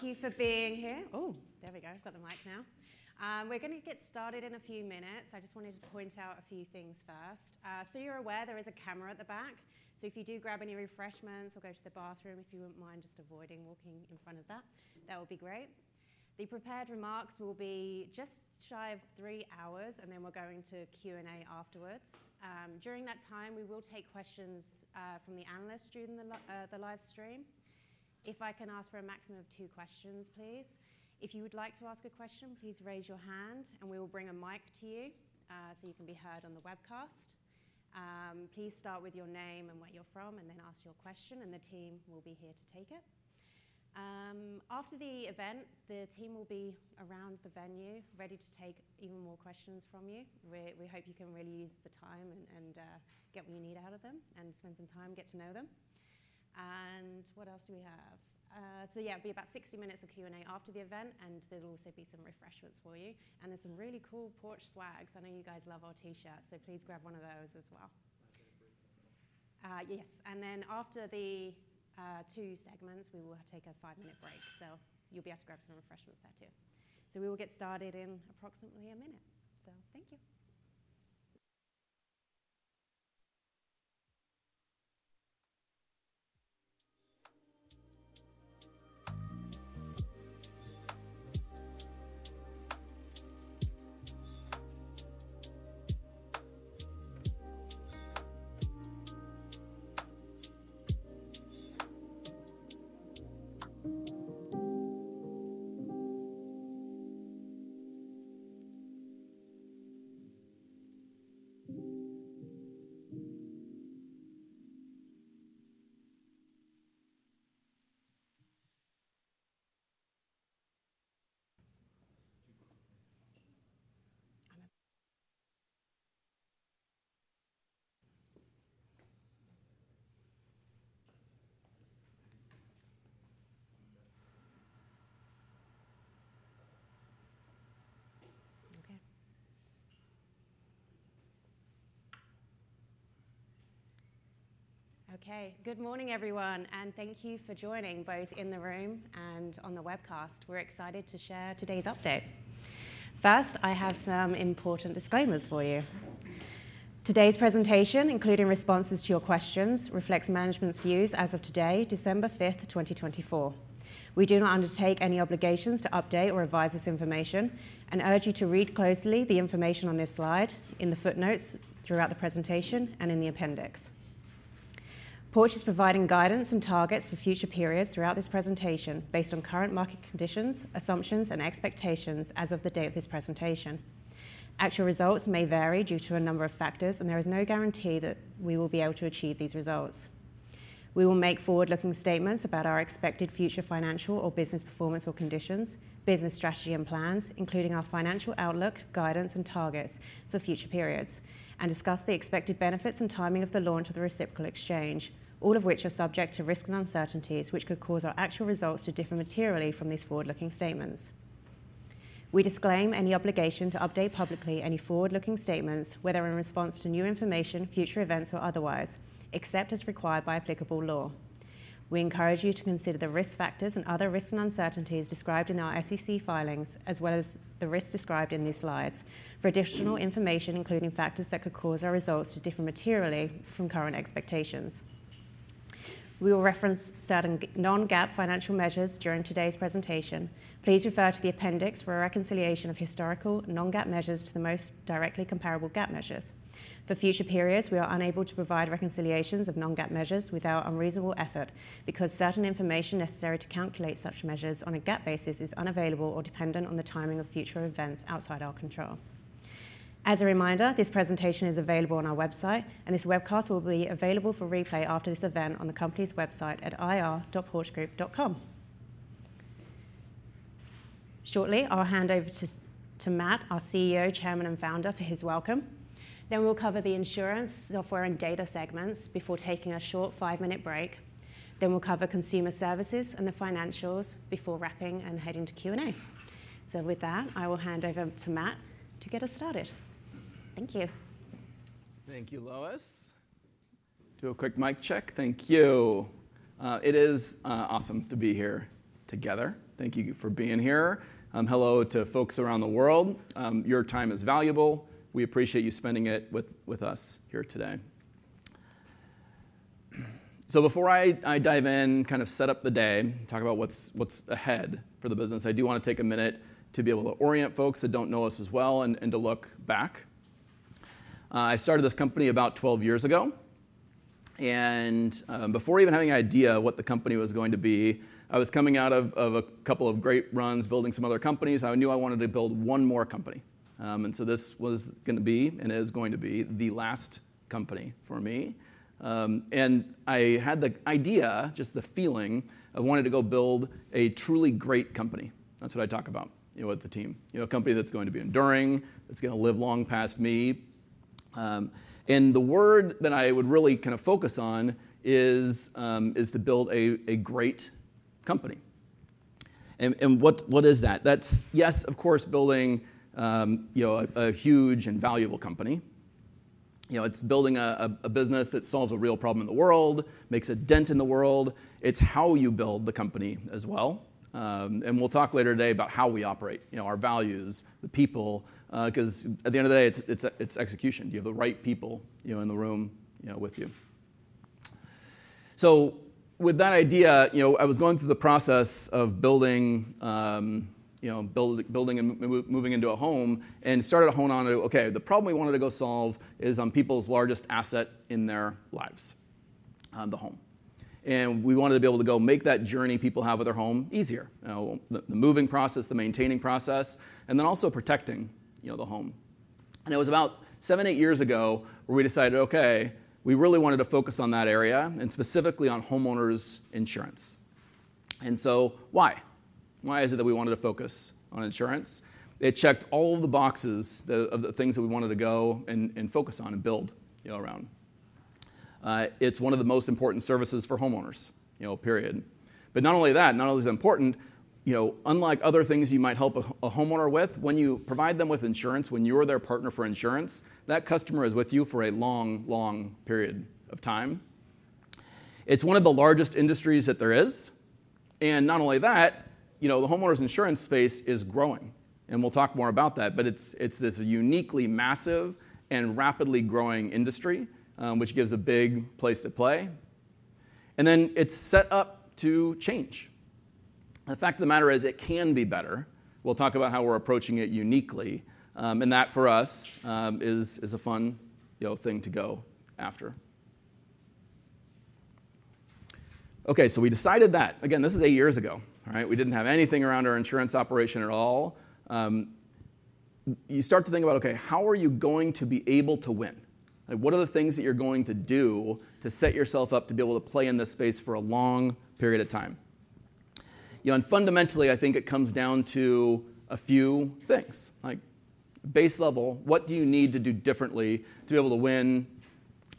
Thank you for being here. Oh, there we go. I've got the mic now. We're going to get started in a few minutes. I just wanted to point out a few things first. So you're aware, there is a camera at the back. So if you do grab any refreshments or go to the bathroom, if you wouldn't mind just avoiding walking in front of that, that would be great. The prepared remarks will be just shy of three hours, and then we're going to Q&A afterwards. During that time, we will take questions from the analysts during the live stream. If I can ask for a maximum of two questions, please. If you would like to ask a question, please raise your hand, and we will bring a mic to you so you can be heard on the webcast. Please start with your name and where you're from, and then ask your question, and the team will be here to take it. After the event, the team will be around the venue ready to take even more questions from you. We hope you can really use the time and get what you need out of them and spend some time getting to know them. And what else do we have? So yeah, it'll be about 60 minutes of Q&A after the event, and there'll also be some refreshments for you. And there's some really cool Porch swag. I know you guys love our T-shirts, so please grab one of those as well. My favorite brick and mortar. Yes. And then after the two segments, we will take a five-minute break. So you'll be able to grab some refreshments there too. So we will get started in approximately a minute. So thank you. Okay. Okay. Good morning, everyone. And thank you for joining both in the room and on the webcast. We're excited to share today's update. First, I have some important disclaimers for you. Today's presentation, including responses to your questions, reflects management's views as of today, December 5th, 2024. We do not undertake any obligations to update or revise this information and urge you to read closely the information on this slide in the footnotes throughout the presentation and in the appendix. Porch is providing guidance and targets for future periods throughout this presentation based on current market conditions, assumptions, and expectations as of the date of this presentation. Actual results may vary due to a number of factors, and there is no guarantee that we will be able to achieve these results. We will make forward-looking statements about our expected future financial or business performance or conditions, business strategy, and plans, including our financial outlook, guidance, and targets for future periods, and discuss the expected benefits and timing of the launch of the reciprocal exchange, all of which are subject to risks and uncertainties which could cause our actual results to differ materially from these forward-looking statements. We disclaim any obligation to update publicly any forward-looking statements, whether in response to new information, future events, or otherwise, except as required by applicable law. We encourage you to consider the risk factors and other risks and uncertainties described in our SEC filings, as well as the risks described in these slides, for additional information, including factors that could cause our results to differ materially from current expectations. We will reference certain non-GAAP financial measures during today's presentation. Please refer to the appendix for a reconciliation of historical non-GAAP measures to the most directly comparable GAAP measures. For future periods, we are unable to provide reconciliations of non-GAAP measures without unreasonable effort because certain information necessary to calculate such measures on a GAAP basis is unavailable or dependent on the timing of future events outside our control. As a reminder, this presentation is available on our website, and this webcast will be available for replay after this event on the company's website at ir.porchgroup.com. Shortly, I'll hand over to Matt, our CEO, Chairman, and Founder, for his welcome. Then we'll cover the insurance, software, and data segments before taking a short five-minute break. Then we'll cover Consumer Services and the financials before wrapping and heading to Q&A. So with that, I will hand over to Matt to get us started. Thank you. Thank you, Lois. Do a quick mic check. Thank you. It is awesome to be here together. Thank you for being here. Hello to folks around the world. Your time is valuable. We appreciate you spending it with us here today. Before I dive in, kind of set up the day, talk about what's ahead for the business, I do want to take a minute to be able to orient folks that don't know us as well and to look back. I started this company about 12 years ago, and before even having an idea of what the company was going to be, I was coming out of a couple of great runs building some other companies. I knew I wanted to build one more company, and so this was going to be and is going to be the last company for me. And I had the idea, just the feeling of wanting to go build a truly great company. That's what I talk about with the team. A company that's going to be enduring, that's going to live long past me. And the word that I would really kind of focus on is to build a great company. And what is that? That's, yes, of course, building a huge and valuable company. It's building a business that solves a real problem in the world, makes a dent in the world. It's how you build the company as well. And we'll talk later today about how we operate, our values, the people, because at the end of the day, it's execution. You have the right people in the room with you. So with that idea, I was going through the process of building and moving into a home and started to hone on to, okay, the problem we wanted to go solve is on people's largest asset in their lives, the home. And we wanted to be able to go make that journey people have with their home easier, the moving process, the maintaining process, and then also protecting the home. And it was about seven, eight years ago where we decided, okay, we really wanted to focus on that area and specifically on homeowners' insurance. And so why? Why is it that we wanted to focus on insurance? It checked all of the boxes of the things that we wanted to go and focus on and build around. It's one of the most important services for homeowners, period. But not only that, not only is it important, unlike other things you might help a homeowner with, when you provide them with insurance, when you're their partner for insurance, that customer is with you for a long, long period of time. It's one of the largest industries that there is. And not only that, the homeowners' insurance space is growing. And we'll talk more about that, but it's this uniquely massive and rapidly growing industry, which gives a big place to play. And then it's set up to change. The fact of the matter is it can be better. We'll talk about how we're approaching it uniquely. And that for us is a fun thing to go after. Okay, so we decided that. Again, this is eight years ago. We didn't have anything around our insurance operation at all. You start to think about, okay, how are you going to be able to win? What are the things that you're going to do to set yourself up to be able to play in this space for a long period of time? Fundamentally, I think it comes down to a few things. Base level, what do you need to do differently to be able to win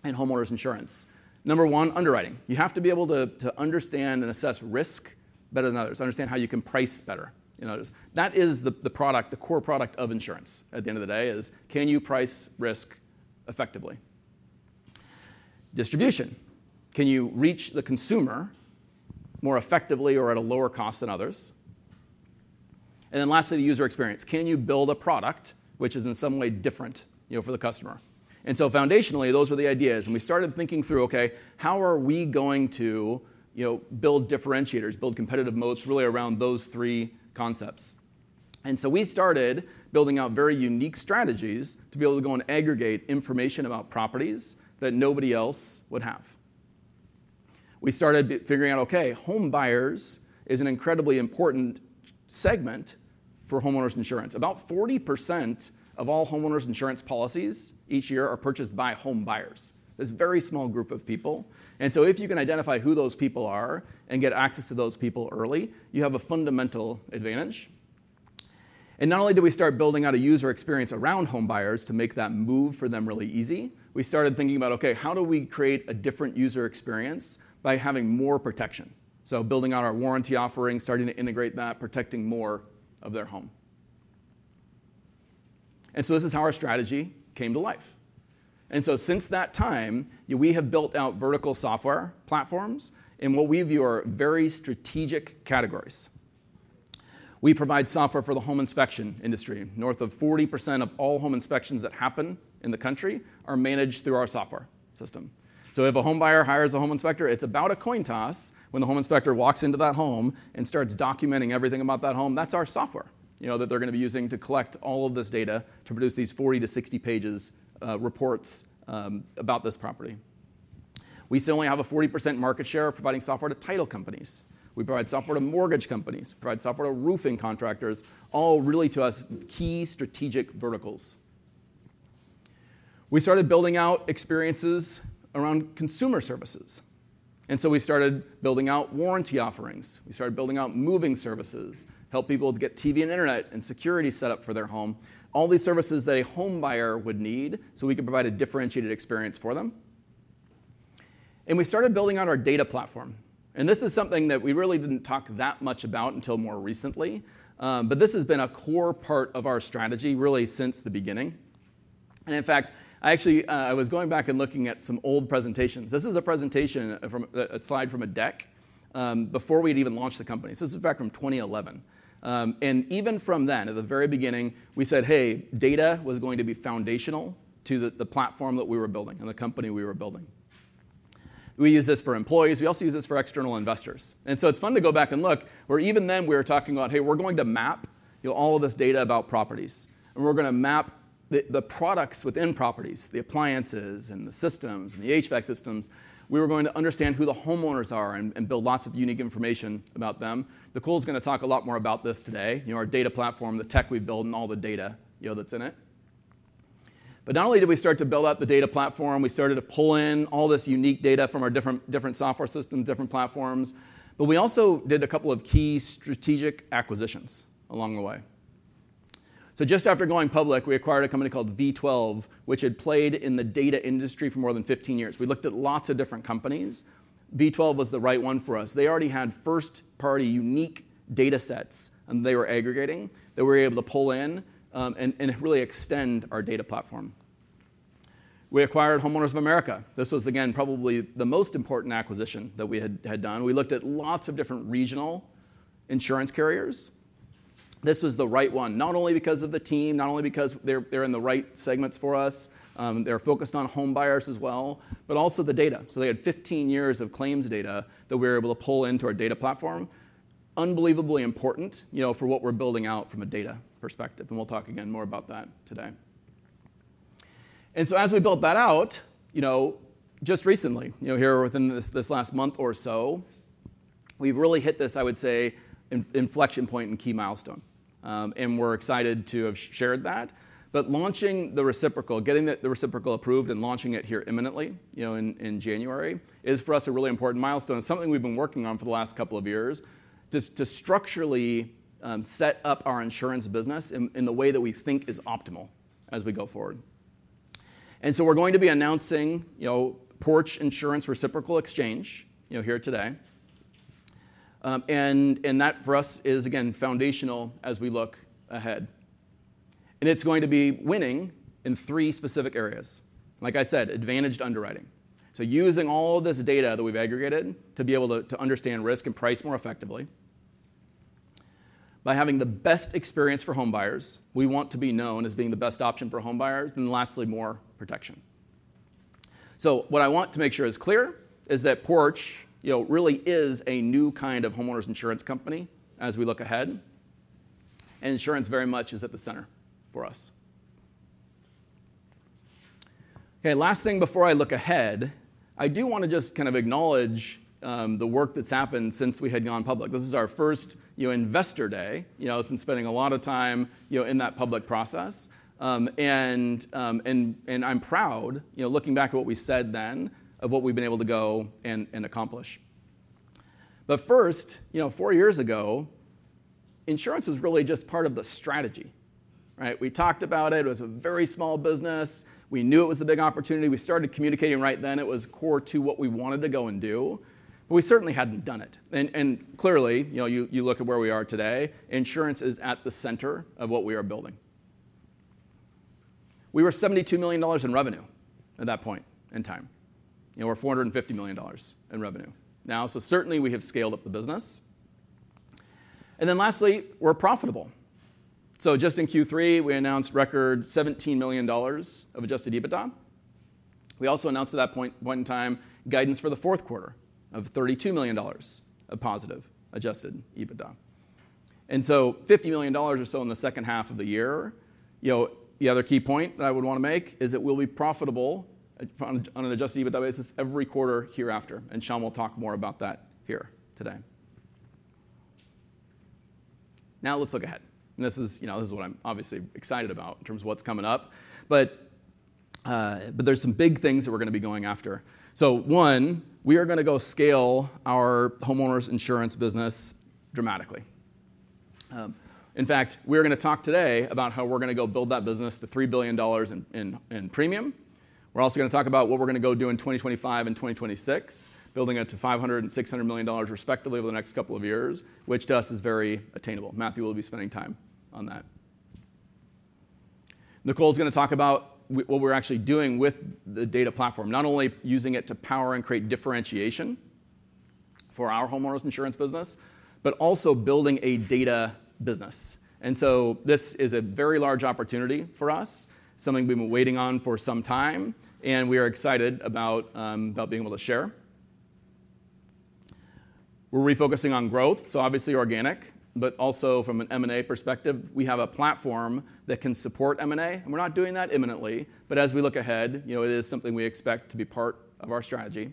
in homeowners' insurance? Number one, underwriting. You have to be able to understand and assess risk better than others, understand how you can price better. That is the core product of insurance at the end of the day: is, can you price risk effectively? Distribution. Can you reach the consumer more effectively or at a lower cost than others? And then lastly, the user experience. Can you build a product which is in some way different for the customer? Foundationally, those were the ideas. We started thinking through, okay, how are we going to build differentiators, build competitive moats really around those three concepts? We started building out very unique strategies to be able to go and aggregate information about properties that nobody else would have. We started figuring out, okay, homebuyers is an incredibly important segment for homeowners' insurance. About 40% of all homeowners' insurance policies each year are purchased by homebuyers. There's a very small group of people. If you can identify who those people are and get access to those people early, you have a fundamental advantage. Not only did we start building out a user experience around homebuyers to make that move for them really easy, we started thinking about, okay, how do we create a different user experience by having more protection? Building out our warranty offering, starting to integrate that, protecting more of their home. This is how our strategy came to life. Since that time, we have built out Vertical Software platforms in what we view are very strategic categories. We provide software for the home inspection industry. North of 40% of all home inspections that happen in the country are managed through our software system. If a homebuyer hires a home inspector, it's about a coin toss when the home inspector walks into that home and starts documenting everything about that home. That's our software that they're going to be using to collect all of this data to produce these 40-60-page reports about this property. We still only have a 40% market share of providing software to title companies. We provide software to mortgage companies, provide software to roofing contractors, all really to us key strategic verticals. We started building out experiences around Consumer Services, and so we started building out warranty offerings. We started building out moving services, help people to get TV and internet and security set up for their home, all these services that a homebuyer would need so we could provide a differentiated experience for them, and we started building out our data platform, and this is something that we really didn't talk that much about until more recently, but this has been a core part of our strategy really since the beginning, and in fact, I was going back and looking at some old presentations. This is a presentation, a slide from a deck before we'd even launched the company, so this is back from 2011. Even from then, at the very beginning, we said, hey, data was going to be foundational to the platform that we were building and the company we were building. We use this for employees. We also use this for external investors. And so it's fun to go back and look where even then we were talking about, hey, we're going to map all of this data about properties. And we're going to map the products within properties, the appliances and the systems and the HVAC systems. We were going to understand who the homeowners are and build lots of unique information about them. Nicole's going to talk a lot more about this today, our data platform, the tech we build, and all the data that's in it. But not only did we start to build out the data platform, we started to pull in all this unique data from our different software systems, different platforms. But we also did a couple of key strategic acquisitions along the way. So just after going public, we acquired a company called V12, which had played in the data industry for more than 15 years. We looked at lots of different companies. V12 was the right one for us. They already had first-party unique data sets, and they were aggregating. They were able to pull in and really extend our data platform. We acquired Homeowners of America. This was, again, probably the most important acquisition that we had done. We looked at lots of different regional insurance carriers. This was the right one, not only because of the team, not only because they're in the right segments for us, they're focused on homebuyers as well, but also the data. So they had 15 years of claims data that we were able to pull into our data platform, unbelievably important for what we're building out from a data perspective, and we'll talk again more about that today, and so as we built that out, just recently, here within this last month or so, we've really hit this, I would say, inflection point and key milestone, and we're excited to have shared that. Launching the reciprocal, getting the reciprocal approved and launching it here imminently in January is for us a really important milestone and something we've been working on for the last couple of years to structurally set up our insurance business in the way that we think is optimal as we go forward, and so we're going to be announcing Porch Insurance Reciprocal Exchange here today. That for us is, again, foundational as we look ahead, and it's going to be winning in three specific areas. Like I said, advantaged underwriting. Using all this data that we've aggregated to be able to understand risk and price more effectively by having the best experience for homebuyers, we want to be known as being the best option for homebuyers, and lastly, more protection. So what I want to make sure is clear is that Porch really is a new kind of homeowners insurance company as we look ahead. And insurance very much is at the center for us. Okay, last thing before I look ahead, I do want to just kind of acknowledge the work that's happened since we had gone public. This is our first investor day. I've been spending a lot of time in that public process. And I'm proud looking back at what we said then of what we've been able to go and accomplish. But first, four years ago, insurance was really just part of the strategy. We talked about it. It was a very small business. We knew it was the big opportunity. We started communicating right then. It was core to what we wanted to go and do. But we certainly hadn't done it. Clearly, you look at where we are today, insurance is at the center of what we are building. We were $72 million in revenue at that point in time. We're $450 million in revenue now. So certainly we have scaled up the business. And then lastly, we're profitable. So just in Q3, we announced record $17 million of Adjusted EBITDA. We also announced at that point in time guidance for the fourth quarter of $32 million of positive Adjusted EBITDA. And so $50 million or so in the second half of the year. The other key point that I would want to make is that we'll be profitable on an Adjusted EBITDA basis every quarter hereafter. And Shawn will talk more about that here today. Now let's look ahead. And this is what I'm obviously excited about in terms of what's coming up. But there are some big things that we're going to be going after. So one, we are going to go scale our homeowners insurance business dramatically. In fact, we're going to talk today about how we're going to go build that business to $3 billion in premium. We're also going to talk about what we're going to go do in 2025 and 2026, building it to $500 million and $600 million respectively over the next couple of years, which to us is very attainable. Matthew will be spending time on that. Nicole's going to talk about what we're actually doing with the data platform, not only using it to power and create differentiation for our homeowners insurance business, but also building a data business. And so this is a very large opportunity for us, something we've been waiting on for some time, and we are excited about being able to share. We're refocusing on growth, so obviously organic, but also from an M&A perspective, we have a platform that can support M&A, and we're not doing that imminently, but as we look ahead, it is something we expect to be part of our strategy.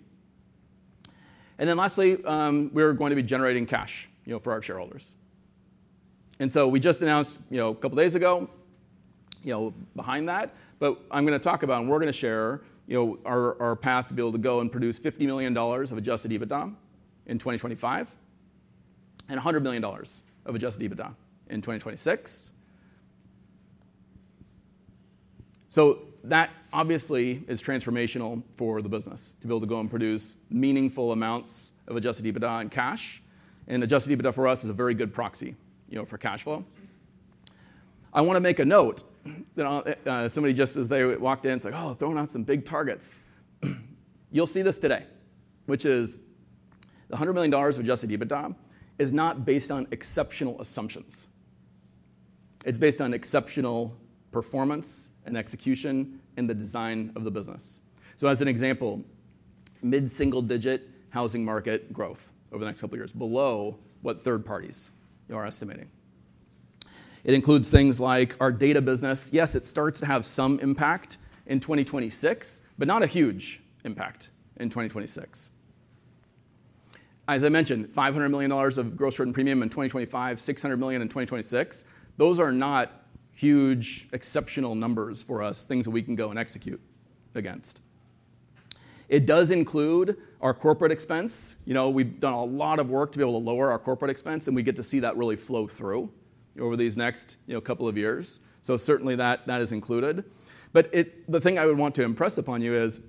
And then lastly, we are going to be generating cash for our shareholders, and so we just announced a couple of days ago behind that, but I'm going to talk about and we're going to share our path to be able to go and produce $50 million of Adjusted EBITDA in 2025 and $100 million of Adjusted EBITDA in 2026. So that obviously is transformational for the business to be able to go and produce meaningful amounts of Adjusted EBITDA and cash, and Adjusted EBITDA for us is a very good proxy for cash flow. I want to make a note that somebody just as they walked in, it's like, "Oh, throwing out some big targets." You'll see this today, which is the $100 million of Adjusted EBITDA is not based on exceptional assumptions. It's based on exceptional performance and execution and the design of the business. So as an example, mid-single-digit housing market growth over the next couple of years below what third parties are estimating. It includes things like our data business. Yes, it starts to have some impact in 2026, but not a huge impact in 2026. As I mentioned, $500 million of gross written premium in 2025, $600 million in 2026. Those are not huge exceptional numbers for us, things that we can go and execute against. It does include our corporate expense. We've done a lot of work to be able to lower our corporate expense, and we get to see that really flow through over these next couple of years. So certainly that is included. But the thing I would want to impress upon you is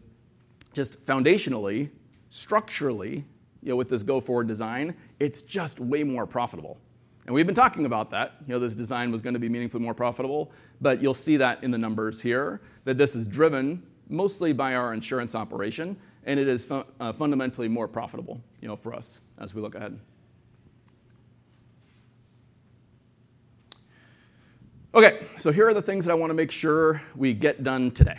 just foundationally, structurally, with this go-forward design, it's just way more profitable. And we've been talking about that. This design was going to be meaningfully more profitable, but you'll see that in the numbers here that this is driven mostly by our insurance operation, and it is fundamentally more profitable for us as we look ahead. Okay, so here are the things that I want to make sure we get done today.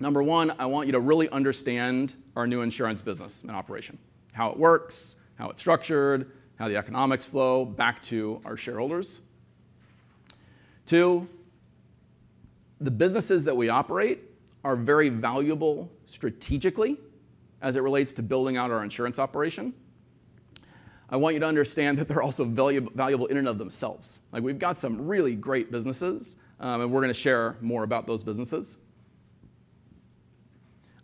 Number one, I want you to really understand our new insurance business and operation, how it works, how it's structured, how the economics flow back to our shareholders. Two, the businesses that we operate are very valuable strategically as it relates to building out our insurance operation. I want you to understand that they're also valuable in and of themselves. We've got some really great businesses, and we're going to share more about those businesses.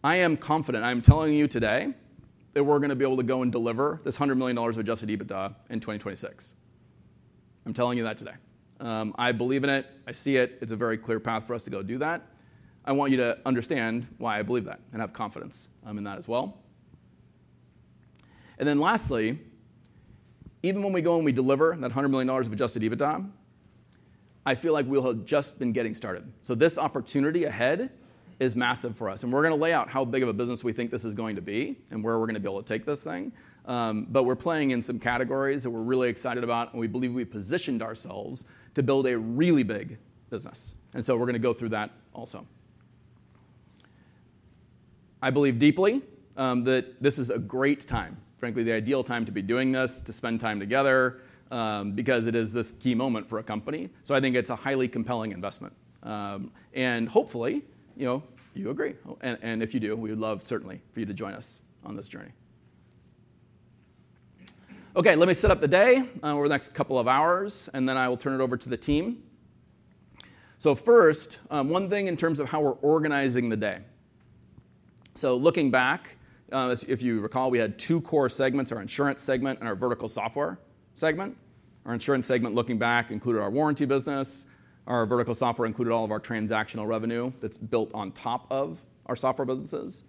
I am confident. I am telling you today that we're going to be able to go and deliver this $100 million of Adjusted EBITDA in 2026. I'm telling you that today. I believe in it. I see it. It's a very clear path for us to go do that. I want you to understand why I believe that and have confidence in that as well. And then lastly, even when we go and we deliver that $100 million of Adjusted EBITDA, I feel like we'll have just been getting started. So this opportunity ahead is massive for us. And we're going to lay out how big of a business we think this is going to be and where we're going to be able to take this thing. But we're playing in some categories that we're really excited about, and we believe we positioned ourselves to build a really big business. And so we're going to go through that also. I believe deeply that this is a great time, frankly, the ideal time to be doing this, to spend time together because it is this key moment for a company. So I think it's a highly compelling investment. And hopefully, you agree. And if you do, we would love certainly for you to join us on this journey. Okay, let me set up the day over the next couple of hours, and then I will turn it over to the team. So first, one thing in terms of how we're organizing the day. So looking back, if you recall, we had two core segments, our insurance segment and our Vertical Software segment. Our insurance segment looking back included our warranty business. Our Vertical Software included all of our transactional revenue that's built on top of our software businesses.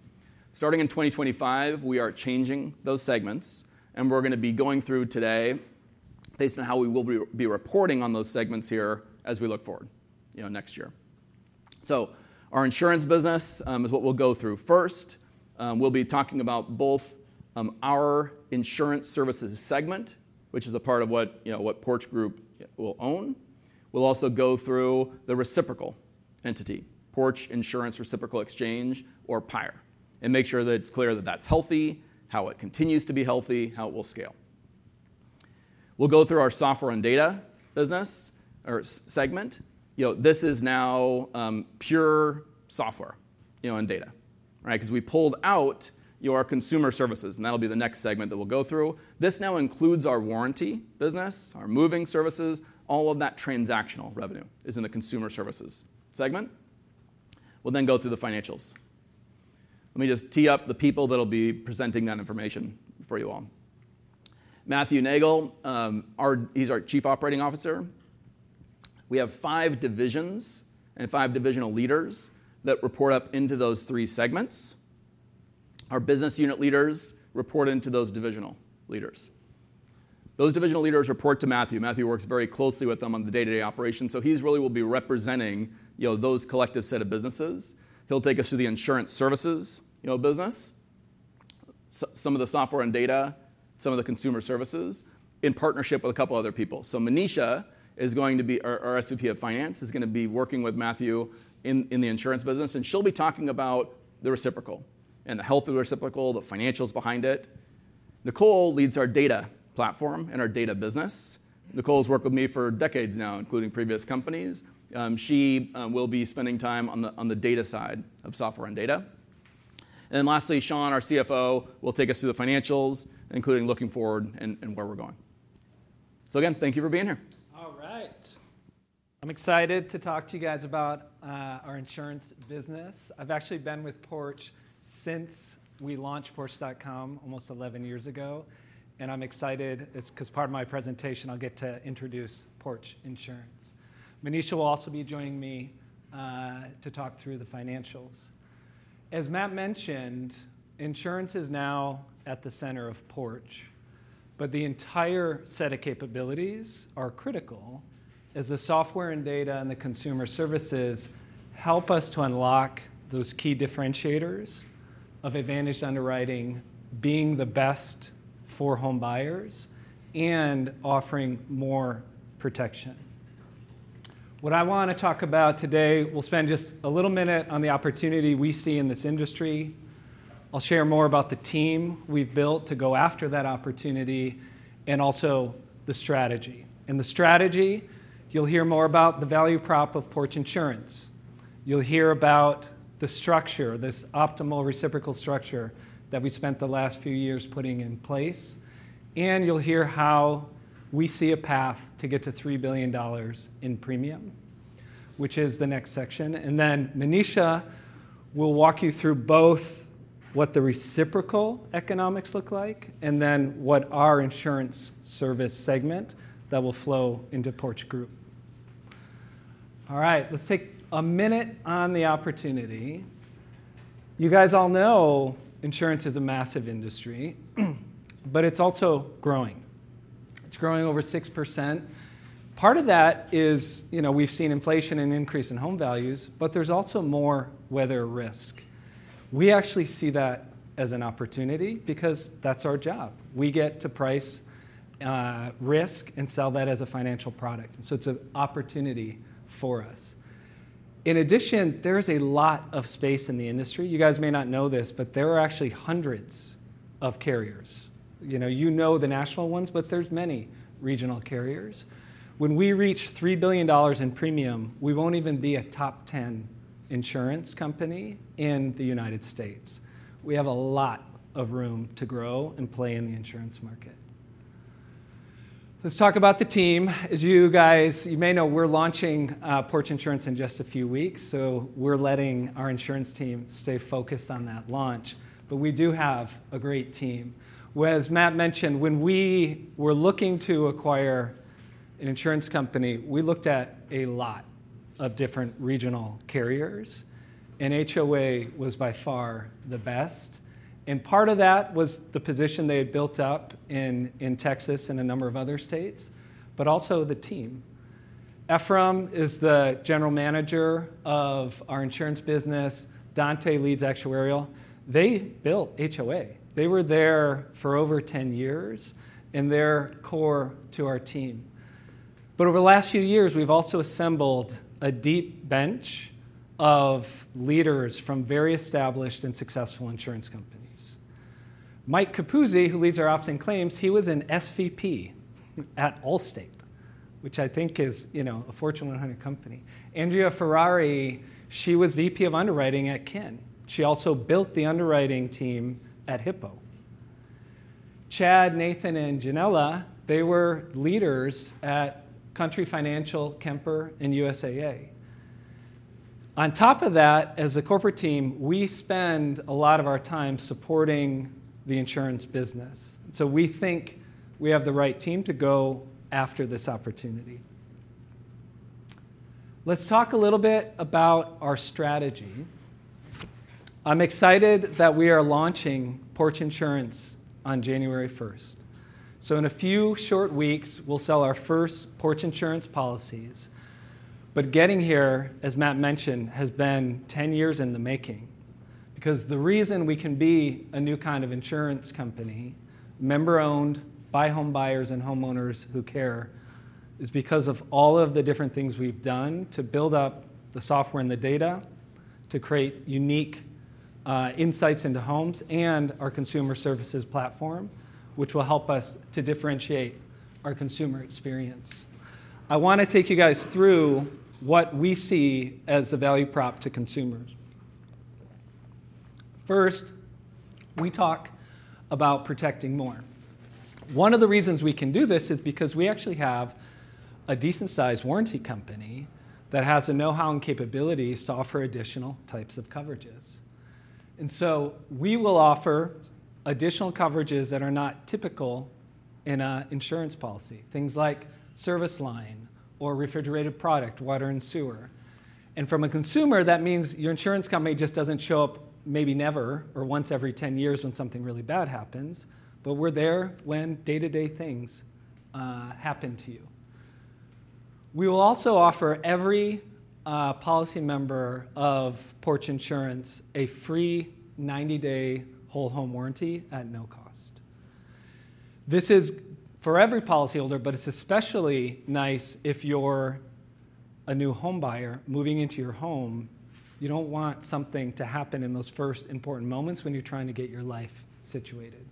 Starting in 2025, we are changing those segments, and we're going to be going through today based on how we will be reporting on those segments here as we look forward next year. So our insurance business is what we'll go through first. We'll be talking about both our Insurance Services segment, which is a part of what Porch Group will own. We'll also go through the reciprocal entity, Porch Insurance Reciprocal Exchange or PIRE, and make sure that it's clear that that's healthy, how it continues to be healthy, how it will scale. We'll go through our Software and Data business or segment. This is now pure Software and Data because we pulled out our Consumer Services, and that'll be the next segment that we'll go through. This now includes our warranty business, our moving services. All of that transactional revenue is in the Consumer Services segment. We'll then go through the financials. Let me just tee up the people that'll be presenting that information for you all. Matthew Neagle, he's our Chief Operating Officer. We have five divisions and five divisional leaders that report up into those three segments. Our business unit leaders report into those divisional leaders. Those divisional leaders report to Matthew. Matthew works very closely with them on the day-to-day operation. So he really will be representing those collective set of businesses. He'll take us through the Insurance Services business, some of the Software and Data, some of the Consumer Services in partnership with a couple of other people. So Manisha is going to be our SVP of Finance, is going to be working with Matthew in the insurance business, and she'll be talking about the reciprocal and the health of the reciprocal, the financials behind it. Nicole leads our data platform and our data business. Nicole's worked with me for decades now, including previous companies. She will be spending time on the data side of Software and Data. And then lastly, Shawn, our CFO, will take us through the financials, including looking forward and where we're going. So again, thank you for being here. All right. I'm excited to talk to you guys about our insurance business. I've actually been with Porch since we launched Porch.com almost 11 years ago, and I'm excited because part of my presentation, I'll get to introduce Porch Insurance. Manisha will also be joining me to talk through the financials. As Matt mentioned, insurance is now at the center of Porch, but the entire set of capabilities are critical as the Software and Data and the Consumer Services help us to unlock those key differentiators of advantaged underwriting, being the best for homebuyers and offering more protection. What I want to talk about today, we'll spend just a little minute on the opportunity we see in this industry. I'll share more about the team we've built to go after that opportunity and also the strategy, and the strategy, you'll hear more about the value prop of Porch Insurance. You'll hear about the structure, this optimal reciprocal structure that we spent the last few years putting in place. And you'll hear how we see a path to get to $3 billion in premium, which is the next section. And then Manisha will walk you through both what the reciprocal economics look like and then what our insurance service segment that will flow into Porch Group. All right, let's take a minute on the opportunity. You guys all know insurance is a massive industry, but it's also growing. It's growing over 6%. Part of that is we've seen inflation and increase in home values, but there's also more weather risk. We actually see that as an opportunity because that's our job. We get to price risk and sell that as a financial product. So it's an opportunity for us. In addition, there is a lot of space in the industry. You guys may not know this, but there are actually hundreds of carriers. You know the national ones, but there's many regional carriers. When we reach $3 billion in premium, we won't even be a top 10 insurance company in the United States. We have a lot of room to grow and play in the insurance market. Let's talk about the team. As you guys may know, we're launching Porch Insurance in just a few weeks. So we're letting our insurance team stay focused on that launch, but we do have a great team. As Matt mentioned, when we were looking to acquire an insurance company, we looked at a lot of different regional carriers, and HOA was by far the best, and part of that was the position they had built up in Texas and a number of other states, but also the team. Ephraim is the general manager of our insurance business. Dante leads actuarial. They built HOA. They were there for over 10 years, and they're core to our team. But over the last few years, we've also assembled a deep bench of leaders from very established and successful insurance companies. Mike Capuzzi, who leads our ops and claims, he was an SVP at Allstate, which I think is a Fortune 100 company. Andrea Ferrari, she was VP of underwriting at Kin. She also built the underwriting team at Hippo. Chad, Nathan, and Janelle, they were leaders at Country Financial, Kemper, and USAA. On top of that, as a corporate team, we spend a lot of our time supporting the insurance business. So we think we have the right team to go after this opportunity. Let's talk a little bit about our strategy. I'm excited that we are launching Porch Insurance on January 1st. So in a few short weeks, we'll sell our first Porch Insurance policies. But getting here, as Matt mentioned, has been 10 years in the making because the reason we can be a new kind of insurance company, member-owned, by homebuyers and homeowners who care, is because of all of the different things we've done to build up the software and the data to create unique insights into homes and our Consumer Services platform, which will help us to differentiate our consumer experience. I want to take you guys through what we see as the value prop to consumers. First, we talk about protecting more. One of the reasons we can do this is because we actually have a decent-sized warranty company that has the know-how and capabilities to offer additional types of coverages. And so we will offer additional coverages that are not typical in an insurance policy, things like Service Line or Refrigerated Product, Water and Sewer. And from a consumer, that means your insurance company just doesn't show up maybe never or once every 10 years when something really bad happens, but we're there when day-to-day things happen to you. We will also offer every policy member of Porch Insurance a free 90-day whole home warranty at no cost. This is for every policyholder, but it's especially nice if you're a new home buyer moving into your home. You don't want something to happen in those first important moments when you're trying to get your life situated.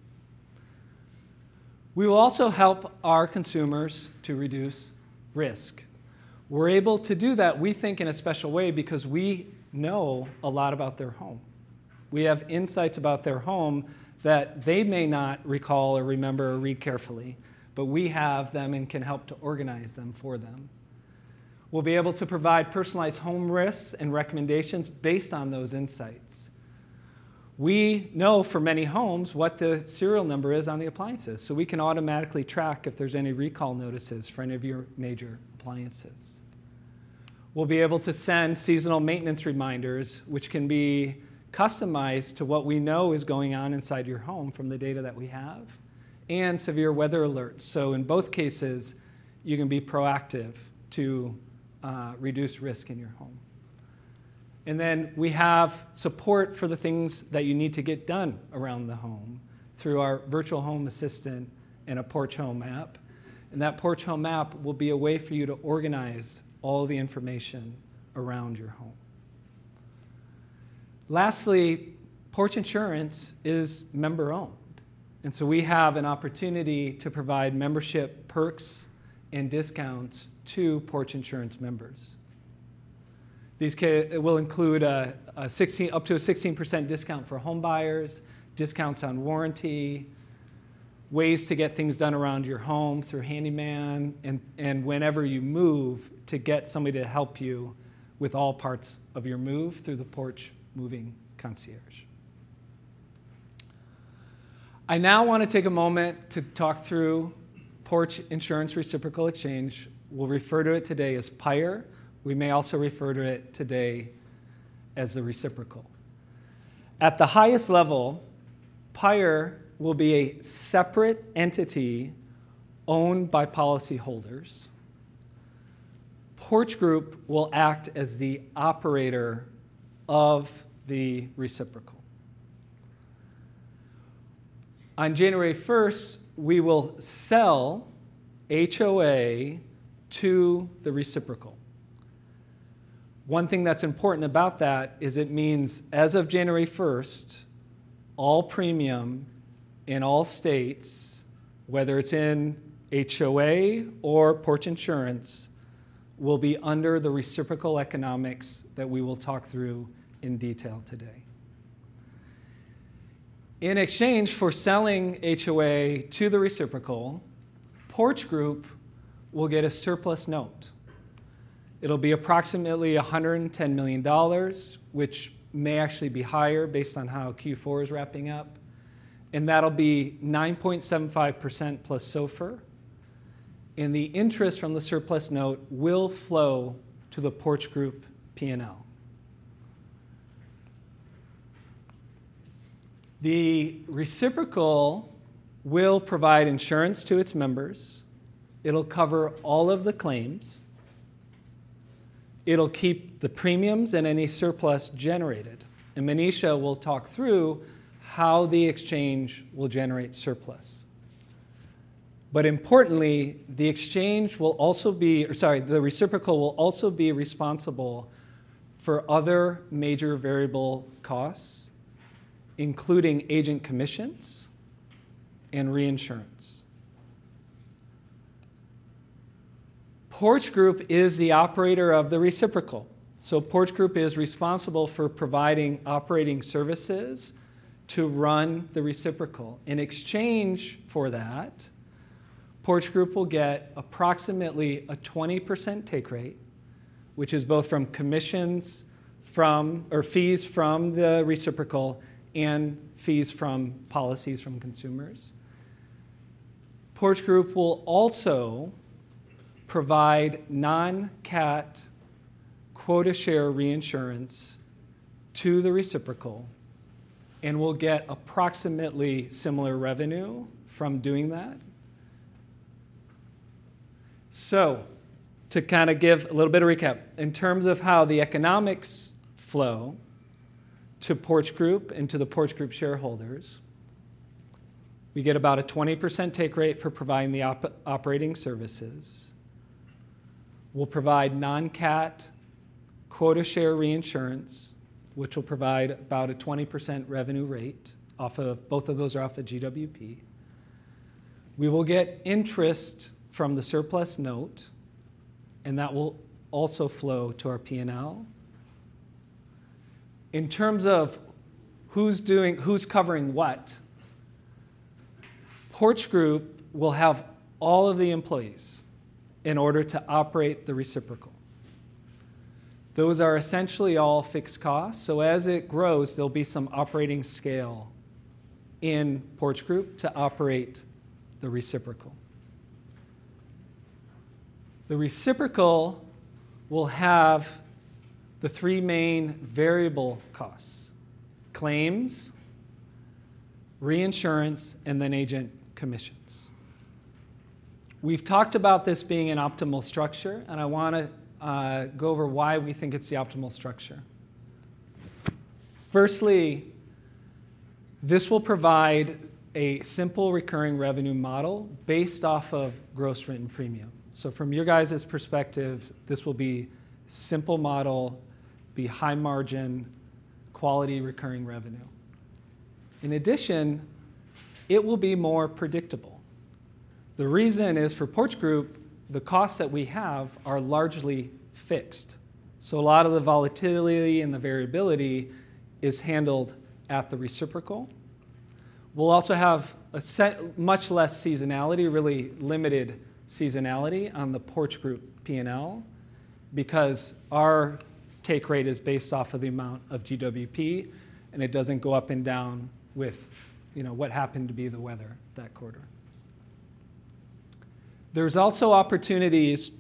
We will also help our consumers to reduce risk. We're able to do that, we think, in a special way because we know a lot about their home. We have insights about their home that they may not recall or remember or read carefully, but we have them and can help to organize them for them. We'll be able to provide personalized home risks and recommendations based on those insights. We know for many homes what the serial number is on the appliances, so we can automatically track if there's any recall notices for any of your major appliances. We'll be able to send seasonal maintenance reminders, which can be customized to what we know is going on inside your home from the data that we have, and severe weather alerts, so in both cases, you can be proactive to reduce risk in your home, and then we have support for the things that you need to get done around the home through our virtual home assistant and a Porch App. That Porch Home App will be a way for you to organize all the information around your home. Lastly, Porch Insurance is member-owned. So we have an opportunity to provide membership perks and discounts to Porch Insurance members. It will include up to a 16% discount for homebuyers, discounts on warranty, ways to get things done around your home through handyman, and whenever you move to get somebody to help you with all parts of your move through the Porch Moving Concierge. I now want to take a moment to talk through Porch Insurance Reciprocal Exchange. We'll refer to it today as PIRE. We may also refer to it today as the reciprocal. At the highest level, PIRE will be a separate entity owned by policyholders. Porch Group will act as the operator of the reciprocal. On January 1st, we will sell HOA to the reciprocal. One thing that's important about that is it means as of January 1st, all premium in all states, whether it's in HOA or Porch Insurance, will be under the reciprocal economics that we will talk through in detail today. In exchange for selling HOA to the reciprocal, Porch Group will get a surplus note. It'll be approximately $110 million, which may actually be higher based on how Q4 is wrapping up. And that'll be 9.75%+ SOFR. And the interest from the surplus note will flow to the Porch Group P&L. The reciprocal will provide insurance to its members. It'll cover all of the claims. It'll keep the premiums and any surplus generated. And Manisha will talk through how the exchange will generate surplus. But importantly, the exchange will also be. Sorry, the reciprocal will also be responsible for other major variable costs, including agent commissions and reinsurance. Porch Group is the operator of the reciprocal. So Porch Group is responsible for providing operating services to run the reciprocal. In exchange for that, Porch Group will get approximately a 20% take rate, which is both from commissions or fees from the reciprocal and fees from policies from consumers. Porch Group will also provide non-CAT quota share reinsurance to the reciprocal and will get approximately similar revenue from doing that. So to kind of give a little bit of recap, in terms of how the economics flow to Porch Group and to the Porch Group shareholders, we get about a 20% take rate for providing the operating services. We'll provide non-CAT quota share reinsurance, which will provide about a 20% revenue rate off of both of those are off the GWP. We will get interest from the surplus note, and that will also flow to our P&L. In terms of who's covering what, Porch Group will have all of the employees in order to operate the reciprocal. Those are essentially all fixed costs. So as it grows, there'll be some operating scale in Porch Group to operate the reciprocal. The reciprocal will have the three main variable costs: claims, reinsurance, and then agent commissions. We've talked about this being an optimal structure, and I want to go over why we think it's the optimal structure. Firstly, this will provide a simple recurring revenue model based off of gross written premium. So from your guys' perspective, this will be a simple model, be high margin, quality recurring revenue. In addition, it will be more predictable. The reason is for Porch Group, the costs that we have are largely fixed. So a lot of the volatility and the variability is handled at the reciprocal. We'll also have a much less seasonality, really limited seasonality on the Porch Group P&L because our take rate is based off of the amount of GWP, and it doesn't go up and down with what happened to be the weather that quarter. There's also opportunities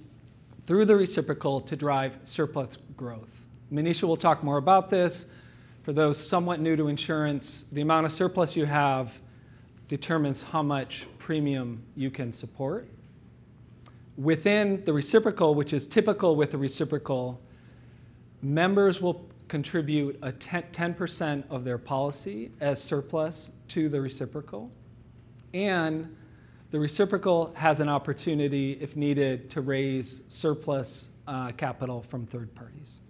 through the reciprocal to drive surplus growth. Manisha will talk more about this. For those somewhat new to insurance, the amount of surplus you have determines how much premium you can support. Within the reciprocal, which is typical with the reciprocal, members will contribute 10% of their policy as surplus to the reciprocal, and the reciprocal has an opportunity, if needed, to raise surplus capital from third parties.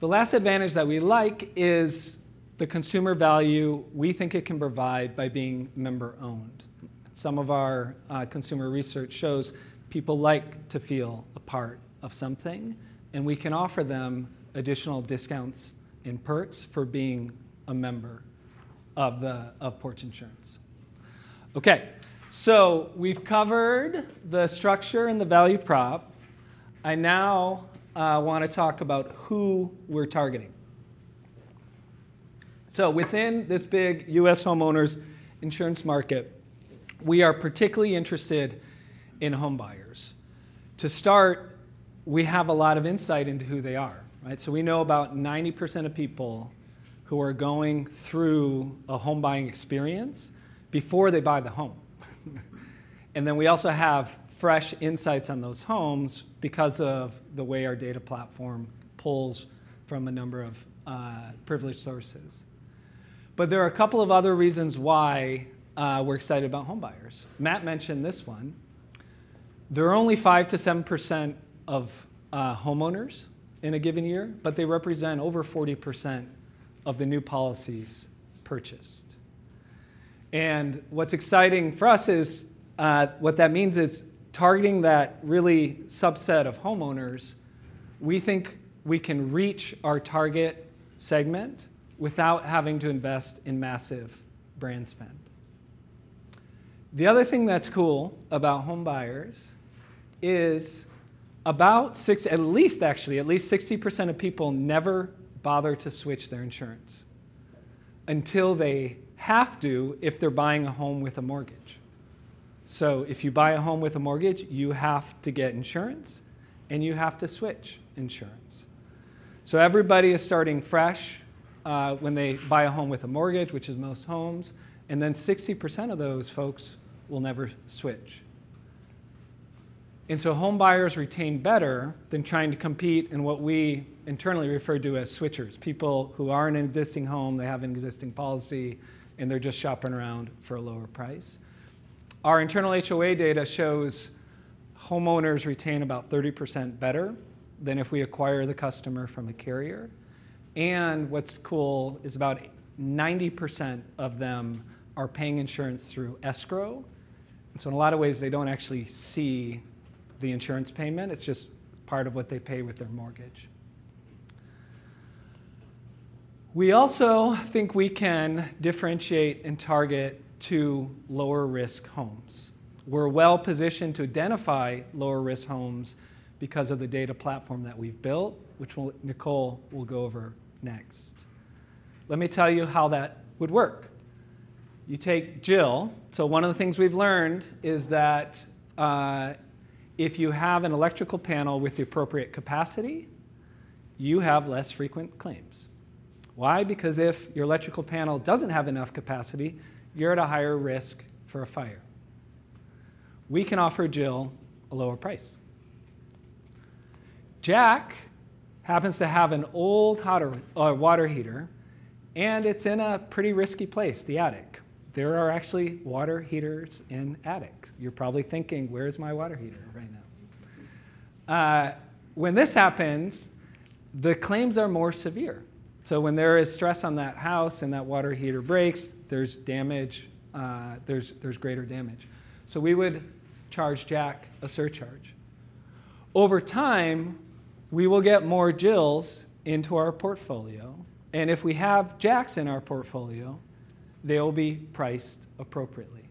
The last advantage that we like is the consumer value we think it can provide by being member-owned. Some of our consumer research shows people like to feel a part of something, and we can offer them additional discounts and perks for being a member of Porch Insurance. Okay. So we've covered the structure and the value prop. I now want to talk about who we're targeting. So within this big U.S. homeowners insurance market, we are particularly interested in homebuyers. To start, we have a lot of insight into who they are. So we know about 90% of people who are going through a home buying experience before they buy the home. And then we also have fresh insights on those homes because of the way our data platform pulls from a number of privileged sources. But there are a couple of other reasons why we're excited about homebuyers. Matt mentioned this one. There are only 5%-7% of homeowners in a given year, but they represent over 40% of the new policies purchased, and what's exciting for us is what that means is targeting that really subset of homeowners, we think we can reach our target segment without having to invest in massive brand spend. The other thing that's cool about homebuyers is actually at least 60% of people never bother to switch their insurance until they have to if they're buying a home with a mortgage, so if you buy a home with a mortgage, you have to get insurance, and you have to switch insurance, so everybody is starting fresh when they buy a home with a mortgage, which is most homes, and then 60% of those folks will never switch. And so homebuyers retain better than trying to compete in what we internally refer to as switchers, people who are in an existing home, they have an existing policy, and they're just shopping around for a lower price. Our internal HOA data shows homeowners retain about 30% better than if we acquire the customer from a carrier. And what's cool is about 90% of them are paying insurance through escrow. And so in a lot of ways, they don't actually see the insurance payment. It's just part of what they pay with their mortgage. We also think we can differentiate and target to lower-risk homes. We're well-positioned to identify lower-risk homes because of the data platform that we've built, which Nicole will go over next. Let me tell you how that would work. You take Jill. So one of the things we've learned is that if you have an electrical panel with the appropriate capacity, you have less frequent claims. Why? Because if your electrical panel doesn't have enough capacity, you're at a higher risk for a fire. We can offer Jill a lower price. Jack happens to have an old water heater, and it's in a pretty risky place, the attic. There are actually water heaters in attics. You're probably thinking, "Where's my water heater right now?" When this happens, the claims are more severe. So when there is stress on that house and that water heater breaks, there's greater damage. So we would charge Jack a surcharge. Over time, we will get more Jills into our portfolio. And if we have Jacks in our portfolio, they'll be priced appropriately.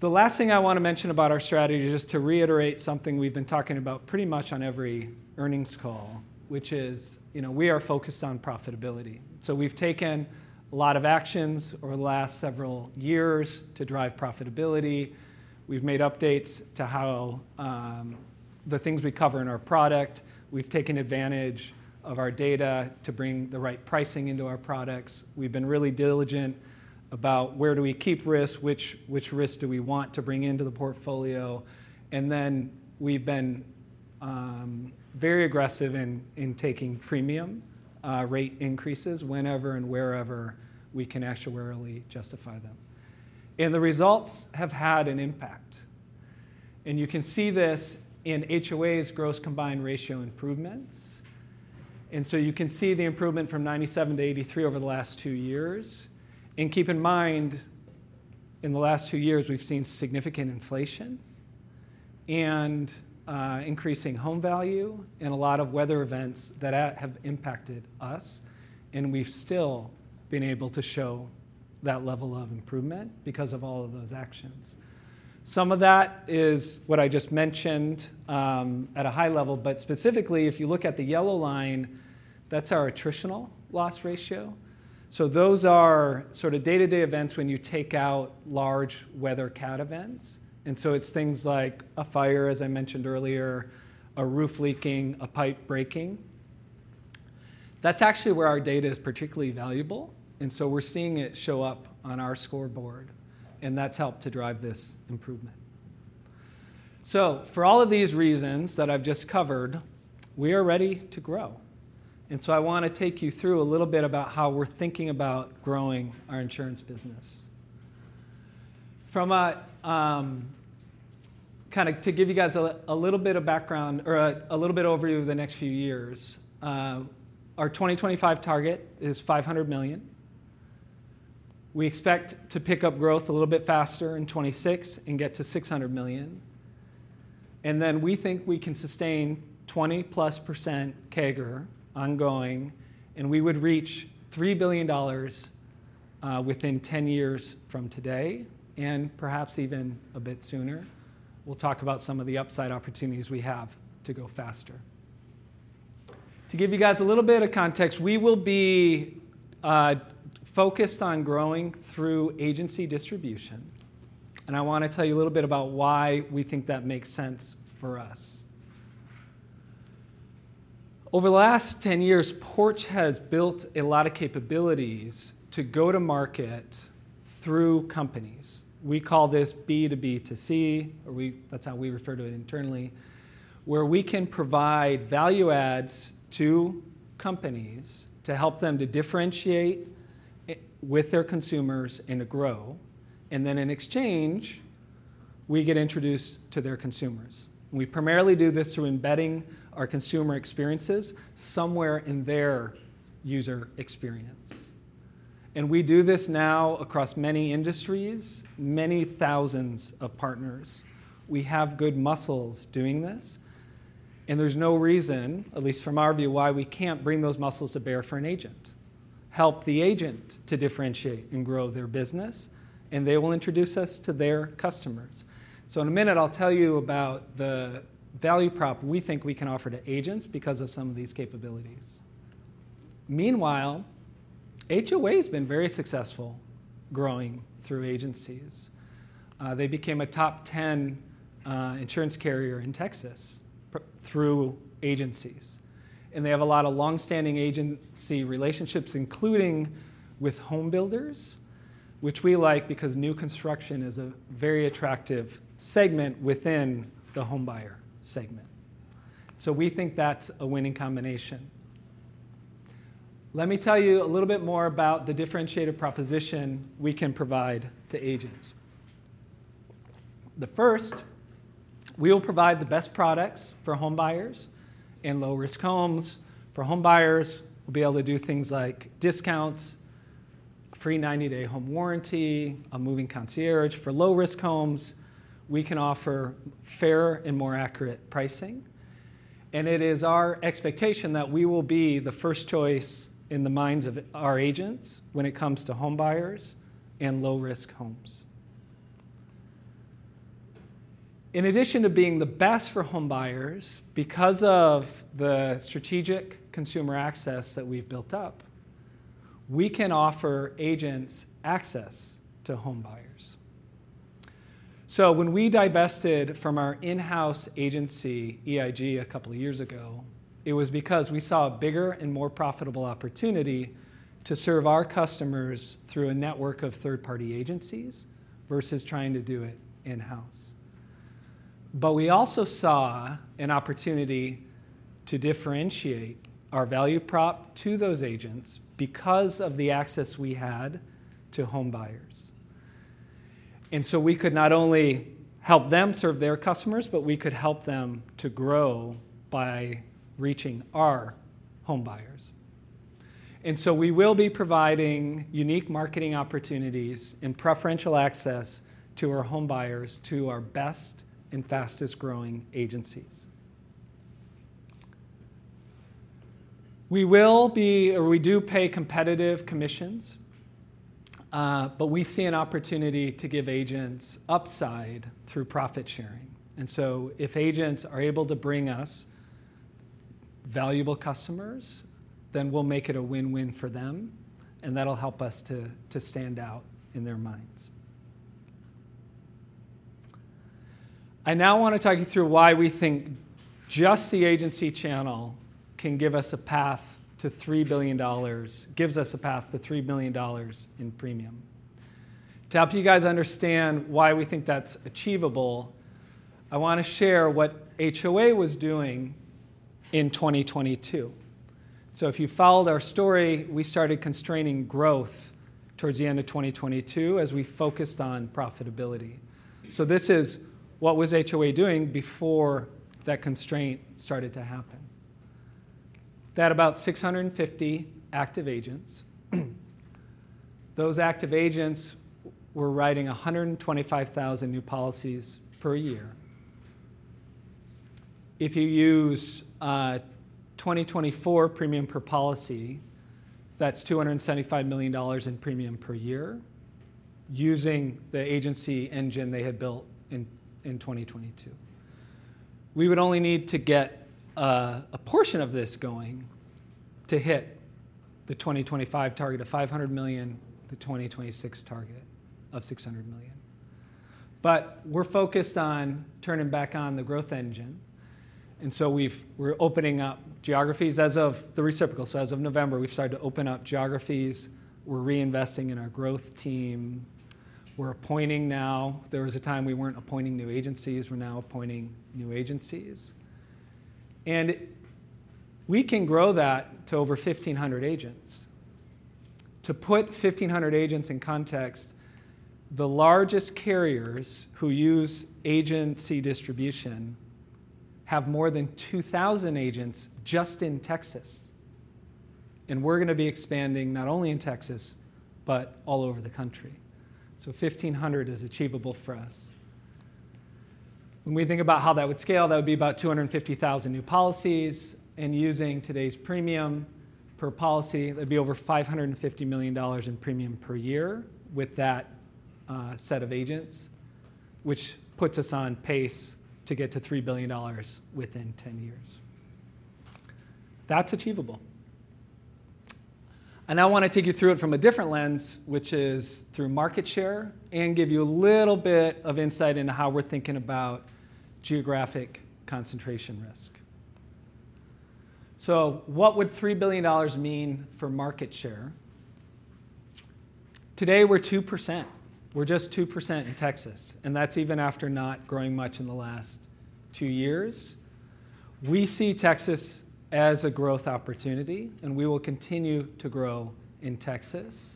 The last thing I want to mention about our strategy is just to reiterate something we've been talking about pretty much on every earnings call, which is we are focused on profitability. So we've taken a lot of actions over the last several years to drive profitability. We've made updates to how the things we cover in our product. We've taken advantage of our data to bring the right pricing into our products. We've been really diligent about where do we keep risk, which risk do we want to bring into the portfolio. And then we've been very aggressive in taking premium rate increases whenever and wherever we can actually justify them. And the results have had an impact. And you can see this in HOA's gross combined ratio improvements. And so you can see the improvement from 97-83 over the last two years. Keep in mind, in the last two years, we've seen significant inflation and increasing home value and a lot of weather events that have impacted us. We've still been able to show that level of improvement because of all of those actions. Some of that is what I just mentioned at a high level, but specifically, if you look at the yellow line, that's our attritional loss ratio. Those are sort of day-to-day events when you take out large weather cat events. It's things like a fire, as I mentioned earlier, a roof leaking, a pipe breaking. That's actually where our data is particularly valuable. We're seeing it show up on our scoreboard, and that's helped to drive this improvement. For all of these reasons that I've just covered, we are ready to grow. And so I want to take you through a little bit about how we're thinking about growing our insurance business. Kind of to give you guys a little bit of background or a little bit overview of the next few years, our 2025 target is $500 million. We expect to pick up growth a little bit faster in 2026 and get to $600 million. And then we think we can sustain 20%+ CAGR ongoing, and we would reach $3 billion within 10 years from today and perhaps even a bit sooner. We'll talk about some of the upside opportunities we have to go faster. To give you guys a little bit of context, we will be focused on growing through agency distribution. And I want to tell you a little bit about why we think that makes sense for us. Over the last 10 years, Porch has built a lot of capabilities to go to market through companies. We call this B2B2C, or that's how we refer to it internally, where we can provide value adds to companies to help them to differentiate with their consumers and to grow, and then in exchange, we get introduced to their consumers. We primarily do this through embedding our consumer experiences somewhere in their user experience, and we do this now across many industries, many thousands of partners. We have good muscles doing this, and there's no reason, at least from our view, why we can't bring those muscles to bear for an agent, help the agent to differentiate and grow their business, and they will introduce us to their customers. So in a minute, I'll tell you about the value prop we think we can offer to agents because of some of these capabilities. Meanwhile, HOA has been very successful growing through agencies. They became a top 10 insurance carrier in Texas through agencies. And they have a lot of long-standing agency relationships, including with homebuilders, which we like because new construction is a very attractive segment within the home buyer segment. So we think that's a winning combination. Let me tell you a little bit more about the differentiated proposition we can provide to agents. The first, we will provide the best products for homebuyers and low-risk homes. For homebuyers, we'll be able to do things like discounts, free 90-day home warranty, a moving concierge. For low-risk homes, we can offer fair and more accurate pricing. It is our expectation that we will be the first choice in the minds of our agents when it comes to homebuyers and low-risk homes. In addition to being the best for homebuyers, because of the strategic consumer access that we've built up, we can offer agents access to homebuyers. When we divested from our in-house agency, EIG, a couple of years ago, it was because we saw a bigger and more profitable opportunity to serve our customers through a network of third-party agencies versus trying to do it in-house. But we also saw an opportunity to differentiate our value prop to those agents because of the access we had to homebuyers. We could not only help them serve their customers, but we could help them to grow by reaching our homebuyers. And so we will be providing unique marketing opportunities and preferential access to our homebuyers to our best and fastest-growing agencies. We do pay competitive commissions, but we see an opportunity to give agents upside through profit sharing. And so if agents are able to bring us valuable customers, then we'll make it a win-win for them, and that'll help us to stand out in their minds. I now want to talk you through why we think just the agency channel can give us a path to $3 billion, gives us a path to $3 billion in premium. To help you guys understand why we think that's achievable, I want to share what HOA was doing in 2022. So if you followed our story, we started constraining growth towards the end of 2022 as we focused on profitability. This is what was HOA doing before that constraint started to happen. That's about 650 active agents. Those active agents were writing 125,000 new policies per year. If you use 2024 premium per policy, that's $275 million in premium per year using the agency engine they had built in 2022. We would only need to get a portion of this going to hit the 2025 target of $500 million, the 2026 target of $600 million. But we're focused on turning back on the growth engine. We're opening up geographies as the reciprocal. As of November, we've started to open up geographies. We're reinvesting in our growth team. We're appointing now. There was a time we weren't appointing new agencies. We're now appointing new agencies. And we can grow that to over 1,500 agents. To put 1,500 agents in context, the largest carriers who use agency distribution have more than 2,000 agents just in Texas, and we're going to be expanding not only in Texas, but all over the country, so 1,500 is achievable for us. When we think about how that would scale, that would be about 250,000 new policies, and using today's premium per policy, that'd be over $550 million in premium per year with that set of agents, which puts us on pace to get to $3 billion within 10 years. That's achievable, and I want to take you through it from a different lens, which is through market share and give you a little bit of insight into how we're thinking about geographic concentration risk, so what would $3 billion mean for market share? Today, we're 2%. We're just 2% in Texas. That's even after not growing much in the last two years. We see Texas as a growth opportunity, and we will continue to grow in Texas.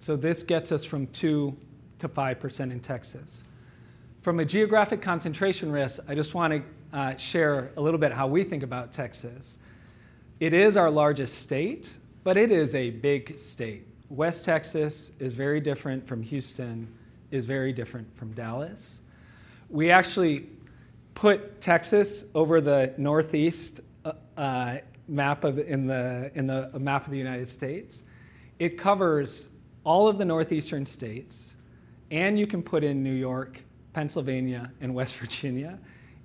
This gets us from 2%-5% in Texas. From a geographic concentration risk, I just want to share a little bit how we think about Texas. It is our largest state, but it is a big state. West Texas is very different from Houston, is very different from Dallas. We actually put Texas over the Northeast map in the map of the United States. It covers all of the northeastern states, and you can put in New York, Pennsylvania, and West Virginia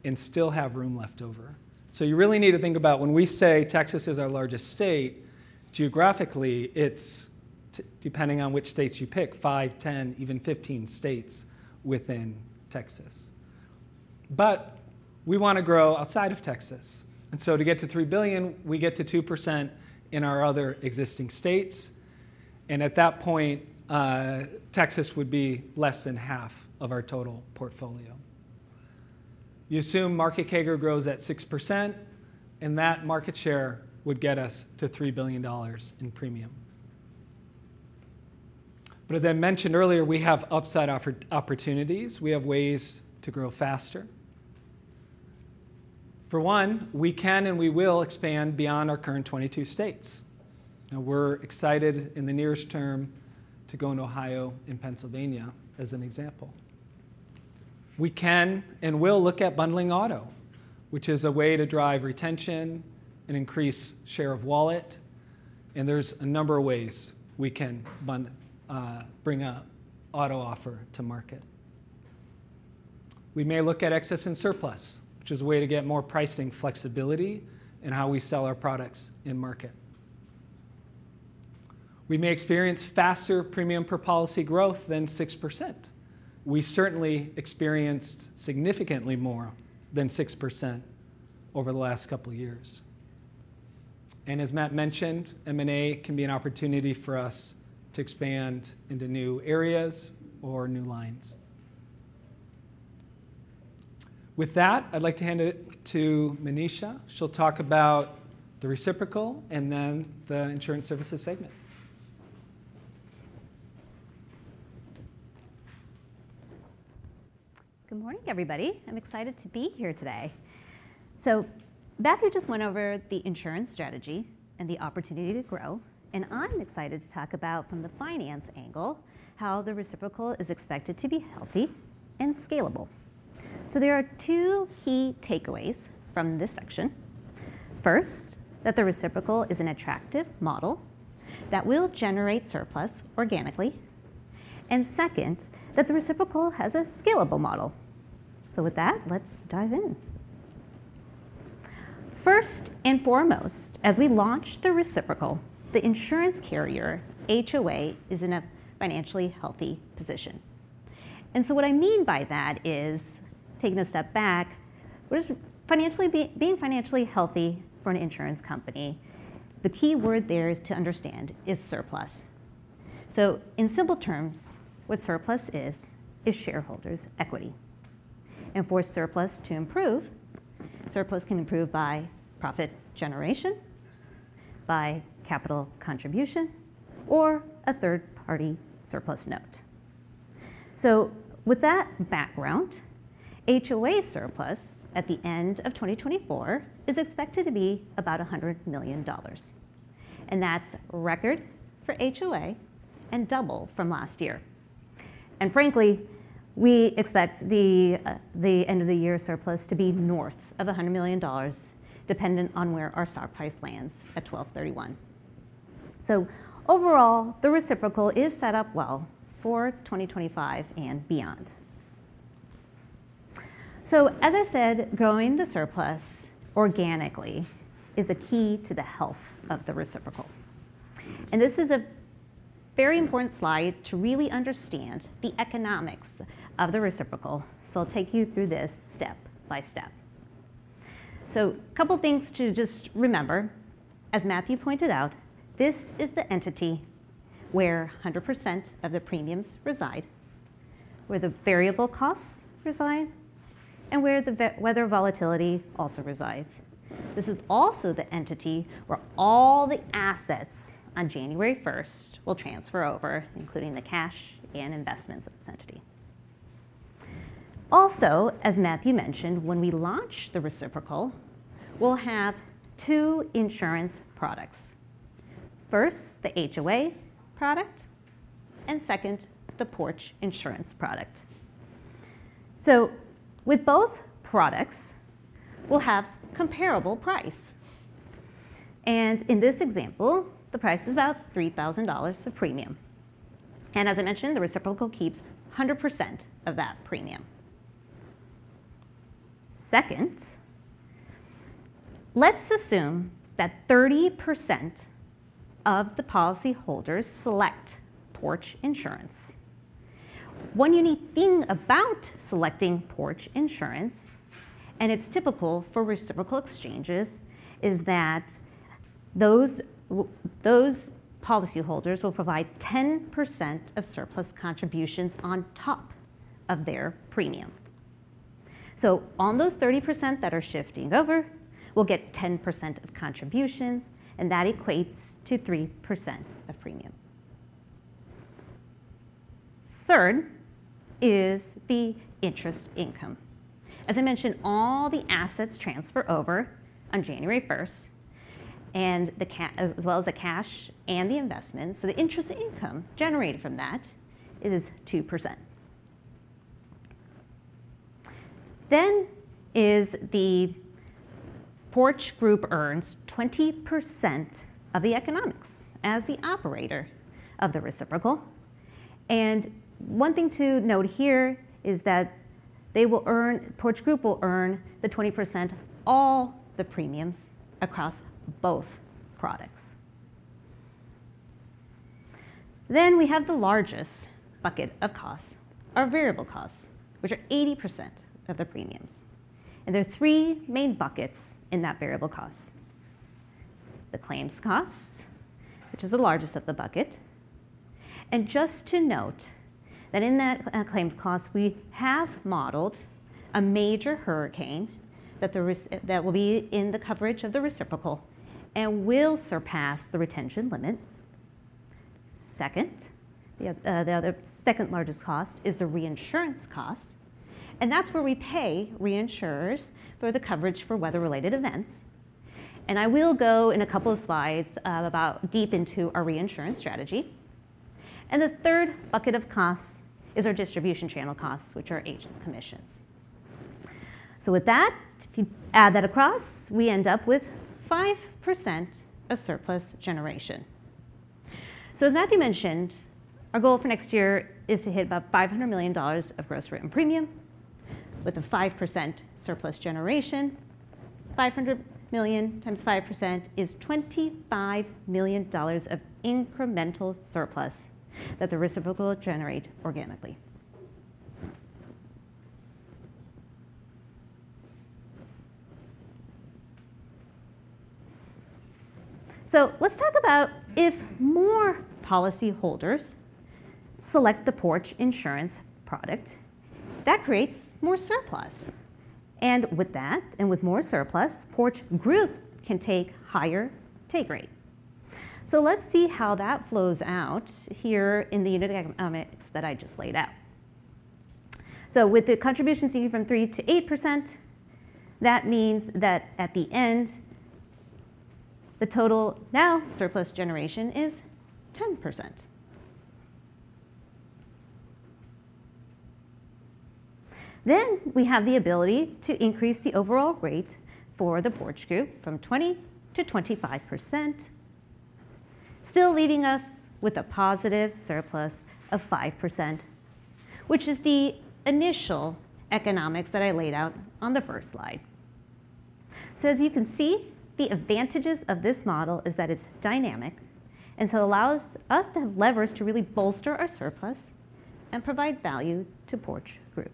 and still have room left over. You really need to think about when we say Texas is our largest state, geographically, it's depending on which states you pick, five, 10, even 15 states within Texas. But we want to grow outside of Texas. And so to get to $3 billion, we get to 2% in our other existing states. And at that point, Texas would be less than half of our total portfolio. You assume market CAGR grows at 6%, and that market share would get us to $3 billion in premium. But as I mentioned earlier, we have upside opportunities. We have ways to grow faster. For one, we can and we will expand beyond our current 22 states. Now, we're excited in the nearest term to go into Ohio and Pennsylvania as an example. We can and will look at bundling auto, which is a way to drive retention and increase share of wallet. And there's a number of ways we can bring an auto offer to market. We may look at excess and surplus, which is a way to get more pricing flexibility in how we sell our products in market. We may experience faster premium per policy growth than 6%. We certainly experienced significantly more than 6% over the last couple of years. And as Matt mentioned, M&A can be an opportunity for us to expand into new areas or new lines. With that, I'd like to hand it to Manisha. She'll talk about the reciprocal and then the Insurance Services segment. Good morning, everybody. I'm excited to be here today. So Matthew just went over the insurance strategy and the opportunity to grow. And I'm excited to talk about from the finance angle how the reciprocal is expected to be healthy and scalable. So there are two key takeaways from this section. First, that the reciprocal is an attractive model that will generate surplus organically. And second, that the reciprocal has a scalable model. So with that, let's dive in. First and foremost, as we launch the reciprocal, the insurance carrier, HOA, is in a financially healthy position. And so what I mean by that is taking a step back, financially being financially healthy for an insurance company, the key word there to understand is surplus. So in simple terms, what surplus is, is shareholders' equity. And for surplus to improve, surplus can improve by profit generation, by capital contribution, or a third-party surplus note. So with that background, HOA surplus at the end of 2024 is expected to be about $100 million. And that's record for HOA and double from last year. And frankly, we expect the end of the year surplus to be north of $100 million, dependent on where our stock price lands at 12/31. So overall, the reciprocal is set up well for 2025 and beyond. So as I said, growing the surplus organically is a key to the health of the reciprocal. And this is a very important slide to really understand the economics of the reciprocal. So I'll take you through this step by step. So a couple of things to just remember. As Matthew pointed out, this is the entity where 100% of the premiums reside, where the variable costs reside, and where the weather volatility also resides. This is also the entity where all the assets on January 1st will transfer over, including the cash and investments of this entity. Also, as Matthew mentioned, when we launch the reciprocal, we'll have two insurance products. First, the HOA product, and second, the Porch Insurance product. So with both products, we'll have comparable price. In this example, the price is about $3,000 of premium. As I mentioned, the reciprocal keeps 100% of that premium. Second, let's assume that 30% of the policyholders select Porch Insurance. One unique thing about selecting Porch Insurance, and it's typical for reciprocal exchanges, is that those policyholders will provide 10% of surplus contributions on top of their premium. So on those 30% that are shifting over, we'll get 10% of contributions, and that equates to 3% of premium. Third is the interest income. As I mentioned, all the assets transfer over on January 1st, as well as the cash and the investments. So the interest income generated from that is 2%. Then, Porch Group earns 20% of the economics as the operator of the reciprocal. One thing to note here is that they will earn, Porch Group will earn the 20%, all the premiums across both products. Then we have the largest bucket of costs, our variable costs, which are 80% of the premiums. There are three main buckets in that variable cost: the claims costs, which is the largest of the bucket. Just to note that in that claims cost, we have modeled a major hurricane that will be in the coverage of the reciprocal and will surpass the retention limit. Second, the second largest cost is the reinsurance cost. That's where we pay reinsurers for the coverage for weather-related events. I will go in a couple of slides deep into our reinsurance strategy. The third bucket of costs is our distribution channel costs, which are agent commissions. With that, if you add that across, we end up with 5% of surplus generation. As Matthew mentioned, our goal for next year is to hit about $500 million of gross written premium with a 5% surplus generation. 500 million times 5% is $25 million of incremental surplus that the reciprocal will generate organically. Let's talk about if more policyholders select the Porch Insurance product. That creates more surplus. And with that, and with more surplus, Porch Group can take higher take rate. Let's see how that flows out here in the unit economics that I just laid out. With the contributions increment from 3%-8%, that means that at the end, the total now surplus generation is 10%. Then we have the ability to increase the overall rate for the Porch Group from 20%-25%, still leaving us with a positive surplus of 5%, which is the initial economics that I laid out on the first slide. So as you can see, the advantages of this model is that it's dynamic, and so it allows us to have levers to really bolster our surplus and provide value to Porch Group.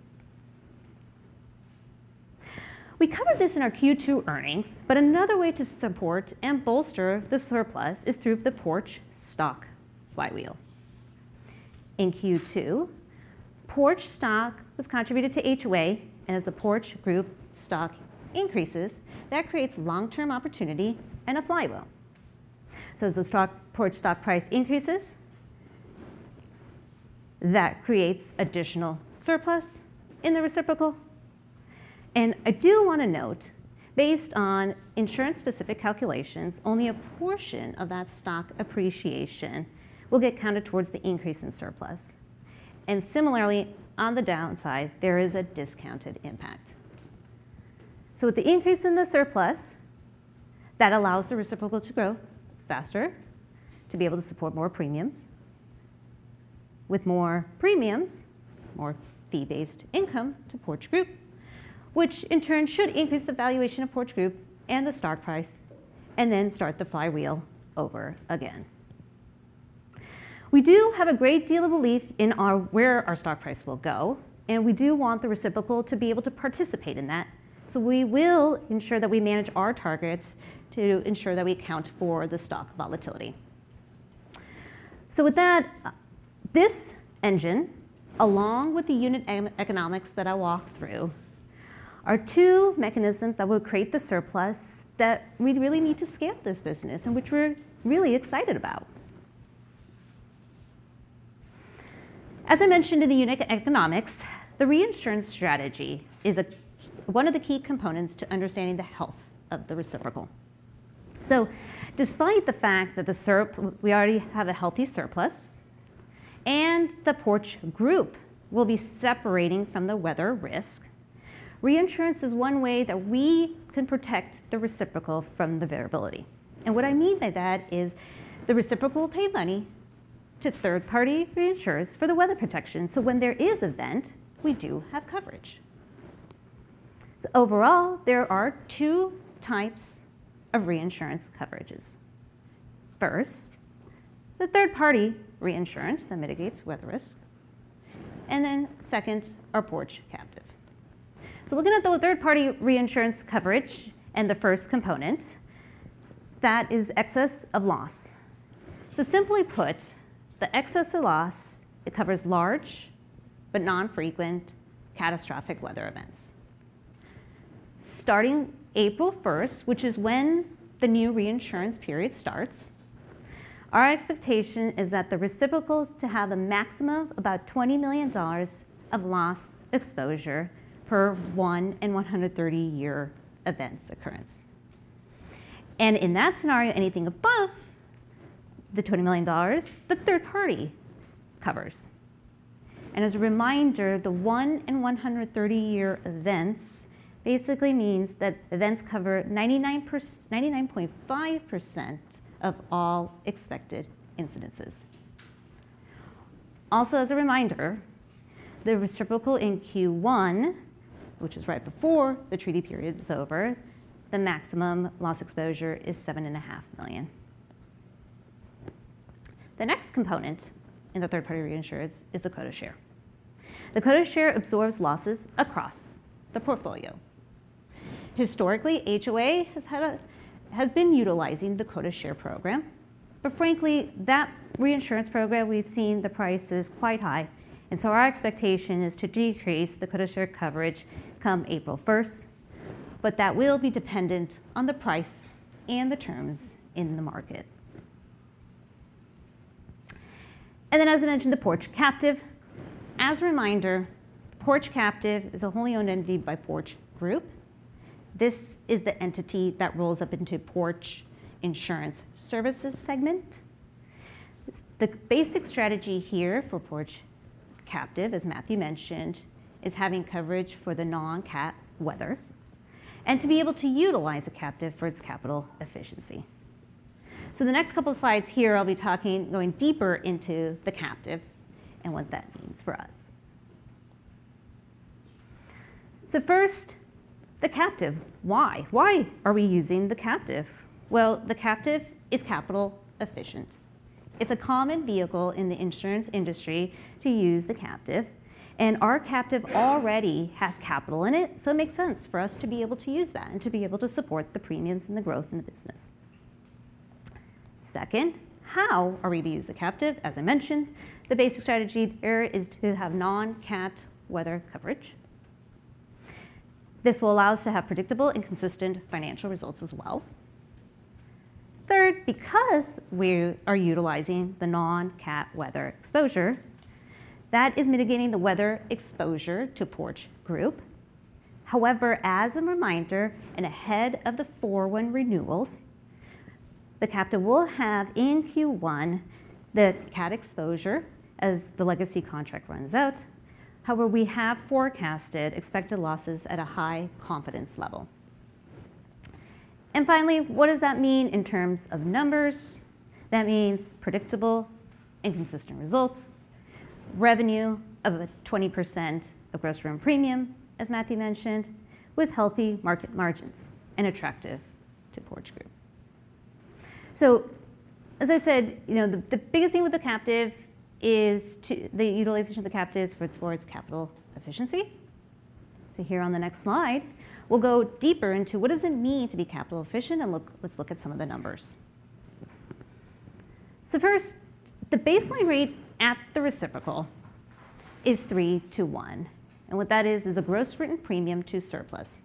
We covered this in our Q2 earnings, but another way to support and bolster the surplus is through the Porch stock flywheel. In Q2, Porch stock was contributed to HOA, and as the Porch Group stock increases, that creates long-term opportunity and a flywheel. So as the Porch stock price increases, that creates additional surplus in the reciprocal. And I do want to note, based on insurance-specific calculations, only a portion of that stock appreciation will get counted towards the increase in surplus. And similarly, on the downside, there is a discounted impact. So with the increase in the surplus, that allows the reciprocal to grow faster, to be able to support more premiums. With more premiums, more fee-based income to Porch Group, which in turn should increase the valuation of Porch Group and the stock price, and then start the flywheel over again. We do have a great deal of belief in where our stock price will go, and we do want the reciprocal to be able to participate in that. So we will ensure that we manage our targets to ensure that we account for the stock volatility. So with that, this engine, along with the unit economics that I walked through, are two mechanisms that will create the surplus that we really need to scale this business and which we're really excited about. As I mentioned in the unit economics, the reinsurance strategy is one of the key components to understanding the health of the reciprocal. So despite the fact that we already have a healthy surplus and the Porch Group will be separating from the weather risk, reinsurance is one way that we can protect the reciprocal from the variability. And what I mean by that is the reciprocal will pay money to third-party reinsurers for the weather protection. So when there is an event, we do have coverage. So overall, there are two types of reinsurance coverages. First, the third-party reinsurance that mitigates weather risk, and then second, our Porch Captive. Looking at the third-party reinsurance coverage and the first component, that is excess of loss. Simply put, the excess of loss covers large but non-frequent catastrophic weather events. Starting April 1st, which is when the new reinsurance period starts, our expectation is that the reciprocal is to have a maximum of about $20 million of loss exposure per one in 130-year events occurrence. In that scenario, anything above the $20 million, the third party covers. As a reminder, the one in 130-year events basically means that events cover 99.5% of all expected incidences. Also, as a reminder, the reciprocal in Q1, which is right before the treaty period is over, the maximum loss exposure is $7.5 million. The next component in the third-party reinsurance is the quota share. The quota share absorbs losses across the portfolio. Historically, HOA has been utilizing the quota share program, but frankly, that reinsurance program we've seen the price is quite high. And so our expectation is to decrease the quota share coverage come April 1st, but that will be dependent on the price and the terms in the market. And then, as I mentioned, the Porch Captive. As a reminder, Porch Captive is a wholly owned entity by Porch Group. This is the entity that rolls up into Porch Insurance Services segment. The basic strategy here for Porch Captive, as Matthew mentioned, is having coverage for the non-cat weather and to be able to utilize the Captive for its capital efficiency. So the next couple of slides here, I'll be talking, going deeper into the Captive and what that means for us. So first, the Captive. Why? Why are we using the Captive? Well, the Captive is capital efficient. It's a common vehicle in the insurance industry to use the Captive, and our Captive already has capital in it, so it makes sense for us to be able to use that and to be able to support the premiums and the growth in the business. Second, how are we to use the Captive? As I mentioned, the basic strategy there is to have non-cat weather coverage. This will allow us to have predictable and consistent financial results as well. Third, because we are utilizing the non-cat weather exposure, that is mitigating the weather exposure to Porch Group. However, as a reminder, and ahead of the 4/1 renewals, the Captive will have in Q1 the cat exposure as the legacy contract runs out. However, we have forecasted expected losses at a high confidence level. And finally, what does that mean in terms of numbers? That means predictable and consistent results, revenue of 20% of gross written premium, as Matthew mentioned, with healthy market margins and attractive to Porch Group. So as I said, the biggest thing with the Captive is the utilization of the Captive for its capital efficiency. So here on the next slide, we'll go deeper into what does it mean to be capital efficient and let's look at some of the numbers. So first, the baseline rate at the reciprocal is 3-1. And what that is, is a gross written premium to surplus.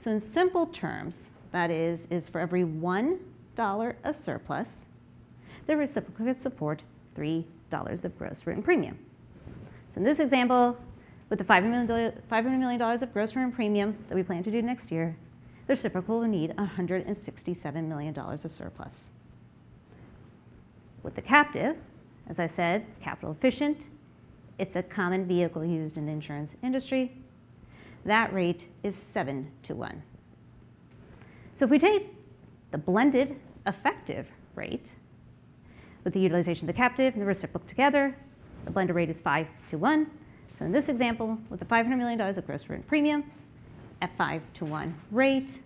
So in simple terms, that is, for every $1 of surplus, the reciprocal can support $3 of gross written premium. So in this example, with the $500 million of gross written premium that we plan to do next year, the reciprocal will need $167 million of surplus. With the Captive, as I said, it's capital efficiently. It's a common vehicle used in the insurance industry. That rate is 7-1, so if we take the blended effective rate with the utilization of the Captive and the reciprocal together, the blended rate is 5-1, so in this example, with the $500 million of gross written premium at 5-1 rate,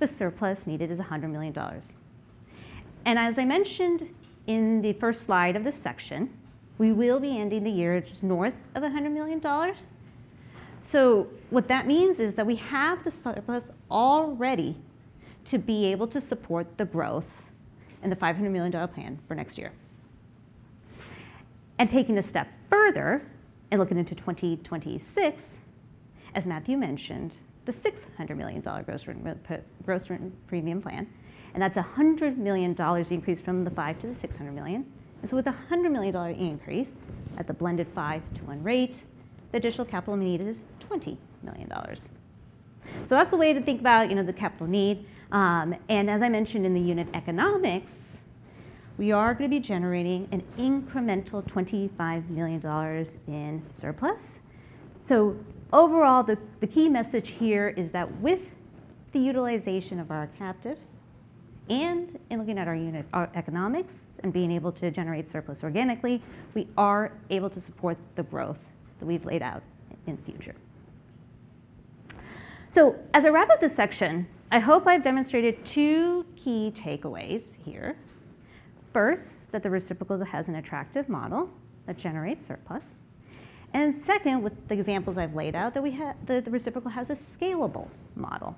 the surplus needed is $100 million, and as I mentioned in the first slide of this section, we will be ending the year just north of $100 million, so what that means is that we have the surplus already to be able to support the growth in the $500 million plan for next year, and taking a step further and looking into 2026, as Matthew mentioned, the $600 million gross written premium plan, and that's $100 million increase from the 500 to the 600 million. And so with the $100 million increase at the blended 5-1 rate, the additional capital needed is $20 million. So that's the way to think about the capital need. And as I mentioned in the unit economics, we are going to be generating an incremental $25 million in surplus. So overall, the key message here is that with the utilization of our Captive and in looking at our economics and being able to generate surplus organically, we are able to support the growth that we've laid out in the future. So as I wrap up this section, I hope I've demonstrated two key takeaways here. First, that the reciprocal has an attractive model that generates surplus. And second, with the examples I've laid out, that the reciprocal has a scalable model.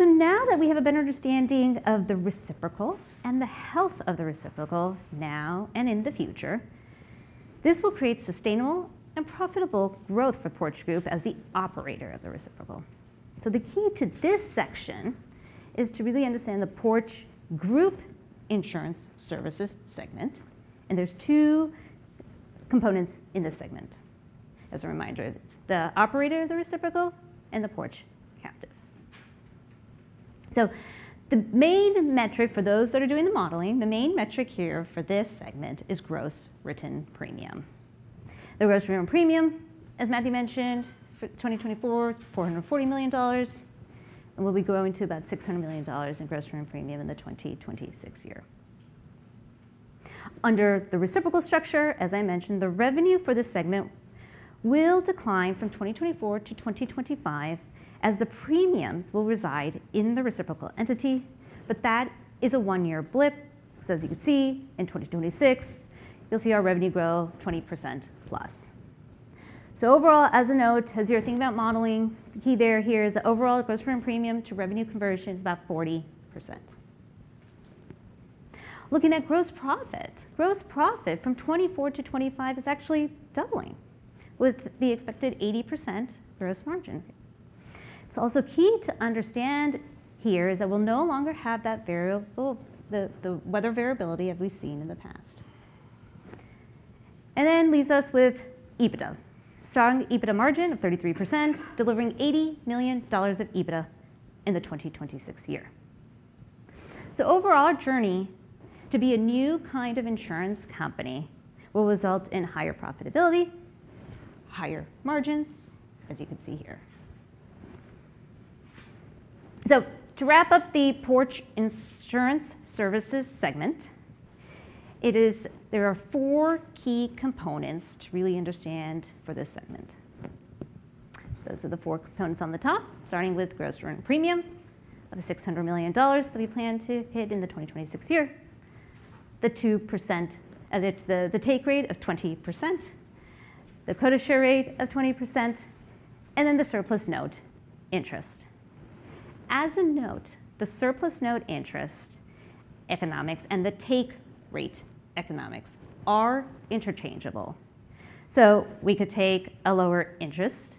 Now that we have a better understanding of the reciprocal and the health of the reciprocal now and in the future, this will create sustainable and profitable growth for Porch Group as the operator of the reciprocal. The key to this section is to really understand the Porch Group Insurance Services segment. There's two components in this segment. As a reminder, it's the operator of the reciprocal and the Porch Captive. The main metric for those that are doing the modeling, the main metric here for this segment is gross written premium. The gross written premium, as Matthew mentioned, for 2024, it's $440 million, and we'll be going to about $600 million in gross written premium in the 2026 year. Under the reciprocal structure, as I mentioned, the revenue for this segment will decline from 2024-2025 as the premiums will reside in the reciprocal entity, but that is a one-year blip. So as you can see, in 2026, you'll see our revenue grow 20%+. So overall, as a note, as you're thinking about modeling, the key there is that overall gross written premium to revenue conversion is about 40%. Looking at gross profit, gross profit from 2024-2025 is actually doubling with the expected 80% gross margin. It's also key to understand here is that we'll no longer have that variable, the weather variability that we've seen in the past, and that leaves us with EBITDA, strong EBITDA margin of 33%, delivering $80 million of EBITDA in the 2026 year. So overall, our journey to be a new kind of insurance company will result in higher profitability, higher margins, as you can see here. To wrap up the Porch Insurance Services segment, there are four key components to really understand for this segment. Those are the four components on the top, starting with gross written premium of $600 million that we plan to hit in 2026, the 2%, the take rate of 20%, the quota share rate of 20%, and then the surplus note interest. As a note, the surplus note interest economics and the take rate economics are interchangeable. We could take a lower interest,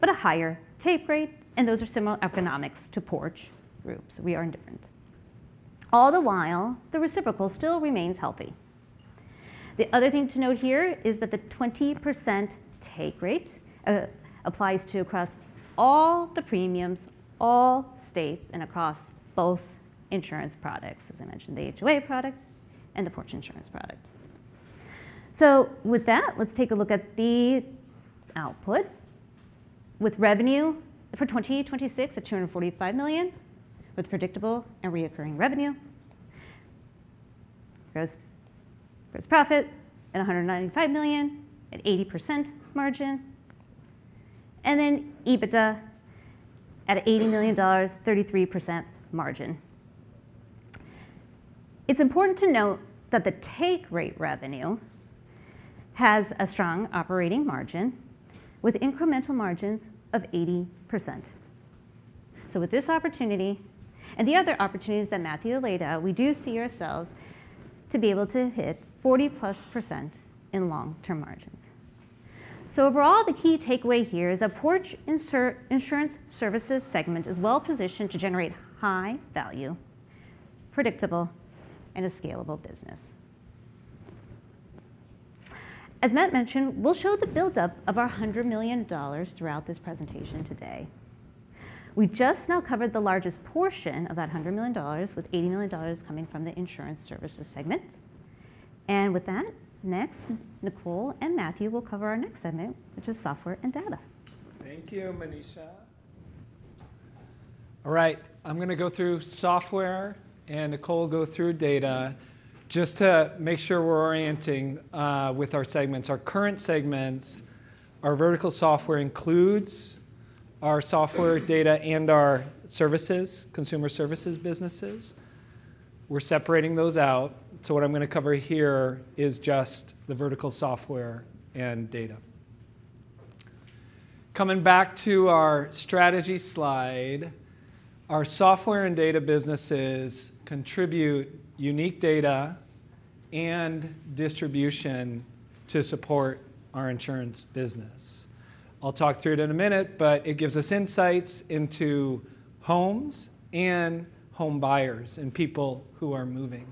but a higher take rate, and those are similar economics to Porch Group. We are indifferent. All the while, the reciprocal still remains healthy. The other thing to note here is that the 20% take rate applies to across all the premiums, all states, and across both insurance products, as I mentioned, the HOA product and the Porch Insurance product. So with that, let's take a look at the output with revenue for 2026 at $245 million, with predictable and recurring revenue, gross profit at $195 million at 80% margin, and then EBITDA at $80 million, 33% margin. It's important to note that the take rate revenue has a strong operating margin with incremental margins of 80%. So with this opportunity and the other opportunities that Matthew laid out, we do see ourselves to be able to hit 40%+ in long-term margins. So overall, the key takeaway here is a Porch Insurance Services segment is well positioned to generate high value, predictable, and a scalable business. As Matt mentioned, we'll show the buildup of our $100 million throughout this presentation today. We just now covered the largest portion of that $100 million, with $80 million coming from the Insurance Services segment, and with that, next, Nicole and Matthew will cover our next segment, which is Software and Data. Thank you, Manisha. All right, I'm going to go through software and Nicole will go through data just to make sure we're orienting with our segments. Our current segments, our Vertical Software includes our software, data, and our services, Consumer Services businesses. We're separating those out. So what I'm going to cover here is just the Vertical Software and Data. Coming back to our strategy slide, our Software and Data businesses contribute unique data and distribution to support our insurance business. I'll talk through it in a minute, but it gives us insights into homes and homebuyers and people who are moving.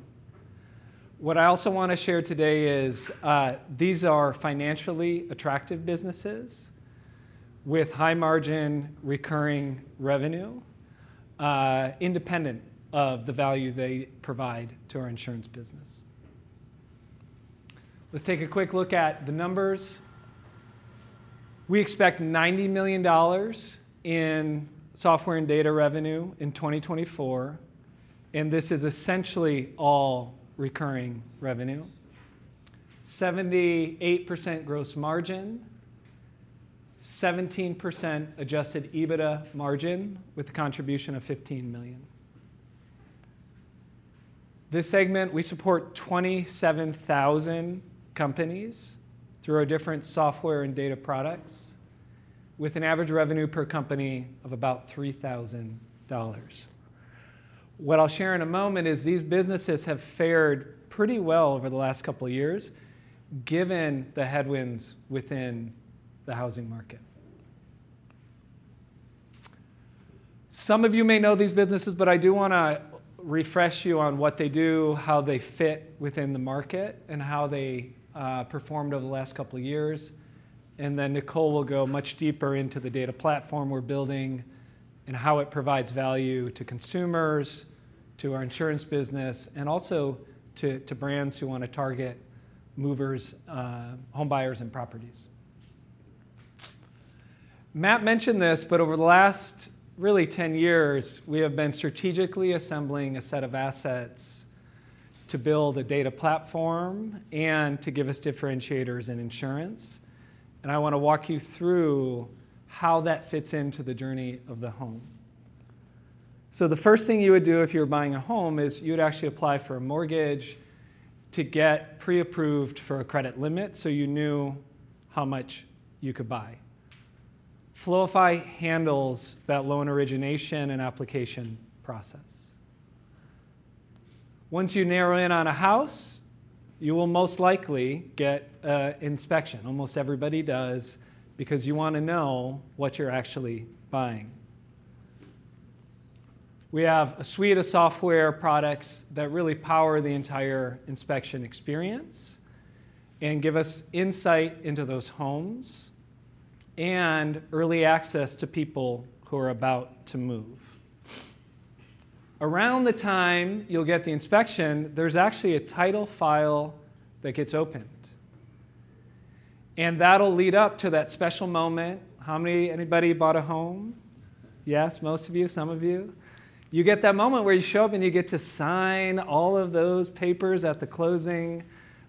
What I also want to share today is these are financially attractive businesses with high margin recurring revenue, independent of the value they provide to our insurance business. Let's take a quick look at the numbers. We expect $90 million in Software and Data revenue in 2024, and this is essentially all recurring revenue, 78% gross margin, 17% Adjusted EBITDA margin with a contribution of $15 million. This segment, we support 27,000 companies through our different Software and Data products with an average revenue per company of about $3,000. What I'll share in a moment is these businesses have fared pretty well over the last couple of years given the headwinds within the housing market. Some of you may know these businesses, but I do want to refresh you on what they do, how they fit within the market, and how they performed over the last couple of years, and then Nicole will go much deeper into the data platform we're building and how it provides value to consumers, to our insurance business, and also to brands who want to target movers, homebuyers, and properties. Matt mentioned this, but over the last really 10 years, we have been strategically assembling a set of assets to build a data platform and to give us differentiators in insurance, and I want to walk you through how that fits into the journey of the home. So the first thing you would do if you were buying a home is you'd actually apply for a mortgage to get pre-approved for a credit limit so you knew how much you could buy. Floify handles that loan origination and application process. Once you narrow in on a house, you will most likely get an inspection. Almost everybody does because you want to know what you're actually buying. We have a suite of software products that really power the entire inspection experience and give us insight into those homes and early access to people who are about to move. Around the time you'll get the inspection, there's actually a title file that gets opened. And that'll lead up to that special moment. How many anybody bought a home? Yes, most of you, some of you. You get that moment where you show up and you get to sign all of those papers at the closing.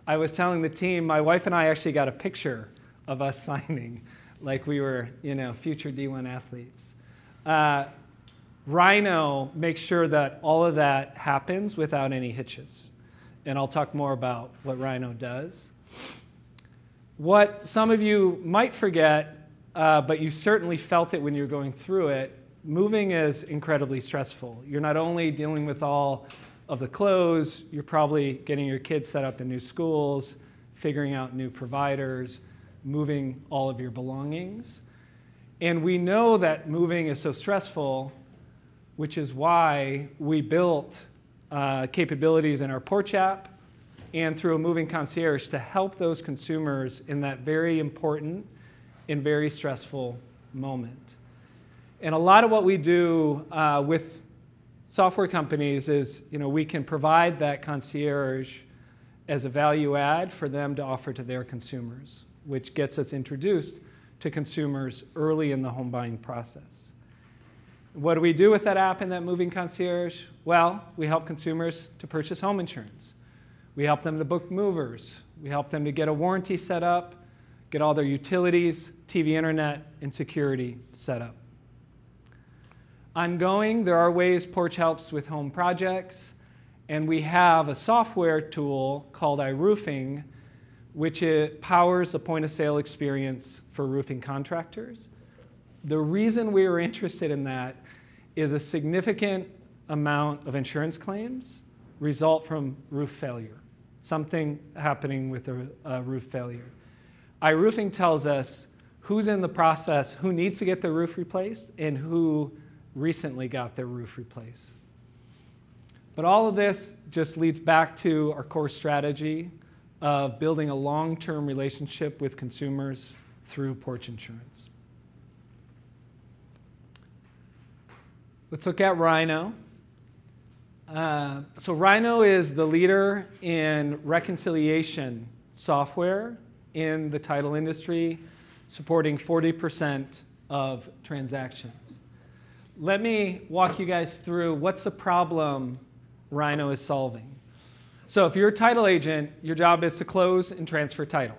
I was telling the team, my wife and I actually got a picture of us signing like we were future D1 athletes. Rynoh makes sure that all of that happens without any hitches. And I'll talk more about what Rynoh does. What some of you might forget, but you certainly felt it when you're going through it, moving is incredibly stressful. You're not only dealing with all of the clothes, you're probably getting your kids set up in new schools, figuring out new providers, moving all of your belongings. And we know that moving is so stressful, which is why we built capabilities in our Porch App and through a moving concierge to help those consumers in that very important and very stressful moment. A lot of what we do with software companies is we can provide that concierge as a value add for them to offer to their consumers, which gets us introduced to consumers early in the home buying process. What do we do with that app and that moving concierge? We help consumers to purchase home insurance. We help them to book movers. We help them to get a warranty set up, get all their utilities, TV, internet, and security set up. Ongoing, there are ways Porch helps with home projects, and we have a software tool called iRoofing, which powers the point of sale experience for roofing contractors. The reason we are interested in that is a significant amount of insurance claims result from roof failure, something happening with a roof failure. iRoofing tells us who's in the process, who needs to get their roof replaced, and who recently got their roof replaced. But all of this just leads back to our core strategy of building a long-term relationship with consumers through Porch Insurance. Let's look at Rynoh. So Rynoh is the leader in reconciliation software in the title industry, supporting 40% of transactions. Let me walk you guys through what's the problem Rynoh is solving. So if you're a title agent, your job is to close and transfer title.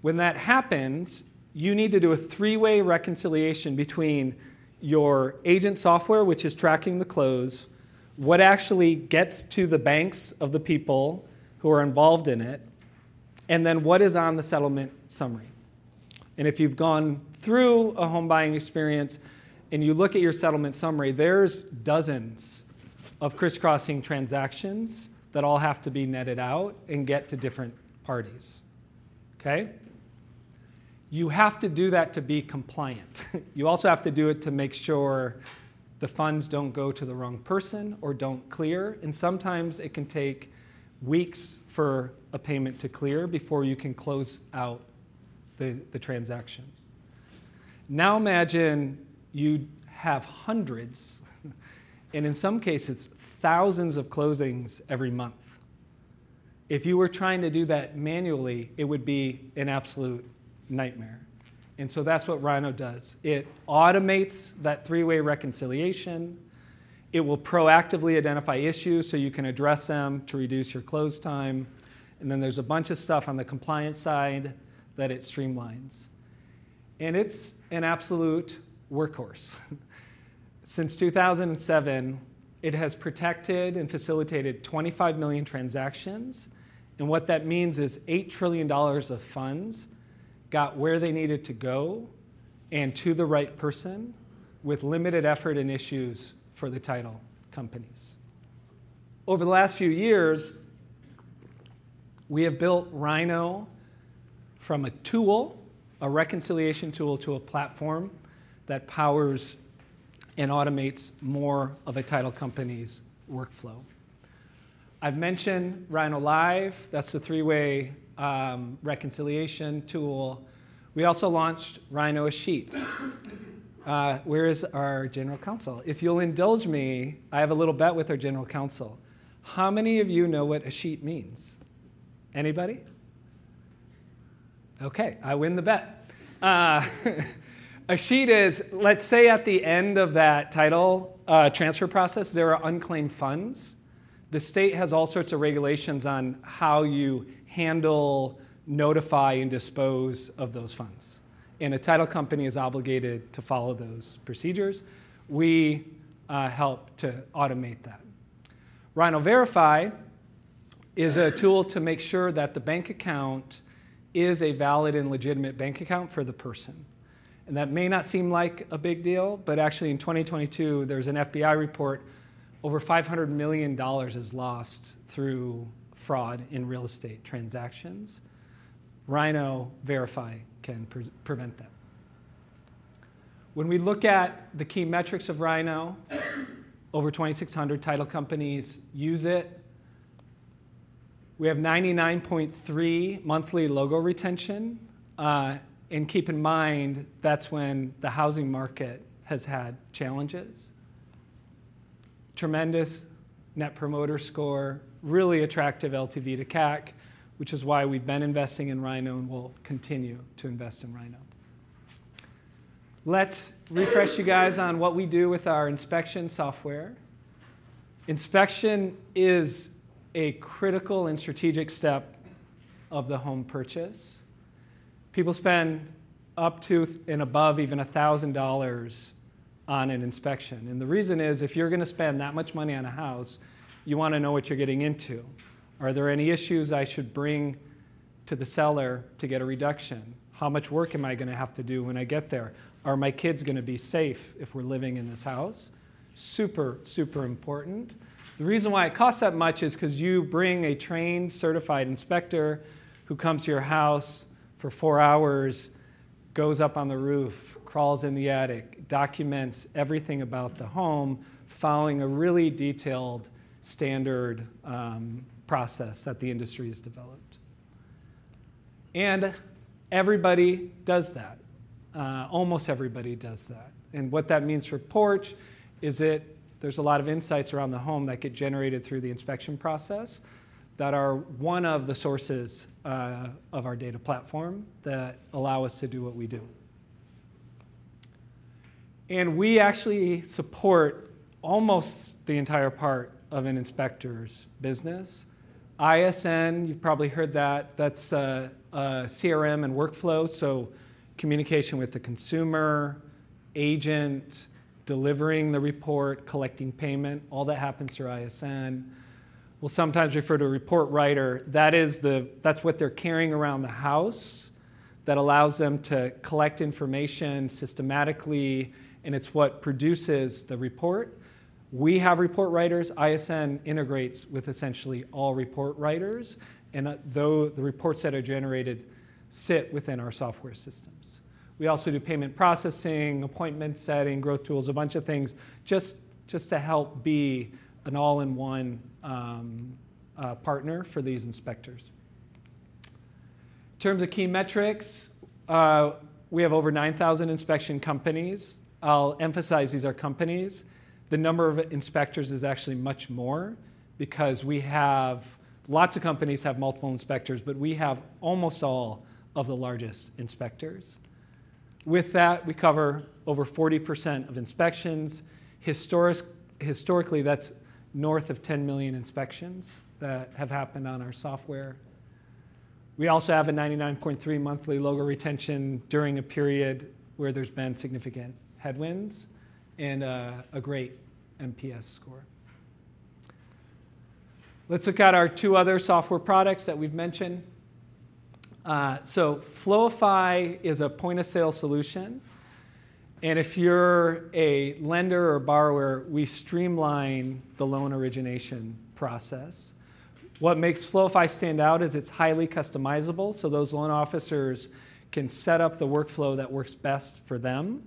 When that happens, you need to do a three-way reconciliation between your agent software, which is tracking the close, what actually gets to the banks of the people who are involved in it, and then what is on the settlement summary. And if you've gone through a home buying experience and you look at your settlement summary, there's dozens of crisscrossing transactions that all have to be netted out and get to different parties. Okay? You have to do that to be compliant. You also have to do it to make sure the funds don't go to the wrong person or don't clear. And sometimes it can take weeks for a payment to clear before you can close out the transaction. Now imagine you have hundreds, and in some cases, thousands of closings every month. If you were trying to do that manually, it would be an absolute nightmare. And so that's what Rynoh does. It automates that three-way reconciliation. It will proactively identify issues so you can address them to reduce your close time. And then there's a bunch of stuff on the compliance side that it streamlines. It's an absolute workhorse. Since 2007, it has protected and facilitated 25 million transactions. What that means is $8 trillion of funds got where they needed to go and to the right person with limited effort and issues for the title companies. Over the last few years, we have built Rynoh from a tool, a reconciliation tool to a platform that powers and automates more of a title company's workflow. I've mentioned RynohLive. That's the three-way reconciliation tool. We also launched RynohEscheat. Where is our general counsel? If you'll indulge me, I have a little bet with our general counsel. How many of you know what escheat means? Anybody? Okay, I win the bet. Escheat is, let's say at the end of that title transfer process, there are unclaimed funds. The state has all sorts of regulations on how you handle, notify, and dispose of those funds. And a title company is obligated to follow those procedures. We help to automate that. RynohVerifi is a tool to make sure that the bank account is a valid and legitimate bank account for the person. And that may not seem like a big deal, but actually in 2022, there's an FBI report over $500 million is lost through fraud in real estate transactions. RynohVerifi can prevent that. When we look at the key metrics of Rynoh, over 2,600 title companies use it. We have 99.3 monthly logo retention. And keep in mind, that's when the housing market has had challenges. Tremendous Net Promoter Score, really attractive LTV to CAC, which is why we've been investing in Rynoh and will continue to invest in Rynoh. Let's refresh you guys on what we do with our inspection software. Inspection is a critical and strategic step of the home purchase. People spend up to and above even $1,000 on an inspection, and the reason is if you're going to spend that much money on a house, you want to know what you're getting into. Are there any issues I should bring to the seller to get a reduction? How much work am I going to have to do when I get there? Are my kids going to be safe if we're living in this house? Super, super important. The reason why it costs that much is because you bring a trained, certified inspector who comes to your house for four hours, goes up on the roof, crawls in the attic, documents everything about the home, following a really detailed standard process that the industry has developed. And everybody does that. Almost everybody does that. And what that means for Porch is there's a lot of insights around the home that get generated through the inspection process that are one of the sources of our data platform that allow us to do what we do. And we actually support almost the entire part of an inspector's business. ISN, you've probably heard that. That's CRM and workflow. So communication with the consumer, agent, delivering the report, collecting payment, all that happens through ISN. We'll sometimes refer to a report writer. That's what they're carrying around the house that allows them to collect information systematically, and it's what produces the report. We have report writers. ISN integrates with essentially all report writers, and the reports that are generated sit within our software systems. We also do payment processing, appointment setting, growth tools, a bunch of things just to help be an all-in-one partner for these inspectors. In terms of key metrics, we have over 9,000 inspection companies. I'll emphasize these are companies. The number of inspectors is actually much more because we have lots of companies have multiple inspectors, but we have almost all of the largest inspectors. With that, we cover over 40% of inspections. Historically, that's north of 10 million inspections that have happened on our software. We also have a 99.3% monthly logo retention during a period where there's been significant headwinds and a great NPS score. Let's look at our two other software products that we've mentioned. So Floify is a point of sale solution, and if you're a lender or borrower, we streamline the loan origination process. What makes Floify stand out is it's highly customizable so those loan officers can set up the workflow that works best for them.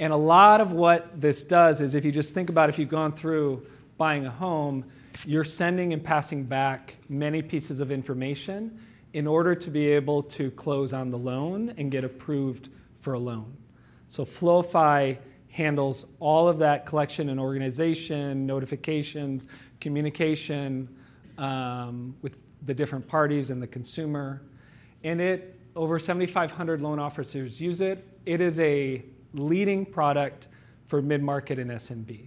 And a lot of what this does is if you just think about if you've gone through buying a home, you're sending and passing back many pieces of information in order to be able to close on the loan and get approved for a loan. So Floify handles all of that collection and organization, notifications, communication with the different parties and the consumer. And over 7,500 loan officers use it. It is a leading product for mid-market and SMB.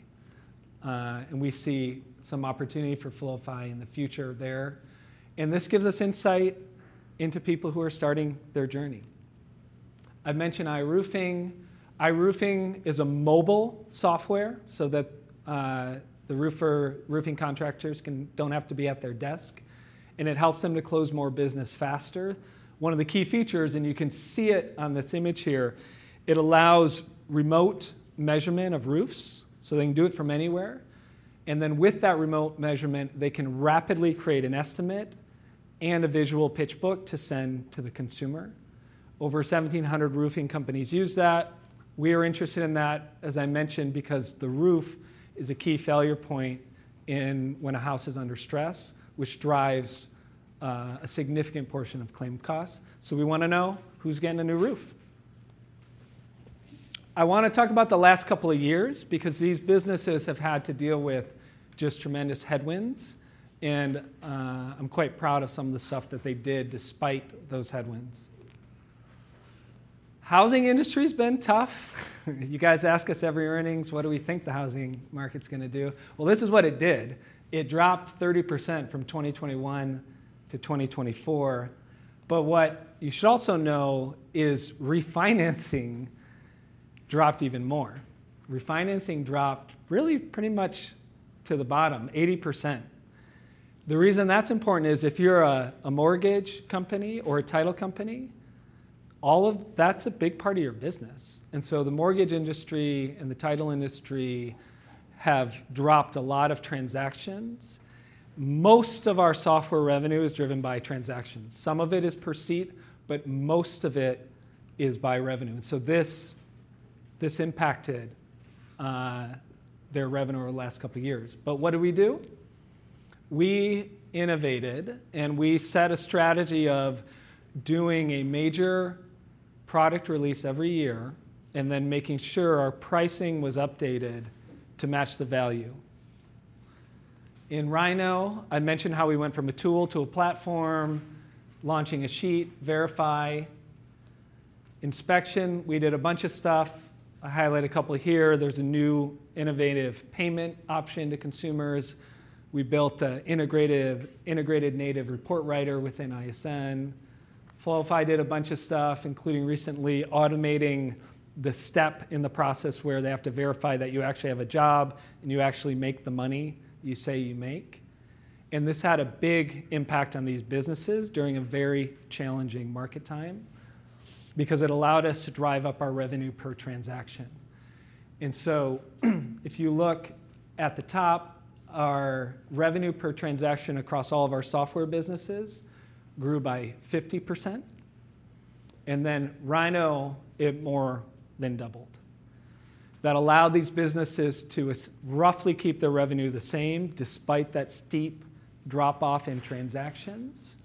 And we see some opportunity for Floify in the future there. And this gives us insight into people who are starting their journey. I've mentioned iRoofing. iRoofing is a mobile software so that the roofing contractors don't have to be at their desk. It helps them to close more business faster. One of the key features, and you can see it on this image here, it allows remote measurement of roofs. They can do it from anywhere. Then with that remote measurement, they can rapidly create an estimate and a visual pitch book to send to the consumer. Over 1,700 roofing companies use that. We are interested in that, as I mentioned, because the roof is a key failure point when a house is under stress, which drives a significant portion of claim costs. We want to know who's getting a new roof. I want to talk about the last couple of years because these businesses have had to deal with just tremendous headwinds. I'm quite proud of some of the stuff that they did despite those headwinds. Housing industry has been tough. You guys ask us every earnings, what do we think the housing market's going to do? Well, this is what it did. It dropped 30% from 2021-2024. But what you should also know is refinancing dropped even more. Refinancing dropped really pretty much to the bottom, 80%. The reason that's important is if you're a mortgage company or a title company, all of that's a big part of your business. And so the mortgage industry and the title industry have dropped a lot of transactions. Most of our software revenue is driven by transactions. Some of it is per seat, but most of it is by revenue. And so this impacted their revenue over the last couple of years. But what do we do? We innovated, and we set a strategy of doing a major product release every year and then making sure our pricing was updated to match the value. In Rynoh, I mentioned how we went from a tool to a platform, launching escheat, Verifi, inspection. We did a bunch of stuff. I highlight a couple here. There's a new innovative payment option to consumers. We built an integrated native report writer within ISN. Floify did a bunch of stuff, including recently automating the step in the process where they have to verify that you actually have a job and you actually make the money you say you make. And this had a big impact on these businesses during a very challenging market time because it allowed us to drive up our revenue per transaction. And so if you look at the top, our revenue per transaction across all of our software businesses grew by 50%. And then Rynoh, it more than doubled. That allowed these businesses to roughly keep their revenue the same despite that steep drop-off in transactions.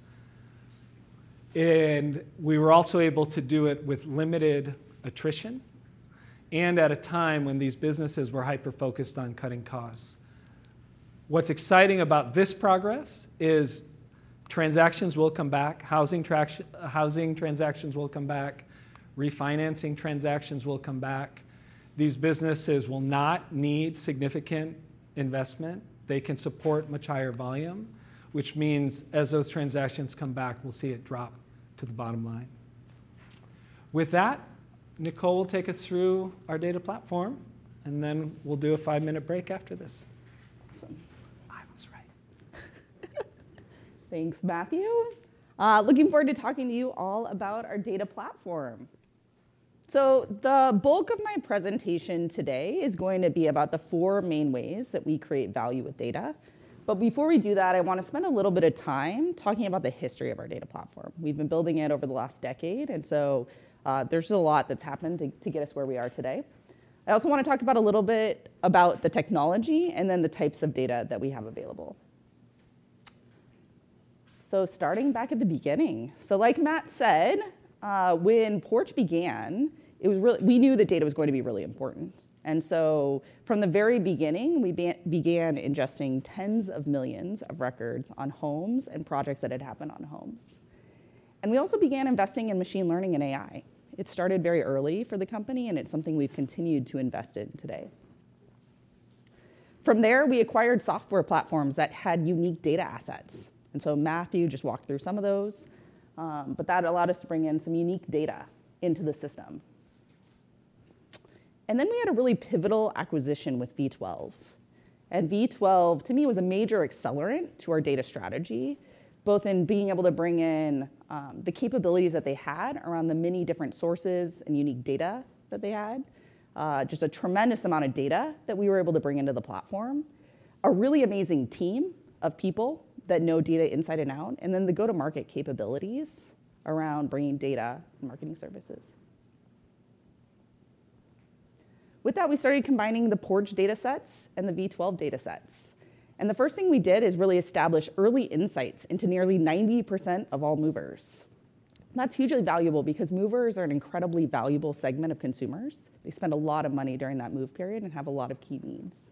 And we were also able to do it with limited attrition and at a time when these businesses were hyper-focused on cutting costs. What's exciting about this progress is transactions will come back. Housing transactions will come back. Refinancing transactions will come back. These businesses will not need significant investment. They can support much higher volume, which means as those transactions come back, we'll see it drop to the bottom line. With that, Nicole will take us through our data platform, and then we'll do a five-minute break after this. Awesome. I was right. Thanks, Matthew. Looking forward to talking to you all about our data platform. The bulk of my presentation today is going to be about the four main ways that we create value with data. But before we do that, I want to spend a little bit of time talking about the history of our data platform. We've been building it over the last decade, and so there's a lot that's happened to get us where we are today. I also want to talk a little bit about the technology and then the types of data that we have available. Starting back at the beginning, like Matt said, when Porch began, we knew that data was going to be really important, and so from the very beginning, we began ingesting tens of millions of records on homes and projects that had happened on homes. And we also began investing in machine learning and AI. It started very early for the company, and it's something we've continued to invest in today. From there, we acquired software platforms that had unique data assets. And so Matthew just walked through some of those, but that allowed us to bring in some unique data into the system. And then we had a really pivotal acquisition with V12. And V12, to me, was a major accelerant to our data strategy, both in being able to bring in the capabilities that they had around the many different sources and unique data that they had, just a tremendous amount of data that we were able to bring into the platform, a really amazing team of people that know data inside and out, and then the go-to-market capabilities around bringing data and marketing services. With that, we started combining the Porch data sets and the V12 data sets, and the first thing we did is really establish early insights into nearly 90% of all movers. That's hugely valuable because movers are an incredibly valuable segment of consumers. They spend a lot of money during that move period and have a lot of key needs.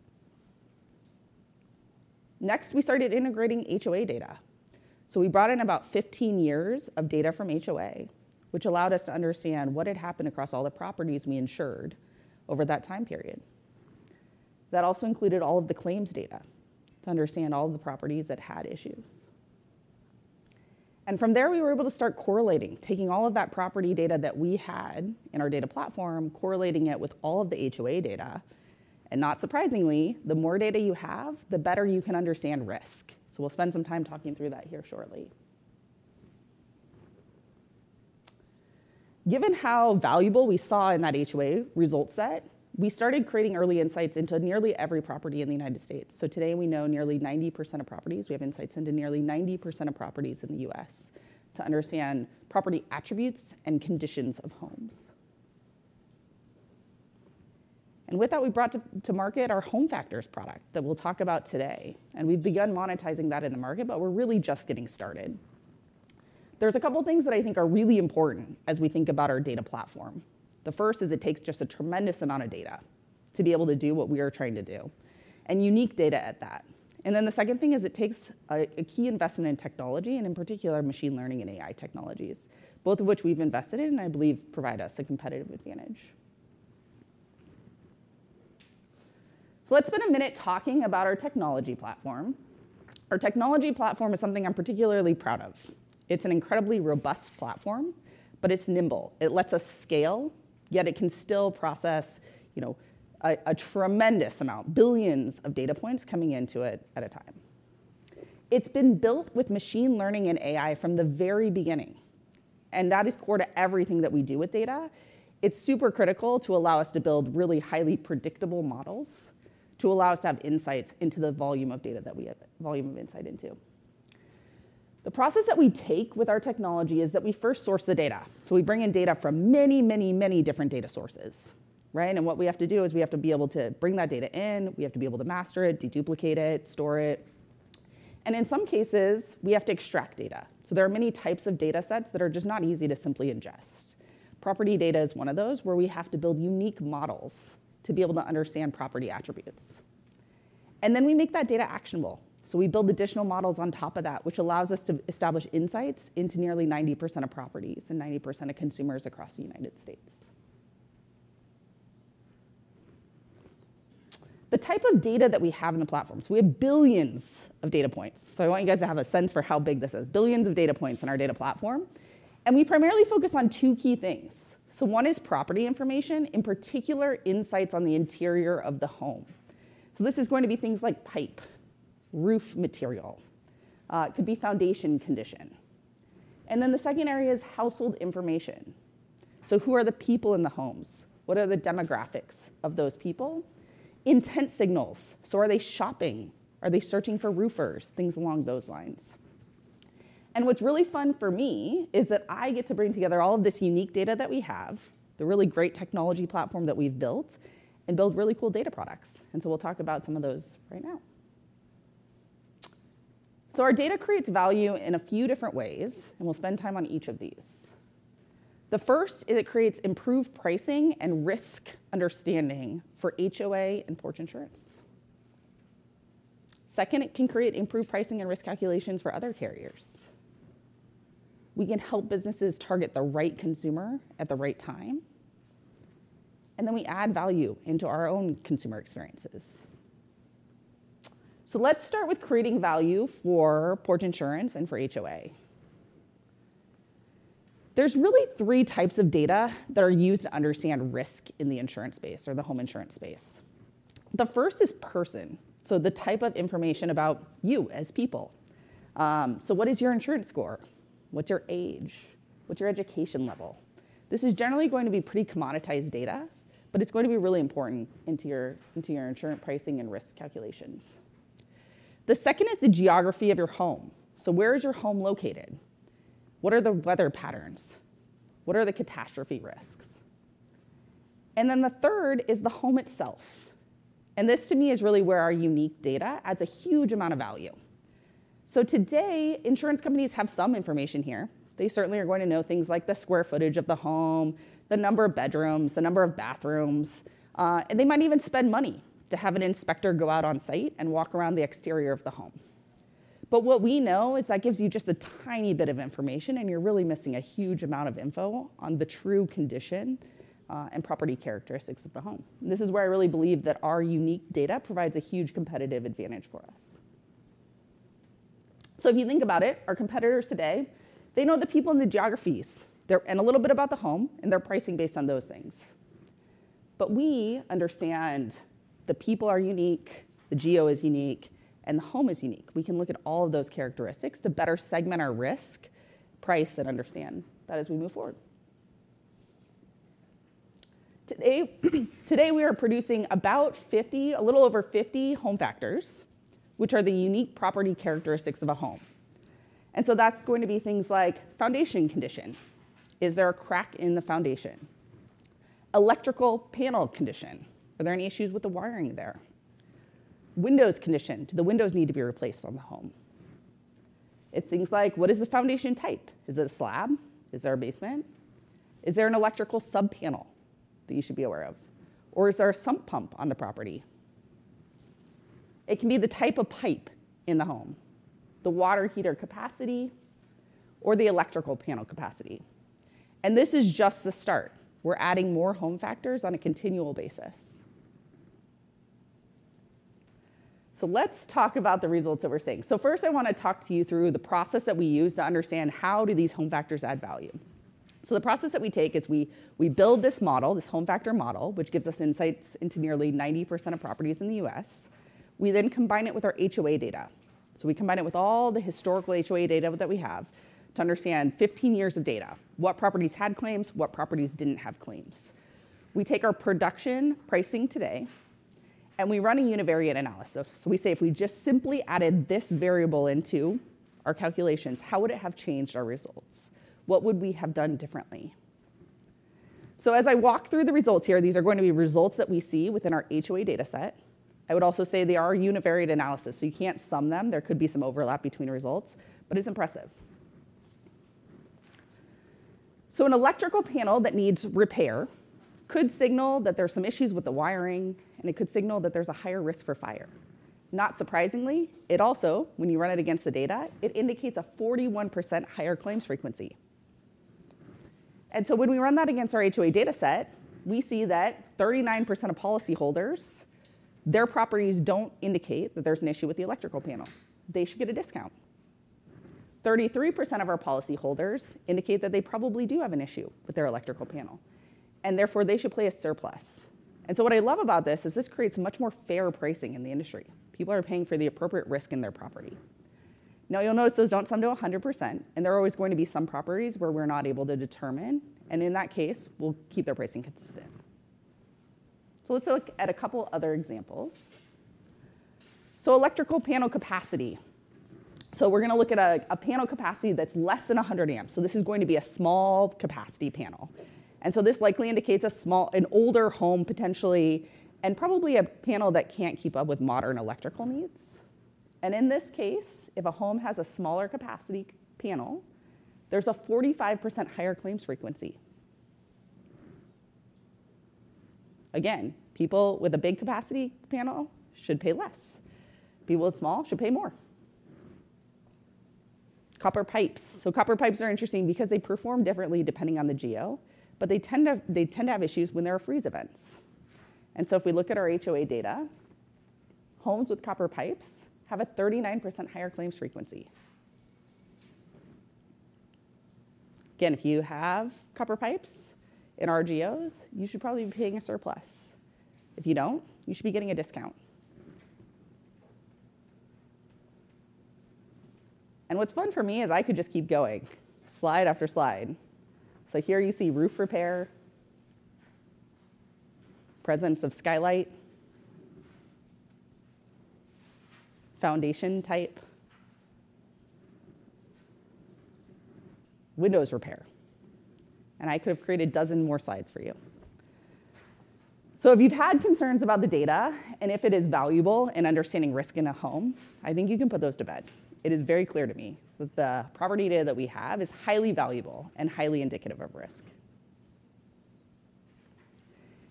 Next, we started integrating HOA data, so we brought in about 15 years of data from HOA, which allowed us to understand what had happened across all the properties we insured over that time period. That also included all of the claims data to understand all of the properties that had issues, and from there, we were able to start correlating, taking all of that property data that we had in our data platform, correlating it with all of the HOA data. And not surprisingly, the more data you have, the better you can understand risk. So we'll spend some time talking through that here shortly. Given how valuable we saw in that HOA result set, we started creating early insights into nearly every property in the United States. So today, we know nearly 90% of properties. We have insights into nearly 90% of properties in the US to understand property attributes and conditions of homes. And with that, we brought to market our HomeFactors product that we'll talk about today. And we've begun monetizing that in the market, but we're really just getting started. There's a couple of things that I think are really important as we think about our data platform. The first is it takes just a tremendous amount of data to be able to do what we are trying to do and unique data at that. And then the second thing is it takes a key investment in technology, and in particular, machine learning and AI technologies, both of which we've invested in and I believe provide us a competitive advantage. So let's spend a minute talking about our technology platform. Our technology platform is something I'm particularly proud of. It's an incredibly robust platform, but it's nimble. It lets us scale, yet it can still process a tremendous amount, billions of data points coming into it at a time. It's been built with machine learning and AI from the very beginning, and that is core to everything that we do with data. It's super critical to allow us to build really highly predictable models to allow us to have insights into the volume of data that we have volume of insight into. The process that we take with our technology is that we first source the data, so we bring in data from many, many, many different data sources, and what we have to do is we have to be able to bring that data in. We have to be able to master it, deduplicate it, store it, and in some cases, we have to extract data, so there are many types of data sets that are just not easy to simply ingest. Property data is one of those where we have to build unique models to be able to understand property attributes, and then we make that data actionable, so we build additional models on top of that, which allows us to establish insights into nearly 90% of properties and 90% of consumers across the United States. The type of data that we have in the platform, so we have billions of data points, so I want you guys to have a sense for how big this is. Billions of data points in our data platform, and we primarily focus on two key things, so one is property information, in particular, insights on the interior of the home, so this is going to be things like pipe, roof material. It could be foundation condition, and then the second area is household information, so who are the people in the homes? What are the demographics of those people? Intent signals, so are they shopping? Are they searching for roofers? Things along those lines, and what's really fun for me is that I get to bring together all of this unique data that we have, the really great technology platform that we've built, and build really cool data products. And so we'll talk about some of those right now. So our data creates value in a few different ways, and we'll spend time on each of these. The first is it creates improved pricing and risk understanding for HOA and Porch Insurance. Second, it can create improved pricing and risk calculations for other carriers. We can help businesses target the right consumer at the right time. And then we add value into our own consumer experiences. So let's start with creating value for Porch Insurance and for HOA. There's really three types of data that are used to understand risk in the insurance space or the home insurance space. The first is person, so the type of information about you as people. So what is your insurance score? What's your age? What's your education level? This is generally going to be pretty commoditized data, but it's going to be really important into your insurance pricing and risk calculations. The second is the geography of your home. So where is your home located? What are the weather patterns? What are the catastrophe risks? And then the third is the home itself. And this, to me, is really where our unique data adds a huge amount of value. So today, insurance companies have some information here. They certainly are going to know things like the square footage of the home, the number of bedrooms, the number of bathrooms. And they might even spend money to have an inspector go out on site and walk around the exterior of the home. But what we know is that gives you just a tiny bit of information, and you're really missing a huge amount of info on the true condition and property characteristics of the home. And this is where I really believe that our unique data provides a huge competitive advantage for us. So if you think about it, our competitors today, they know the people and the geographies and a little bit about the home and their pricing based on those things. But we understand the people are unique, the geo is unique, and the home is unique. We can look at all of those characteristics to better segment our risk, price, and understand that as we move forward. Today, we are producing about 50, a little over 50 HomeFactors, which are the unique property characteristics of a home. And so that's going to be things like foundation condition. Is there a crack in the foundation? Electrical panel condition. Are there any issues with the wiring there? Windows condition. Do the windows need to be replaced on the home? It's things like, what is the foundation type? Is it a slab? Is there a basement? Is there an electrical subpanel that you should be aware of? Or is there a sump pump on the property? It can be the type of pipe in the home, the water heater capacity, or the electrical panel capacity. And this is just the start. We're adding more HomeFactors on a continual basis. So let's talk about the results that we're seeing. So first, I want to talk to you through the process that we use to understand how do these HomeFactors add value. So the process that we take is we build this model, this home factor model, which gives us insights into nearly 90% of properties in the U.S. We then combine it with our HOA data. So we combine it with all the historical HOA data that we have to understand 15 years of data, what properties had claims, what properties didn't have claims. We take our production pricing today, and we run a univariate analysis. So we say if we just simply added this variable into our calculations, how would it have changed our results? What would we have done differently? So as I walk through the results here, these are going to be results that we see within our HOA data set. I would also say they are univariate analysis, so you can't sum them. There could be some overlap between results, but it's impressive. An electrical panel that needs repair could signal that there are some issues with the wiring, and it could signal that there's a higher risk for fire. Not surprisingly, it also, when you run it against the data, it indicates a 41% higher claims frequency. When we run that against our HOA data set, we see that 39% of policyholders, their properties don't indicate that there's an issue with the electrical panel. They should get a discount. 33% of our policyholders indicate that they probably do have an issue with their electrical panel, and therefore they should pay a surcharge. What I love about this is this creates much more fair pricing in the industry. People are paying for the appropriate risk in their property. Now, you'll notice those don't sum to 100%, and there are always going to be some properties where we're not able to determine, and in that case, we'll keep their pricing consistent. So let's look at a couple of other examples. So electrical panel capacity. So we're going to look at a panel capacity that's less than 100 amps. So this is going to be a small capacity panel. And so this likely indicates an older home potentially and probably a panel that can't keep up with modern electrical needs. And in this case, if a home has a smaller capacity panel, there's a 45% higher claims frequency. Again, people with a big capacity panel should pay less. People with small should pay more. Copper pipes. So copper pipes are interesting because they perform differently depending on the geo, but they tend to have issues when there are freeze events. And so if we look at our HOA data, homes with copper pipes have a 39% higher claims frequency. Again, if you have copper pipes in our geos, you should probably be paying a surplus. If you don't, you should be getting a discount. And what's fun for me is I could just keep going slide after slide. So here you see roof repair, presence of skylight, foundation type, windows repair. And I could have created dozen more slides for you. So if you've had concerns about the data and if it is valuable in understanding risk in a home, I think you can put those to bed. It is very clear to me that the property data that we have is highly valuable and highly indicative of risk.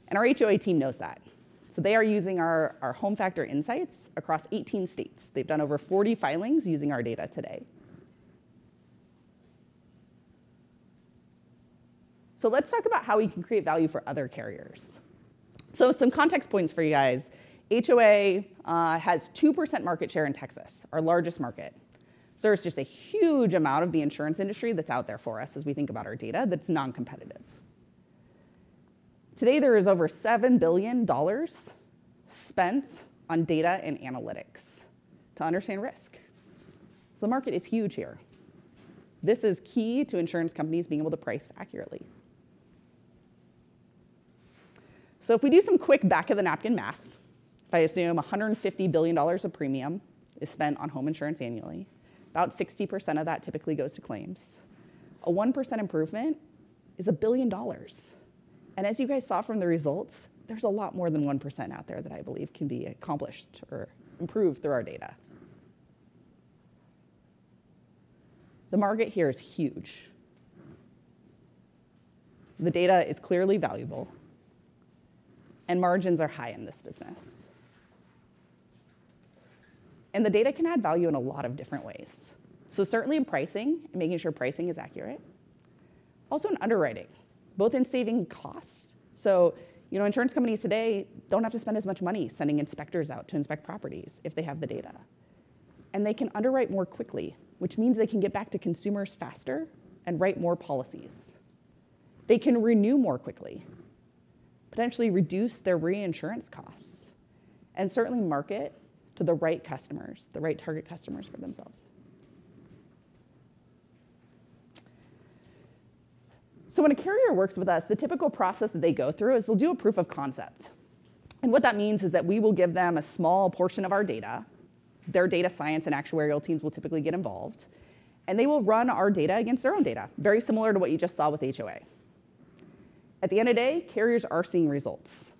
And our HOA team knows that. So they are using our HomeFactors insights across 18 states. They've done over 40 filings using our data today. Let's talk about how we can create value for other carriers. Some context points for you guys. HOA has 2% market share in Texas, our largest market. There's just a huge amount of the insurance industry that's out there for us as we think about our data that's non-competitive. Today, there is over $7 billion spent on data and analytics to understand risk. The market is huge here. This is key to insurance companies being able to price accurately. If we do some quick back-of-the-napkin math, if I assume $150 billion of premium is spent on home insurance annually, about 60% of that typically goes to claims. A 1% improvement is $1 billion. As you guys saw from the results, there's a lot more than 1% out there that I believe can be accomplished or improved through our data. The market here is huge. The data is clearly valuable, and margins are high in this business. The data can add value in a lot of different ways. Certainly in pricing and making sure pricing is accurate. Also in underwriting, both in saving costs. Insurance companies today don't have to spend as much money sending inspectors out to inspect properties if they have the data. They can underwrite more quickly, which means they can get back to consumers faster and write more policies. They can renew more quickly, potentially reduce their reinsurance costs, and certainly market to the right customers, the right target customers for themselves. So when a carrier works with us, the typical process that they go through is they'll do a proof of concept. And what that means is that we will give them a small portion of our data. Their data science and actuarial teams will typically get involved, and they will run our data against their own data, very similar to what you just saw with HOA. At the end of the day, carriers are seeing results.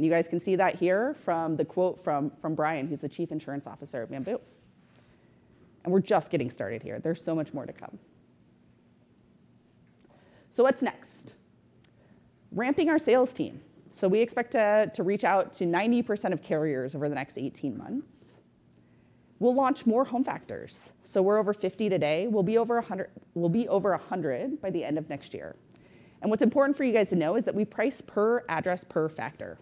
And you guys can see that here from the quote from Brian, who's the Chief Insurance Officer at Bamboo. And we're just getting started here. There's so much more to come. So what's next? Ramping our sales team. So we expect to reach out to 90% of carriers over the next 18 months. We'll launch more HomeFactors. So we're over 50 today. We'll be over 100 by the end of next year. And what's important for you guys to know is that we price per address, per factor.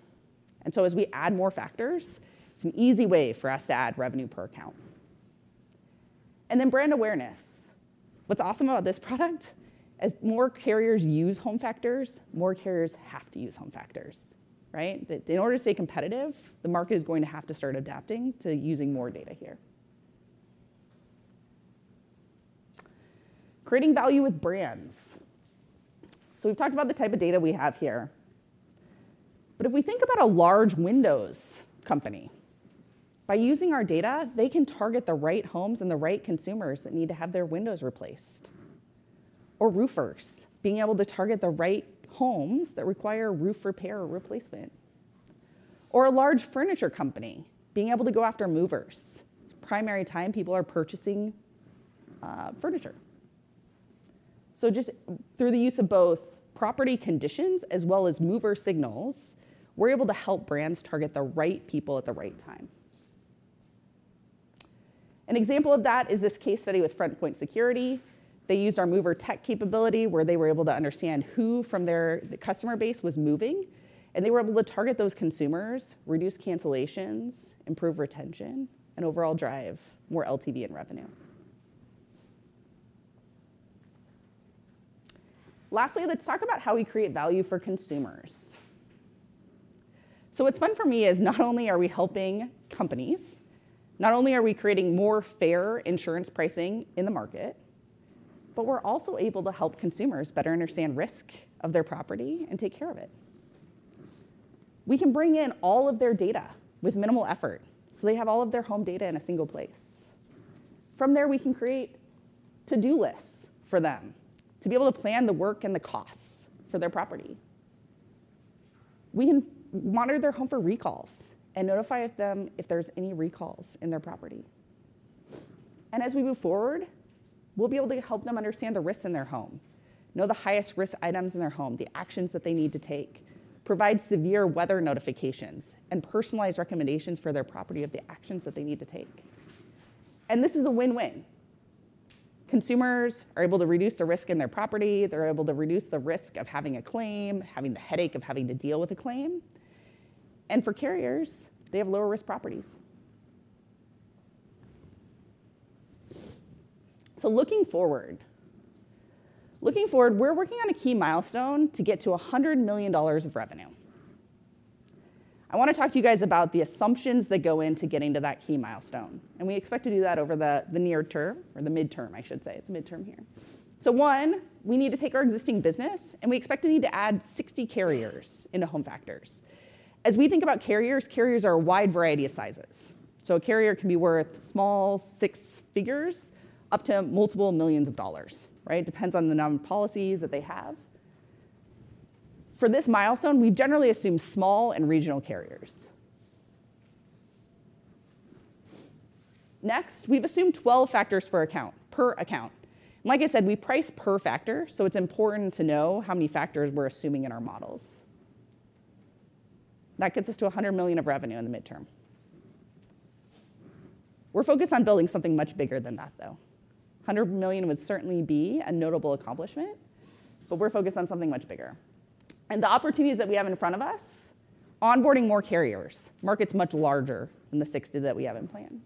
And so as we add more factors, it's an easy way for us to add revenue per account. And then brand awareness. What's awesome about this product is more carriers use HomeFactors, more carriers have to use HomeFactors, right? In order to stay competitive, the market is going to have to start adapting to using more data here. Creating value with brands. So we've talked about the type of data we have here. But if we think about a large windows company, by using our data, they can target the right homes and the right consumers that need to have their windows replaced. Or roofers, being able to target the right homes that require roof repair or replacement. Or a large furniture company, being able to go after movers. It's a primary time people are purchasing furniture. So just through the use of both property conditions as well as mover signals, we're able to help brands target the right people at the right time. An example of that is this case study with Frontpoint Security. They used our MoverTech capability where they were able to understand who from their customer base was moving, and they were able to target those consumers, reduce cancellations, improve retention, and overall drive more LTV and revenue. Lastly, let's talk about how we create value for consumers. So what's fun for me is not only are we helping companies, not only are we creating more fair insurance pricing in the market, but we're also able to help consumers better understand risk of their property and take care of it. We can bring in all of their data with minimal effort. So they have all of their home data in a single place. From there, we can create to-do lists for them to be able to plan the work and the costs for their property. We can monitor their home for recalls and notify them if there's any recalls in their property. And as we move forward, we'll be able to help them understand the risks in their home, know the highest risk items in their home, the actions that they need to take, provide severe weather notifications, and personalized recommendations for their property of the actions that they need to take. And this is a win-win. Consumers are able to reduce the risk in their property. They're able to reduce the risk of having a claim, having the headache of having to deal with a claim. And for carriers, they have lower-risk properties. So looking forward, we're working on a key milestone to get to $100 million of revenue. I want to talk to you guys about the assumptions that go into getting to that key milestone. And we expect to do that over the near term or the midterm, I should say. It's midterm here. So one, we need to take our existing business, and we expect to need to add 60 carriers into HomeFactors. As we think about carriers, carriers are a wide variety of sizes. So a carrier can be worth small six figures up to multiple millions of dollars, right? Depends on the number of policies that they have. For this milestone, we generally assume small and regional carriers. Next, we've assumed 12 factors per account. Like I said, we price per factor, so it's important to know how many factors we're assuming in our models. That gets us to $100 million of revenue in the midterm. We're focused on building something much bigger than that, though. $100 million would certainly be a notable accomplishment, but we're focused on something much bigger. And the opportunities that we have in front of us, onboarding more carriers, market's much larger than the 60 that we have in plan.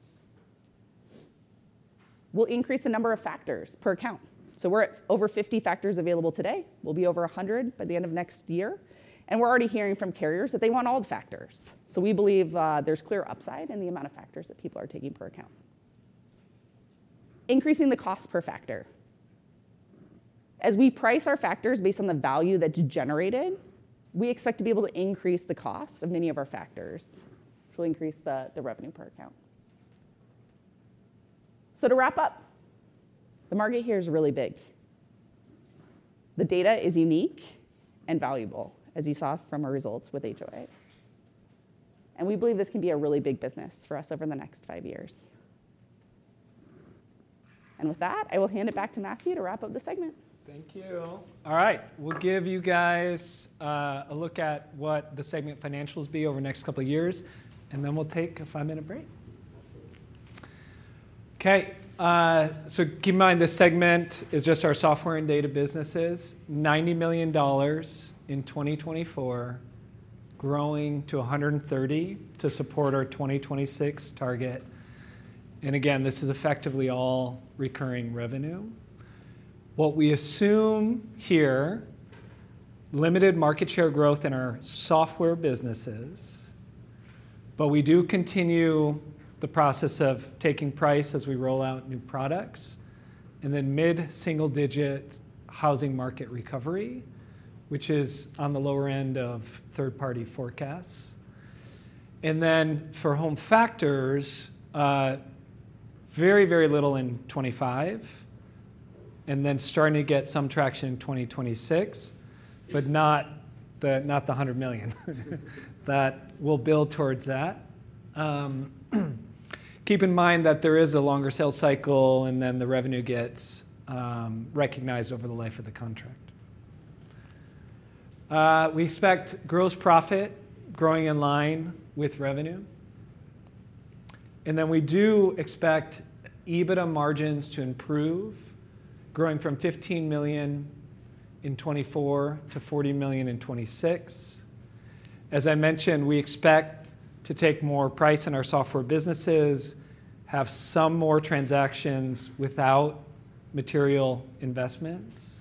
We'll increase the number of factors per account. So we're at over 50 factors available today. We'll be over 100 by the end of next year. And we're already hearing from carriers that they want all the factors. So we believe there's clear upside in the amount of factors that people are taking per account. Increasing the cost per factor. As we price our factors based on the value that's generated, we expect to be able to increase the cost of many of our factors, which will increase the revenue per account, so to wrap up, the market here is really big. The data is unique and valuable, as you saw from our results with HOA, and we believe this can be a really big business for us over the next five years, and with that, I will hand it back to Matthew to wrap up the segment. Thank you. All right. We'll give you guys a look at what the segment financials be over the next couple of years, and then we'll take a five-minute break. Okay. So keep in mind this segment is just our Software and Data businesses. $90 million in 2024, growing to $130 to support our 2026 target. And again, this is effectively all recurring revenue. What we assume here, limited market share growth in our software businesses, but we do continue the process of taking price as we roll out new products. And then mid-single-digit housing market recovery, which is on the lower end of third-party forecasts. And then for HomeFactors, very, very little in 2025, and then starting to get some traction in 2026, but not the 100 million. That will build towards that. Keep in mind that there is a longer sales cycle, and then the revenue gets recognized over the life of the contract. We expect gross profit growing in line with revenue, and then we do expect EBITDA margins to improve, growing from $15 million in 2024 to $40 million in 2026. As I mentioned, we expect to take more price in our software businesses, have some more transactions without material investments,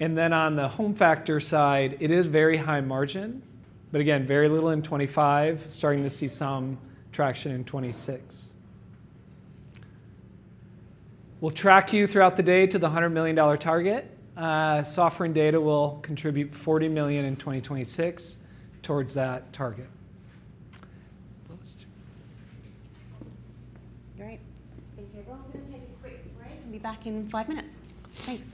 and then on the HomeFactors side, it is very high margin, but again, very little in 2025, starting to see some traction in 2026. We'll track you throughout the day to the $100 million target. Software and Data will contribute $40 million in 2026 towards that target. All right. Thank you. We're all going to take a quick break and be back in five minutes. Thanks.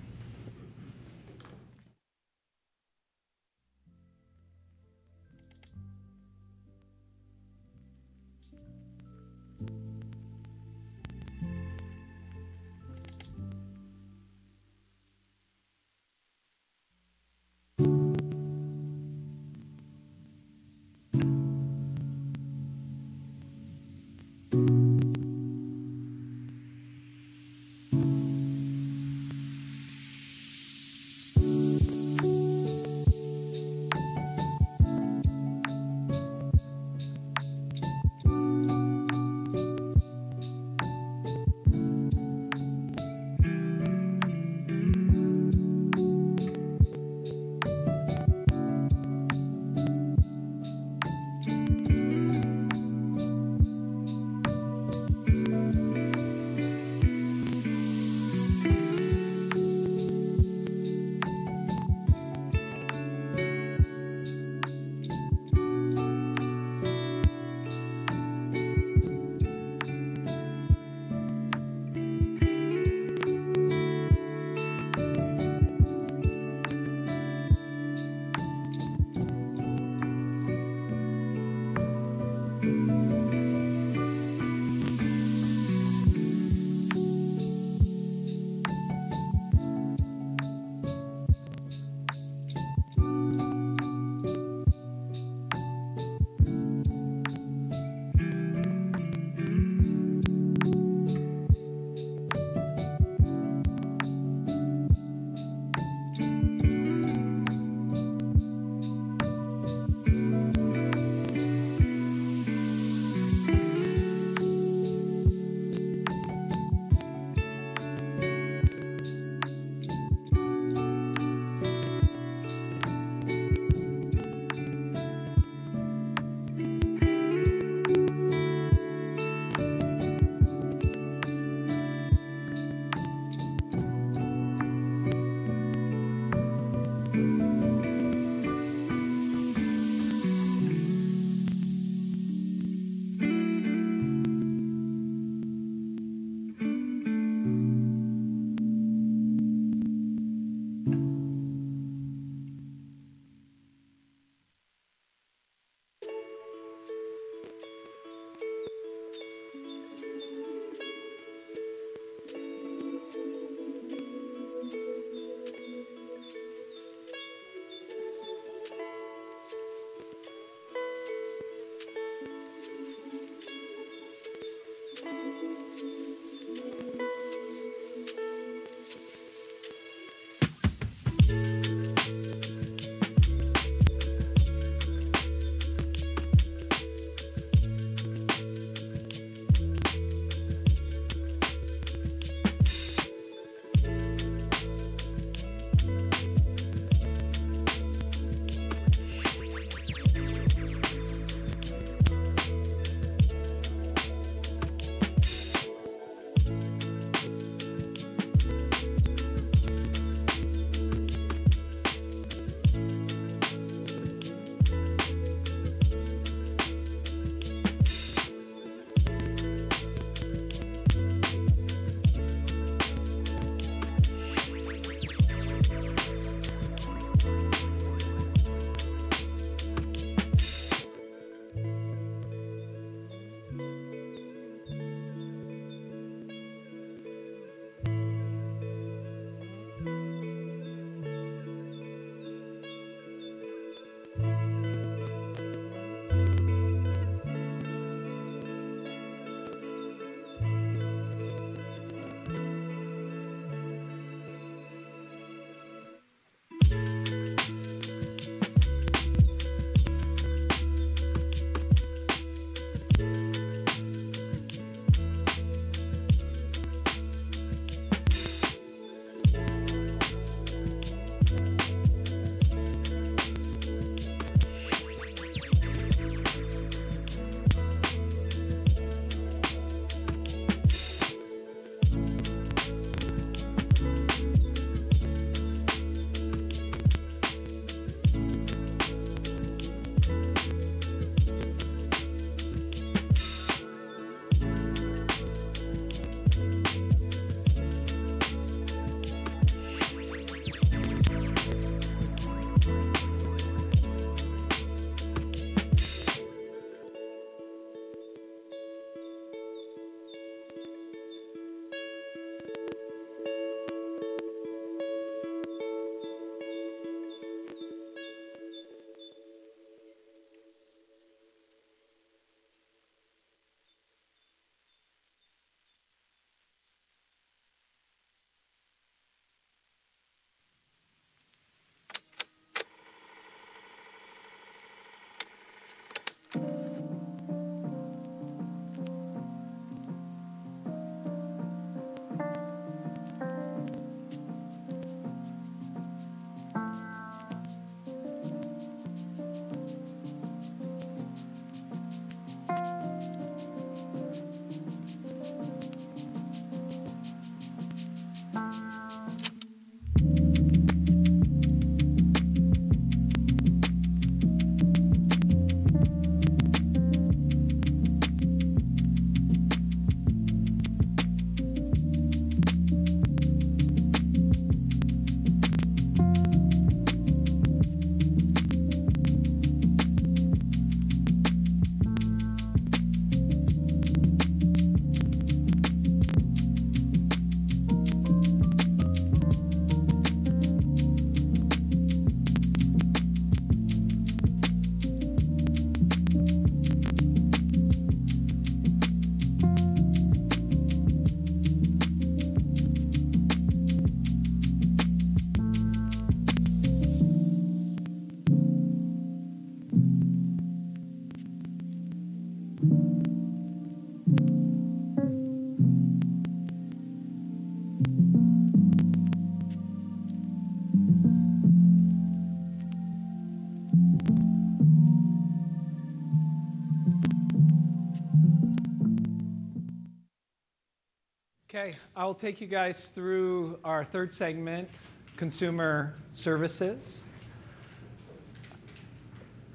Okay. I'll take you guys through our third segment, Consumer Services.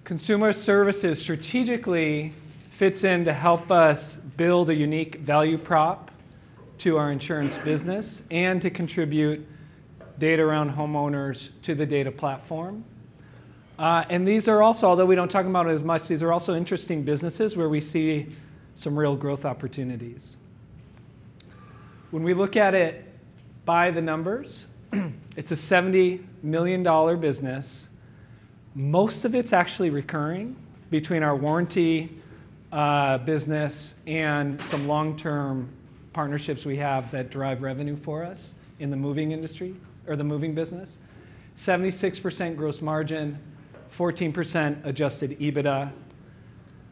Consumer Services strategically fits in to help us build a unique value prop to our insurance business and to contribute data around homeowners to the data platform. And these are also, although we don't talk about it as much, these are also interesting businesses where we see some real growth opportunities. When we look at it by the numbers, it's a $70 million business. Most of it's actually recurring between our warranty business and some long-term partnerships we have that drive revenue for us in the moving industry or the moving business. 76% gross margin, 14% Adjusted EBITDA.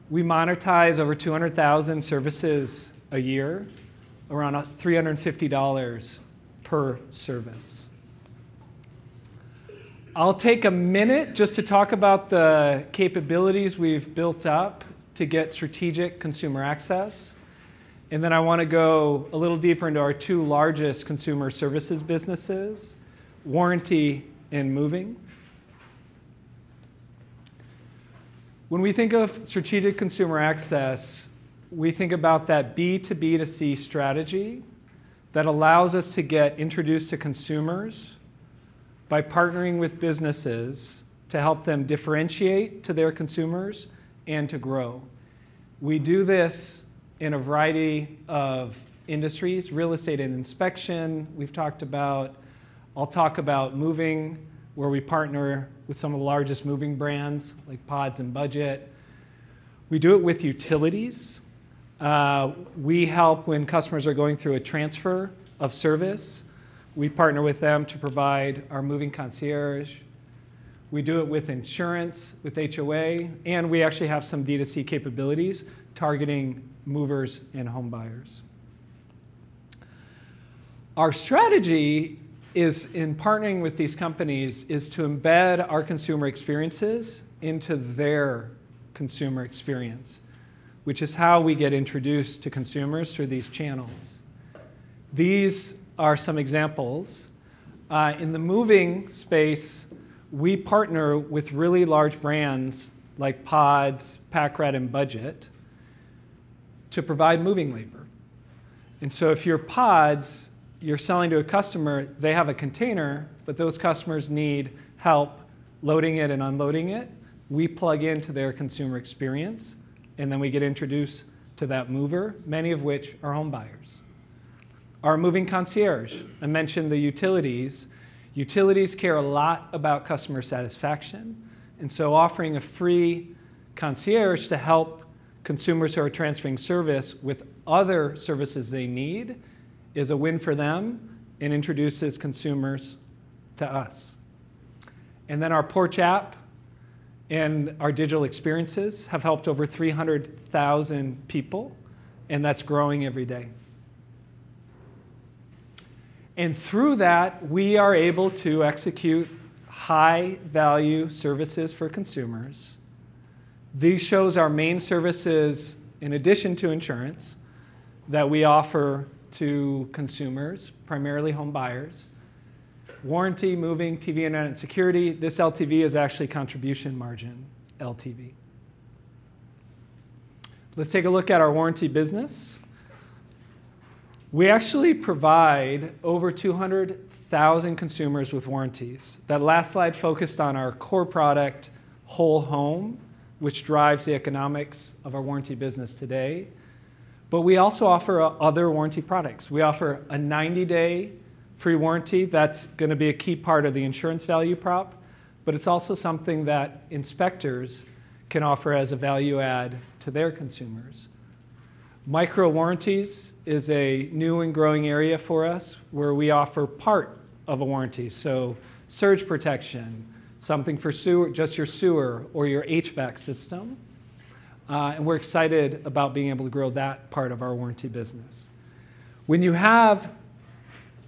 We monetize over 200,000 services a year, around $350 per service. I'll take a minute just to talk about the capabilities we've built up to get strategic consumer access, and then I want to go a little deeper into our two largest Consumer Services businesses, warranty and moving. When we think of strategic consumer access, we think about that B2B2C strategy that allows us to get introduced to consumers by partnering with businesses to help them differentiate to their consumers and to grow. We do this in a variety of industries, real estate and inspection. We've talked about, I'll talk about moving where we partner with some of the largest moving brands like PODS and Budget. We do it with utilities. We help when customers are going through a transfer of service. We partner with them to provide our moving concierge. We do it with insurance, with HOA, and we actually have some D2C capabilities targeting movers and homebuyers. Our strategy is in partnering with these companies is to embed our consumer experiences into their consumer experience, which is how we get introduced to consumers through these channels. These are some examples. In the moving space, we partner with really large brands like PODS, PACK-RAT, and Budget to provide moving labor. And so if you're PODS, you're selling to a customer, they have a container, but those customers need help loading it and unloading it. We plug into their consumer experience, and then we get introduced to that mover, many of which are homebuyers. Our moving concierge, I mentioned the utilities. Utilities care a lot about customer satisfaction. And so offering a free concierge to help consumers who are transferring service with other services they need is a win for them and introduces consumers to us. Our Porch App and our digital experiences have helped over 300,000 people, and that's growing every day. Through that, we are able to execute high-value services for consumers. This shows our main services in addition to insurance that we offer to consumers, primarily homebuyers. Warranty, moving, TV, and security. This LTV is actually contribution margin LTV. Let's take a look at our warranty business. We actually provide over 200,000 consumers with warranties. That last slide focused on our core product, Whole Home, which drives the economics of our warranty business today. We also offer other warranty products. We offer a 90-day free warranty. That's going to be a key part of the insurance value prop, but it's also something that inspectors can offer as a value add to their consumers. Micro warranties is a new and growing area for us where we offer part of a warranty. So surge protection, something for just your sewer or your HVAC system. And we're excited about being able to grow that part of our warranty business. When you have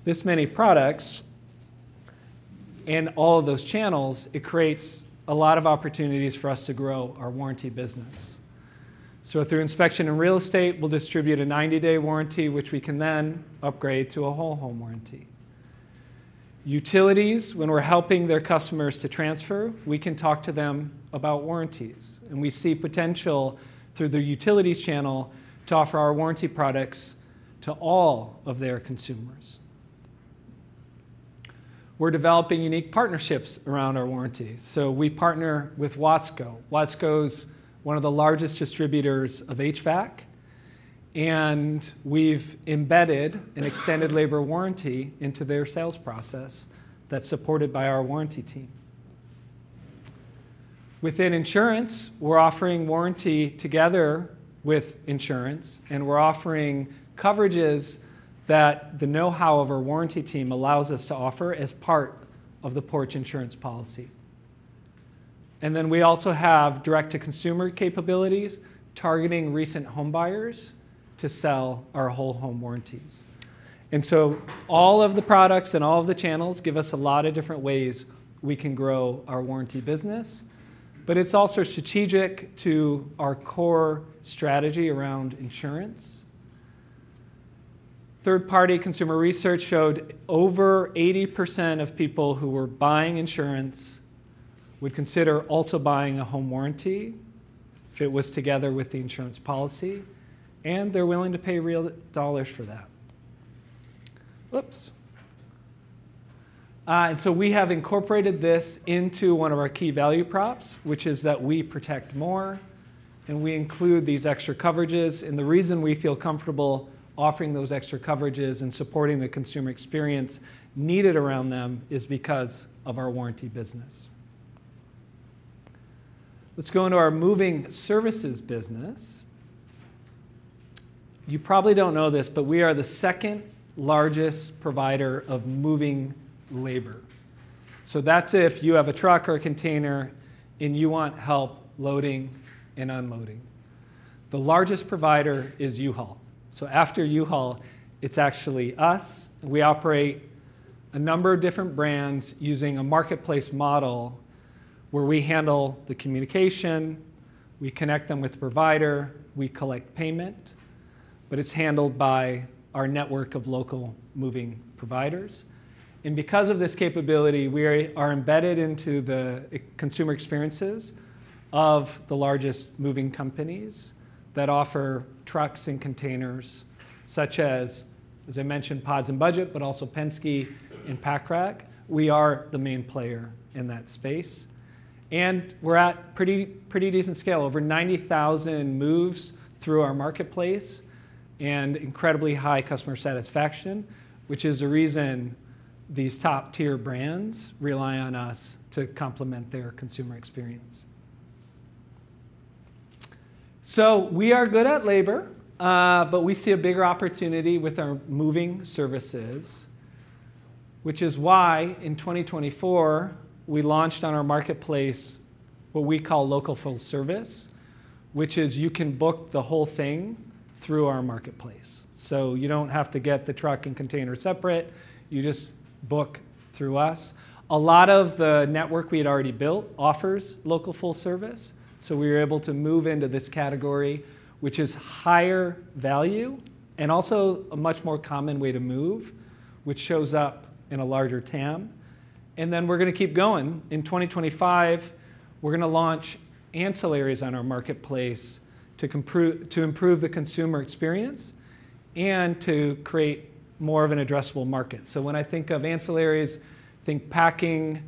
this many products and all of those channels, it creates a lot of opportunities for us to grow our warranty business. So through inspection and real estate, we'll distribute a 90-day warranty, which we can then upgrade to a Whole Home warranty. Utilities, when we're helping their customers to transfer, we can talk to them about warranties. And we see potential through the utilities channel to offer our warranty products to all of their consumers. We're developing unique partnerships around our warranties. So we partner with Watsco. Watsco's one of the largest distributors of HVAC. We've embedded an extended labor warranty into their sales process that's supported by our warranty team. Within insurance, we're offering warranty together with insurance, and we're offering coverages that the know-how of our warranty team allows us to offer as part of the Porch Insurance policy. Then we also have direct-to-consumer capabilities targeting recent homebuyers to sell our Whole Home warranties. So all of the products and all of the channels give us a lot of different ways we can grow our warranty business, but it's also strategic to our core strategy around insurance. Third-party consumer research showed over 80% of people who were buying insurance would consider also buying a home warranty if it was together with the insurance policy, and they're willing to pay real dollars for that. Whoops. And so we have incorporated this into one of our key value props, which is that we protect more, and we include these extra coverages. And the reason we feel comfortable offering those extra coverages and supporting the consumer experience needed around them is because of our warranty business. Let's go into our moving services business. You probably don't know this, but we are the second largest provider of moving labor. So that's if you have a truck or a container and you want help loading and unloading. The largest provider is U-Haul. So after U-Haul, it's actually us. We operate a number of different brands using a marketplace model where we handle the communication. We connect them with the provider. We collect payment, but it's handled by our network of local moving providers. Because of this capability, we are embedded into the consumer experiences of the largest moving companies that offer trucks and containers, such as, as I mentioned, PODS and Budget, but also Penske and PACK-RAT. We are the main player in that space. We're at pretty decent scale, over 90,000 moves through our marketplace and incredibly high customer satisfaction, which is the reason these top-tier brands rely on us to complement their consumer experience. We are good at labor, but we see a bigger opportunity with our moving services, which is why in 2024, we launched on our marketplace what we call local full service, which is you can book the whole thing through our marketplace. You don't have to get the truck and container separate. You just book through us. A lot of the network we had already built offers local full service. So we were able to move into this category, which is higher value and also a much more common way to move, which shows up in a larger TAM. And then we're going to keep going. In 2025, we're going to launch ancillaries on our marketplace to improve the consumer experience and to create more of an addressable market. So when I think of ancillaries, think packing.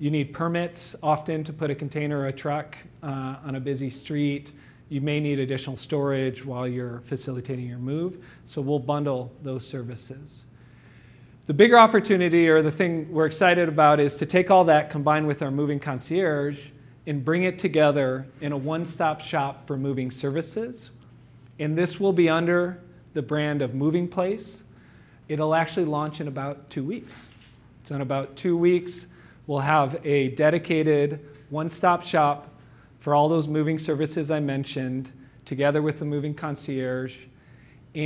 You need permits often to put a container or a truck on a busy street. You may need additional storage while you're facilitating your move. So we'll bundle those services. The bigger opportunity or the thing we're excited about is to take all that, combine with our moving concierge, and bring it together in a one-stop shop for moving services. And this will be under the brand of MovingPlace. It'll actually launch in about two weeks. In about two weeks, we'll have a dedicated one-stop shop for all those moving services I mentioned together with the moving concierge. We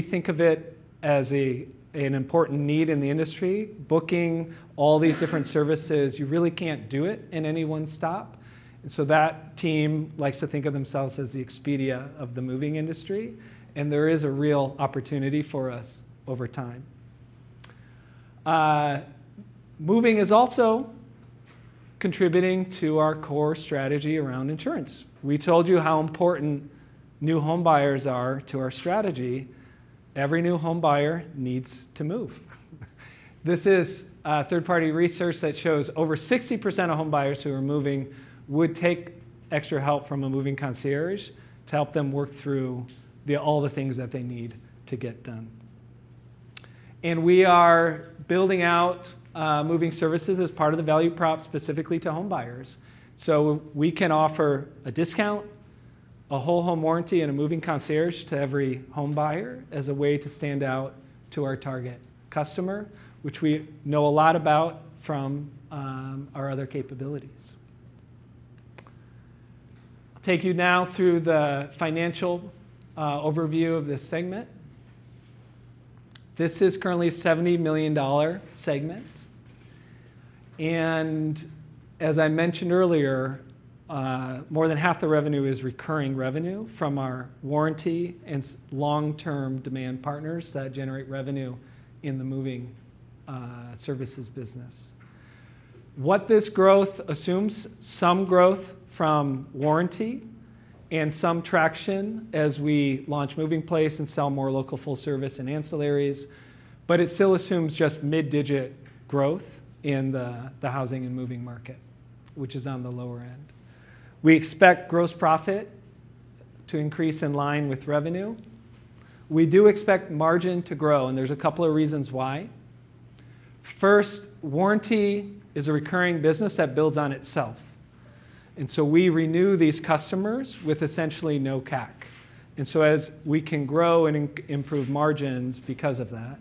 think of it as an important need in the industry. Booking all these different services, you really can't do it in any one stop. That team likes to think of themselves as the Expedia of the moving industry. There is a real opportunity for us over time. Moving is also contributing to our core strategy around insurance. We told you how important new homebuyers are to our strategy. Every new home buyer needs to move. This is third-party research that shows over 60% of homebuyers who are moving would take extra help from a moving concierge to help them work through all the things that they need to get done. We are building out moving services as part of the value prop specifically to homebuyers. So we can offer a discount, a Whole Home warranty, and a moving concierge to every home buyer as a way to stand out to our target customer, which we know a lot about from our other capabilities. I'll take you now through the financial overview of this segment. This is currently a $70 million segment. And as I mentioned earlier, more than half the revenue is recurring revenue from our warranty and long-term demand partners that generate revenue in the moving services business. What this growth assumes, some growth from warranty and some traction as we launch MovingPlace and sell more local full service and ancillaries, but it still assumes just mid-digit growth in the housing and moving market, which is on the lower end. We expect gross profit to increase in line with revenue. We do expect margin to grow, and there's a couple of reasons why. First, Warranty is a recurring business that builds on itself. And so we renew these customers with essentially no CAC. And so as we can grow and improve margins because of that.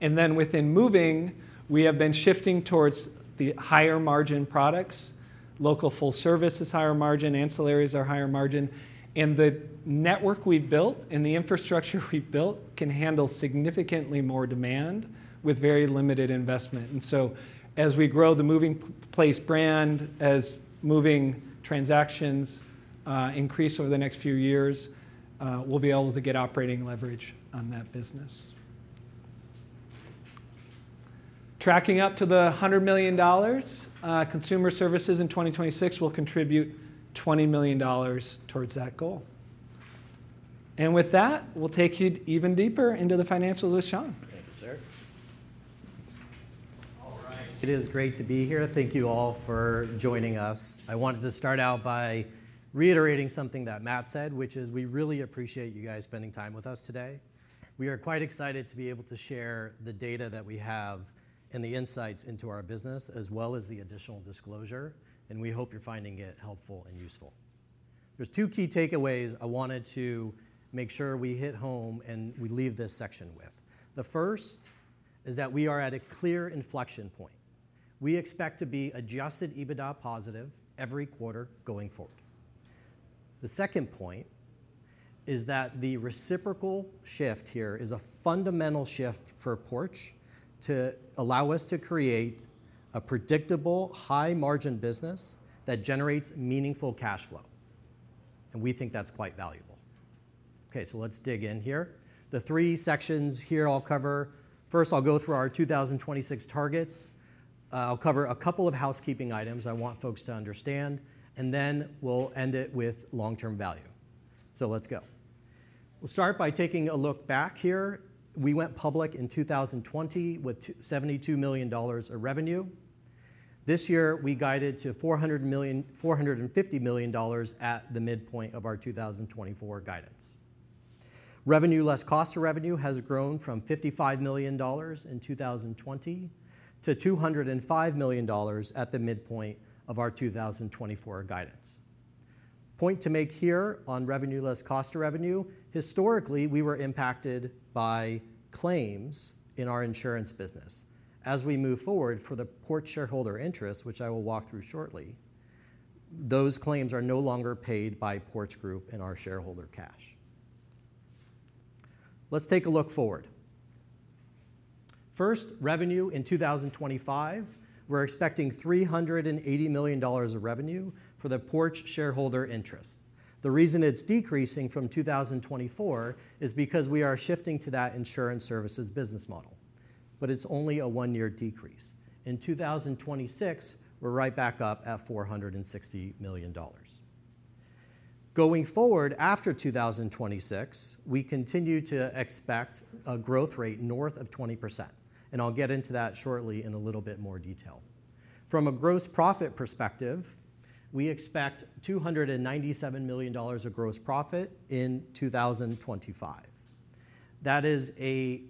And then within Moving, we have been shifting towards the higher margin products. Local full service is higher margin. Ancillaries are higher margin. And the network we've built and the infrastructure we've built can handle significantly more demand with very limited investment. And so as we grow the MovingPlace brand, as moving transactions increase over the next few years, we'll be able to get operating leverage on that business. Tracking up to the $100 million, Consumer Services in 2026 will contribute $20 million towards that goal. With that, we'll take you evendeeper into the financials with Shawn. Thank you, sir. All right. It is great to be here. Thank you all for joining us. I wanted to start out by reiterating something that Matt said, which is we really appreciate you guys spending time with us today. We are quite excited to be able to share the data that we have and the insights into our business as well as the additional disclosure, and we hope you're finding it helpful and useful. There's two key takeaways I wanted to make sure we hit home and we leave this section with. The first is that we are at a clear inflection point. We expect to be Adjusted EBITDA positive every quarter going forward. The second point is that the reciprocal shift here is a fundamental shift for Porch to allow us to create a predictable high-margin business that generates meaningful cash flow, and we think that's quite valuable. Okay, so let's dig in here. The three sections here I'll cover. First, I'll go through our 2026 targets. I'll cover a couple of housekeeping items I want folks to understand, and then we'll end it with long-term value, so let's go. We'll start by taking a look back here. We went public in 2020 with $72 million of revenue. This year, we guided to $450 million at the midpoint of our 2024 guidance. Revenue less cost of revenue has grown from $55 million in 2020 to $205 million at the midpoint of our 2024 guidance. Point to make here on revenue less cost of revenue. Historically, we were impacted by claims in our insurance business. As we move forward for the Porch shareholder interest, which I will walk through shortly, those claims are no longer paid by Porch Group in our shareholder cash. Let's take a look forward. First, revenue in 2025, we're expecting $380 million of revenue for the Porch shareholder interest. The reason it's decreasing from 2024 is because we are shifting to that Insurance Services business model, but it's only a one-year decrease. In 2026, we're right back up at $460 million. Going forward after 2026, we continue to expect a growth rate north of 20%, and I'll get into that shortly in a little bit more detail. From a gross profit perspective, we expect $297 million of gross profit in 2025. That is an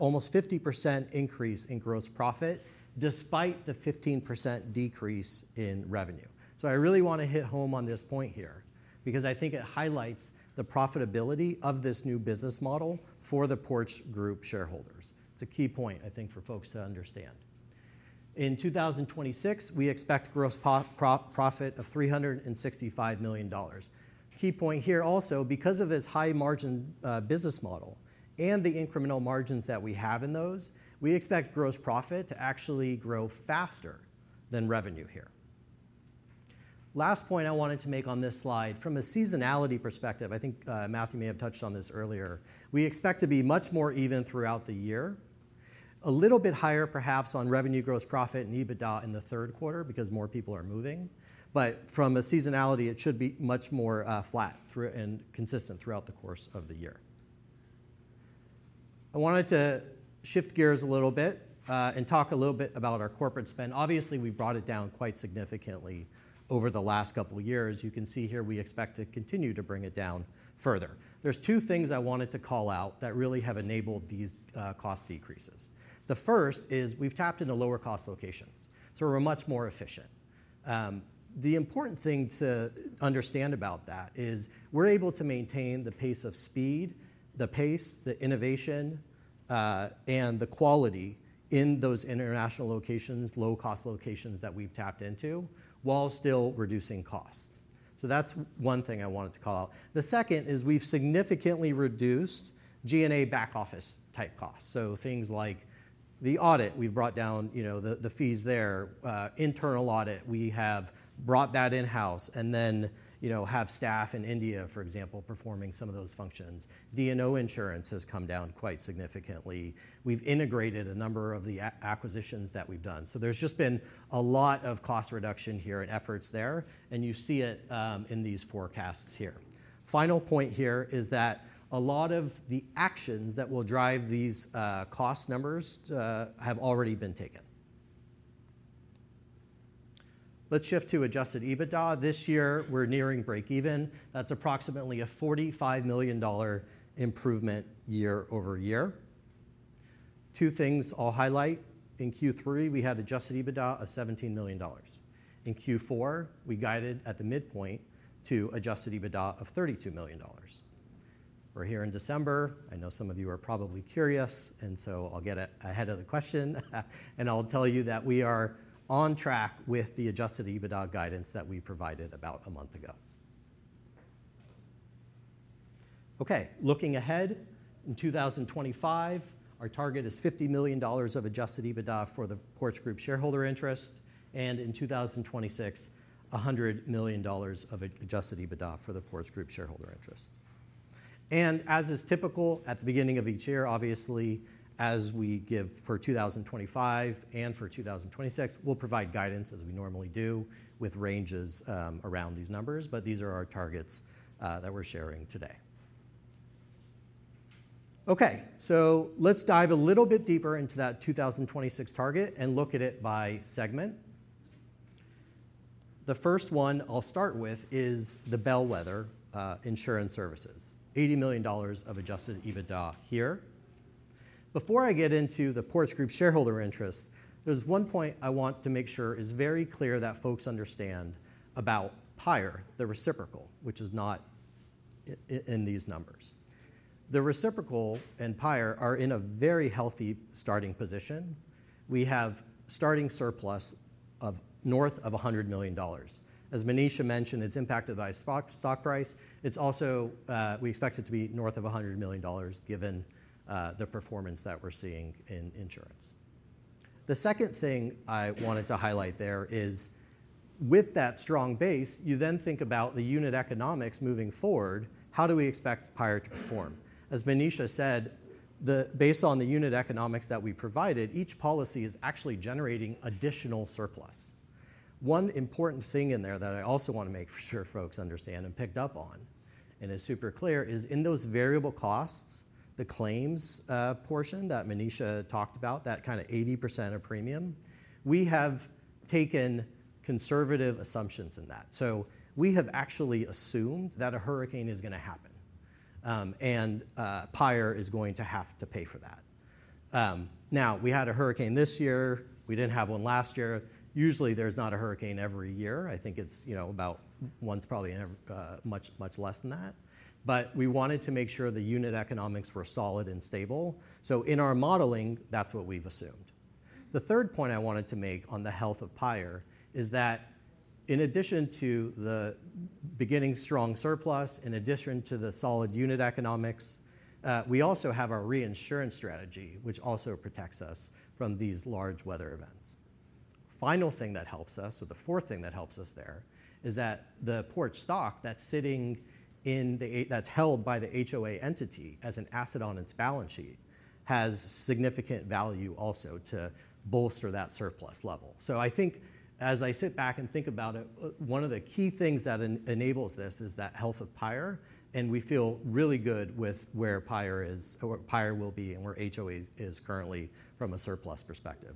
almost 50% increase in gross profit despite the 15% decrease in revenue. So I really want to hit home on this point here because I think it highlights the profitability of this new business model for the Porch Group shareholders. It's a key point, I think, for folks to understand. In 2026, we expect gross profit of $365 million. Key point here also, because of this high-margin business model and the incremental margins that we have in those, we expect gross profit to actually grow faster than revenue here. Last point I wanted to make on this slide. From a seasonality perspective, I think Matthew may have touched on this earlier. We expect to be much more even throughout the year, a little bit higher perhaps on revenue, gross profit, and EBITDA in the third quarter because more people are moving. But from a seasonality, it should be much more flat and consistent throughout the course of the year. I wanted to shift gears a little bit and talk a little bit about our corporate spend. Obviously, we brought it down quite significantly over the last couple of years. You can see here we expect to continue to bring it down further. There's two things I wanted to call out that really have enabled these cost decreases. The first is we've tapped into lower cost locations, so we're much more efficient. The important thing to understand about that is we're able to maintain the pace of speed, the pace, the innovation, and the quality in those international locations, low-cost locations that we've tapped into while still reducing costs. So that's one thing I wanted to call out. The second is we've significantly reduced G&A back office type costs. So things like the audit, we've brought down the fees there. Internal audit, we have brought that in-house and then have staff in India, for example, performing some of those functions. D&O insurance has come down quite significantly. We've integrated a number of the acquisitions that we've done. So there's just been a lot of cost reduction here and efforts there, and you see it in these forecasts here. Final point here is that a lot of the actions that will drive these cost numbers have already been taken. Let's shift to Adjusted EBITDA. This year, we're nearing breakeven. That's approximately a $45 million improvement year over year. Two things I'll highlight. In Q3, we had Adjusted EBITDA of $17 million. In Q4, we guided at the midpoint to Adjusted EBITDA of $32 million. We're here in December. I know some of you are probably curious, and so I'll get ahead of the question, and I'll tell you that we are on track with the Adjusted EBITDA guidance that we provided about a month ago. Okay, looking ahead, in 2025, our target is $50 million of Adjusted EBITDA for the Porch Group shareholder interest, and in 2026, $100 million of Adjusted EBITDA for the Porch Group shareholder interest. And as is typical at the beginning of each year, obviously, as we give for 2025 and for 2026, we'll provide guidance as we normally do with ranges around these numbers, but these are our targets that we're sharing today. Okay, so let's dive a little bit deeper into that 2026 target and look at it by segment. The first one I'll start with is the bellwether Insurance Services, $80 million of Adjusted EBITDA here. Before I get into the Porch Group shareholder interest, there's one point I want to make sure is very clear that folks understand about PIRE, the reciprocal, which is not in these numbers. The reciprocal and PIRE are in a very healthy starting position. We have starting surplus of north of $100 million. As Manisha mentioned, it's impacted by stock price. It's also we expect it to be north of $100 million given the performance that we're seeing in insurance. The second thing I wanted to highlight there is with that strong base, you then think about the unit economics moving forward. How do we expect PIRE to perform? As Manisha said, based on the unit economics that we provided, each policy is actually generating additional surplus. One important thing in there that I also want to make sure folks understand and picked up on and is super clear is in those variable costs, the claims portion that Manisha talked about, that kind of 80% of premium, we have taken conservative assumptions in that, so we have actually assumed that a hurricane is going to happen and PIRE is going to have to pay for that. Now, we had a hurricane this year. We didn't have one last year. Usually, there's not a hurricane every year. I think it's about once probably much, much less than that, but we wanted to make sure the unit economics were solid and stable, so in our modeling, that's what we've assumed. The third point I wanted to make on the health of PIRE is that in addition to the beginning strong surplus, in addition to the solid unit economics, we also have our reinsurance strategy, which also protects us from these large weather events. Final thing that helps us, or the fourth thing that helps us there, is that the Porch stock that's held by the HOA entity as an asset on its balance sheet has significant value also to bolster that surplus level. So I think as I sit back and think about it, one of the key things that enables this is that health of PIRE, and we feel really good with where PIRE is or PIRE will be and where HOA is currently from a surplus perspective.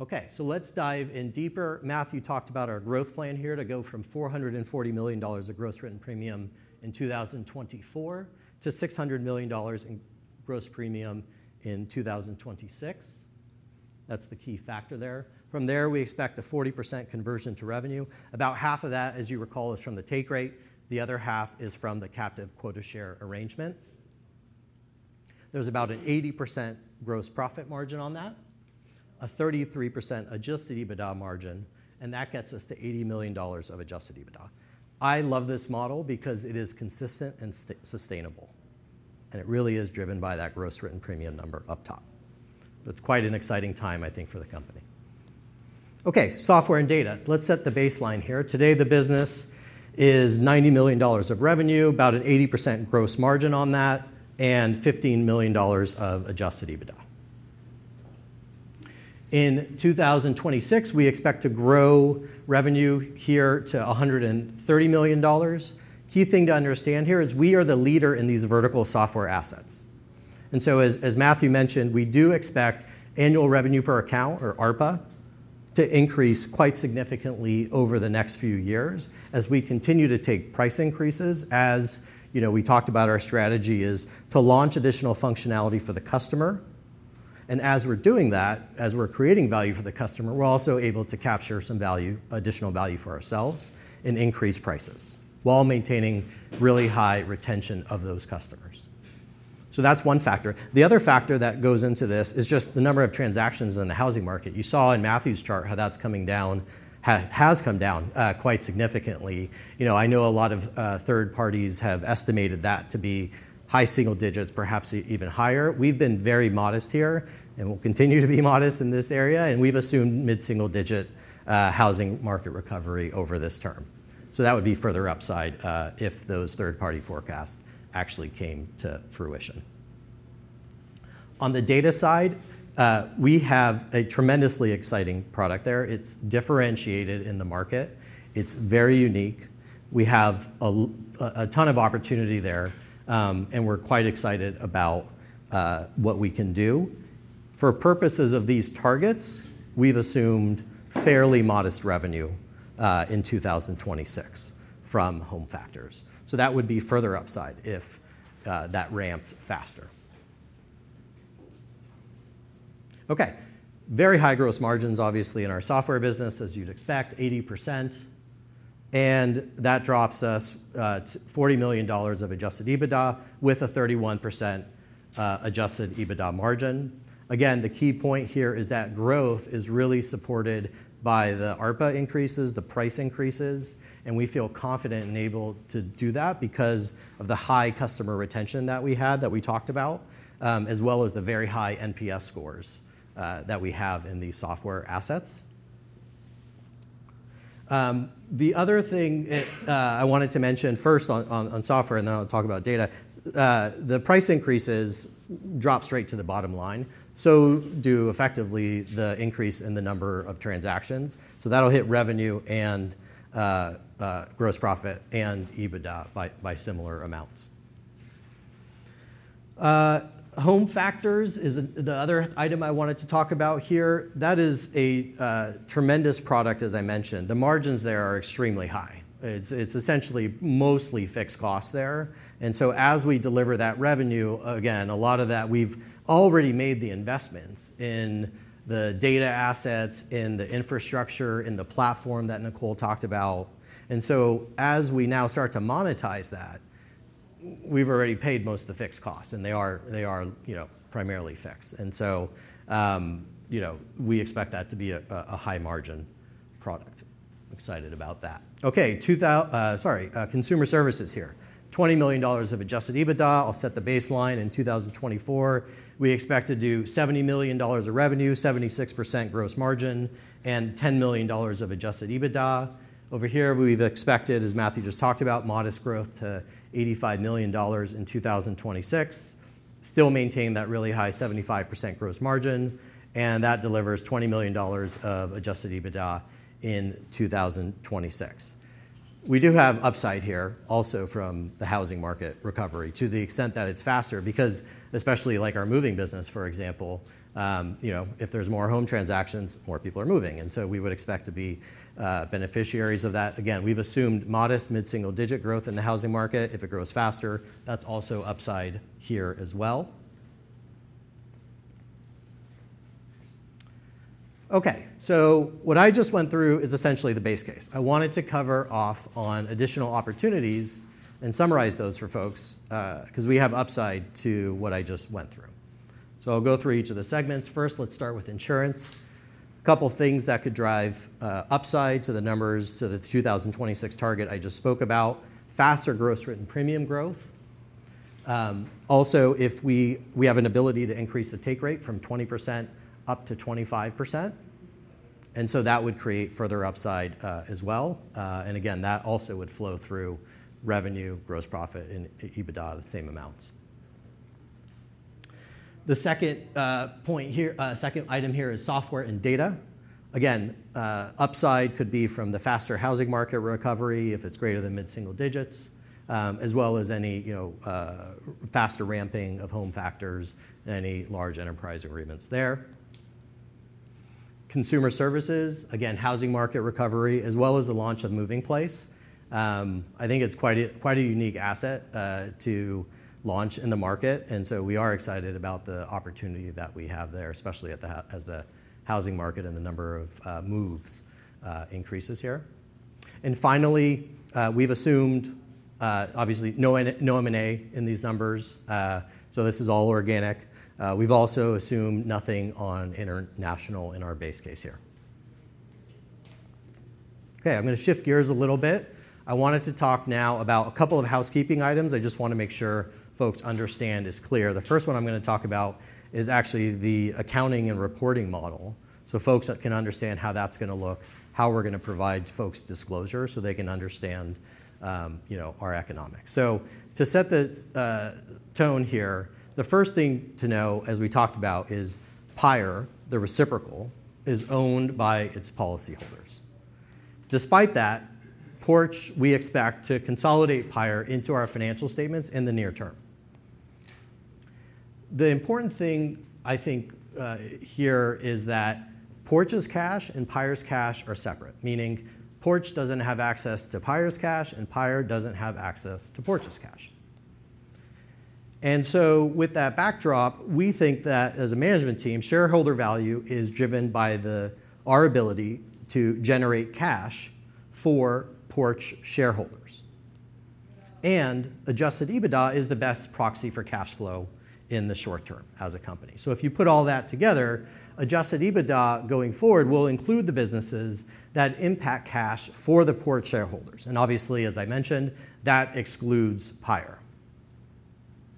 Okay, so let's dive in deeper. Matthew talked about our growth plan here to go from $440 million of gross written premium in 2024 to $600 million in gross premium in 2026. That's the key factor there. From there, we expect a 40% conversion to revenue. About half of that, as you recall, is from the take rate. The other half is from the captive quota share arrangement. There's about an 80% gross profit margin on that, a 33% Adjusted EBITDA margin, and that gets us to $80 million of Adjusted EBITDA. I love this model because it is consistent and sustainable, and it really is driven by that gross written premium number up top. It's quite an exciting time, I think, for the company. Okay, software and data. Let's set the baseline here. Today, the business is $90 million of revenue, about an 80% gross margin on that, and $15 million of Adjusted EBITDA. In 2026, we expect to grow revenue here to $130 million. Key thing to understand here is we are the leader in these Vertical Software assets. And so, as Matthew mentioned, we do expect annual revenue per account or ARPA to increase quite significantly over the next few years as we continue to take price increases. As we talked about, our strategy is to launch additional functionality for the customer. And as we're doing that, as we're creating value for the customer, we're also able to capture some additional value for ourselves and increase prices while maintaining really high retention of those customers. So that's one factor. The other factor that goes into this is just the number of transactions in the housing market. You saw in Matthew's chart how that's coming down, has come down quite significantly. I know a lot of third parties have estimated that to be high single digits, perhaps even higher. We've been very modest here and will continue to be modest in this area, and we've assumed mid-single digit housing market recovery over this term. So that would be further upside if those third-party forecasts actually came to fruition. On the data side, we have a tremendously exciting product there. It's differentiated in the market. It's very unique. We have a ton of opportunity there, and we're quite excited about what we can do. For purposes of these targets, we've assumed fairly modest revenue in 2026 from HomeFactors. So that would be further upside if that ramped faster. Okay, very high gross margins, obviously, in our software business, as you'd expect, 80%. And that drops us to $40 million of Adjusted EBITDA with a 31% Adjusted EBITDA margin. Again, the key point here is that growth is really supported by the ARPA increases, the price increases, and we feel confident and able to do that because of the high customer retention that we had that we talked about, as well as the very high NPS scores that we have in these software assets. The other thing I wanted to mention first on software, and then I'll talk about data, the price increases drop straight to the bottom line. So, unlike the increase in the number of transactions. So that'll hit revenue and gross profit and EBITDA by similar amounts. HomeFactors is the other item I wanted to talk about here. That is a tremendous product, as I mentioned. The margins there are extremely high. It's essentially mostly fixed costs there. And so, as we deliver that revenue, again, a lot of that we've already made the investments in the data assets, in the infrastructure, in the platform that Nicole talked about. And so, as we now start to monetize that, we've already paid most of the fixed costs, and they are primarily fixed. And so, we expect that to be a high margin product. I'm excited about that. Okay, sorry, Consumer Services here. $20 million of Adjusted EBITDA. I'll set the baseline in 2024. We expect to do $70 million of revenue, 76% gross margin, and $10 million of Adjusted EBITDA. Over here, we've expected, as Matthew just talked about, modest growth to $85 million in 2026, still maintain that really high 75% gross margin, and that delivers $20 million of Adjusted EBITDA in 2026. We do have upside here also from the housing market recovery to the extent that it's faster because, especially like our moving business, for example, if there's more home transactions, more people are moving. And so, we would expect to be beneficiaries of that. Again, we've assumed modest mid-single digit growth in the housing market. If it grows faster, that's also upside here as well. Okay, so what I just went through is essentially the base case. I wanted to cover off on additional opportunities and summarize those for folks because we have upside to what I just went through. So I'll go through each of the segments. First, let's start with insurance. A couple of things that could drive upside to the numbers to the 2026 target I just spoke about: faster gross written premium growth. Also, if we have an ability to increase the take rate from 20% up to 25%. And so, that would create further upside as well. And again, that also would flow through revenue, gross profit, and EBITDA, the same amounts. The second point here, second item here is Software and Data. Again, upside could be from the faster housing market recovery if it's greater than mid-single digits, as well as any faster ramping of HomeFactors and any large enterprise agreements there. Consumer Services, again, housing market recovery, as well as the launch of MovingPlace. I think it's quite a unique asset to launch in the market. And so, we are excited about the opportunity that we have there, especially as the housing market and the number of moves increases here. And finally, we've assumed, obviously, no M&A in these numbers. So this is all organic. We've also assumed nothing on international in our base case here. Okay, I'm going to shift gears a little bit. I wanted to talk now about a couple of housekeeping items. I just want to make sure folks understand is clear. The first one I'm going to talk about is actually the accounting and reporting model. So folks can understand how that's going to look, how we're going to provide folks disclosure so they can understand our economics. So to set the tone here, the first thing to know, as we talked about, is PIRE, the reciprocal, is owned by its policyholders. Despite that, Porch, we expect to consolidate PIRE into our financial statements in the near term. The important thing, I think, here is that Porch's cash and PIRE's cash are separate, meaning Porch doesn't have access to PIRE's cash and PIRE doesn't have access to Porch's cash. With that backdrop, we think that as a management team, shareholder value is driven by our ability to generate cash for Porch shareholders. Adjusted EBITDA is the best proxy for cash flow in the short term as a company. If you put all that together, Adjusted EBITDA going forward will include the businesses that impact cash for the Porch shareholders. Obviously, as I mentioned, that excludes PIRE.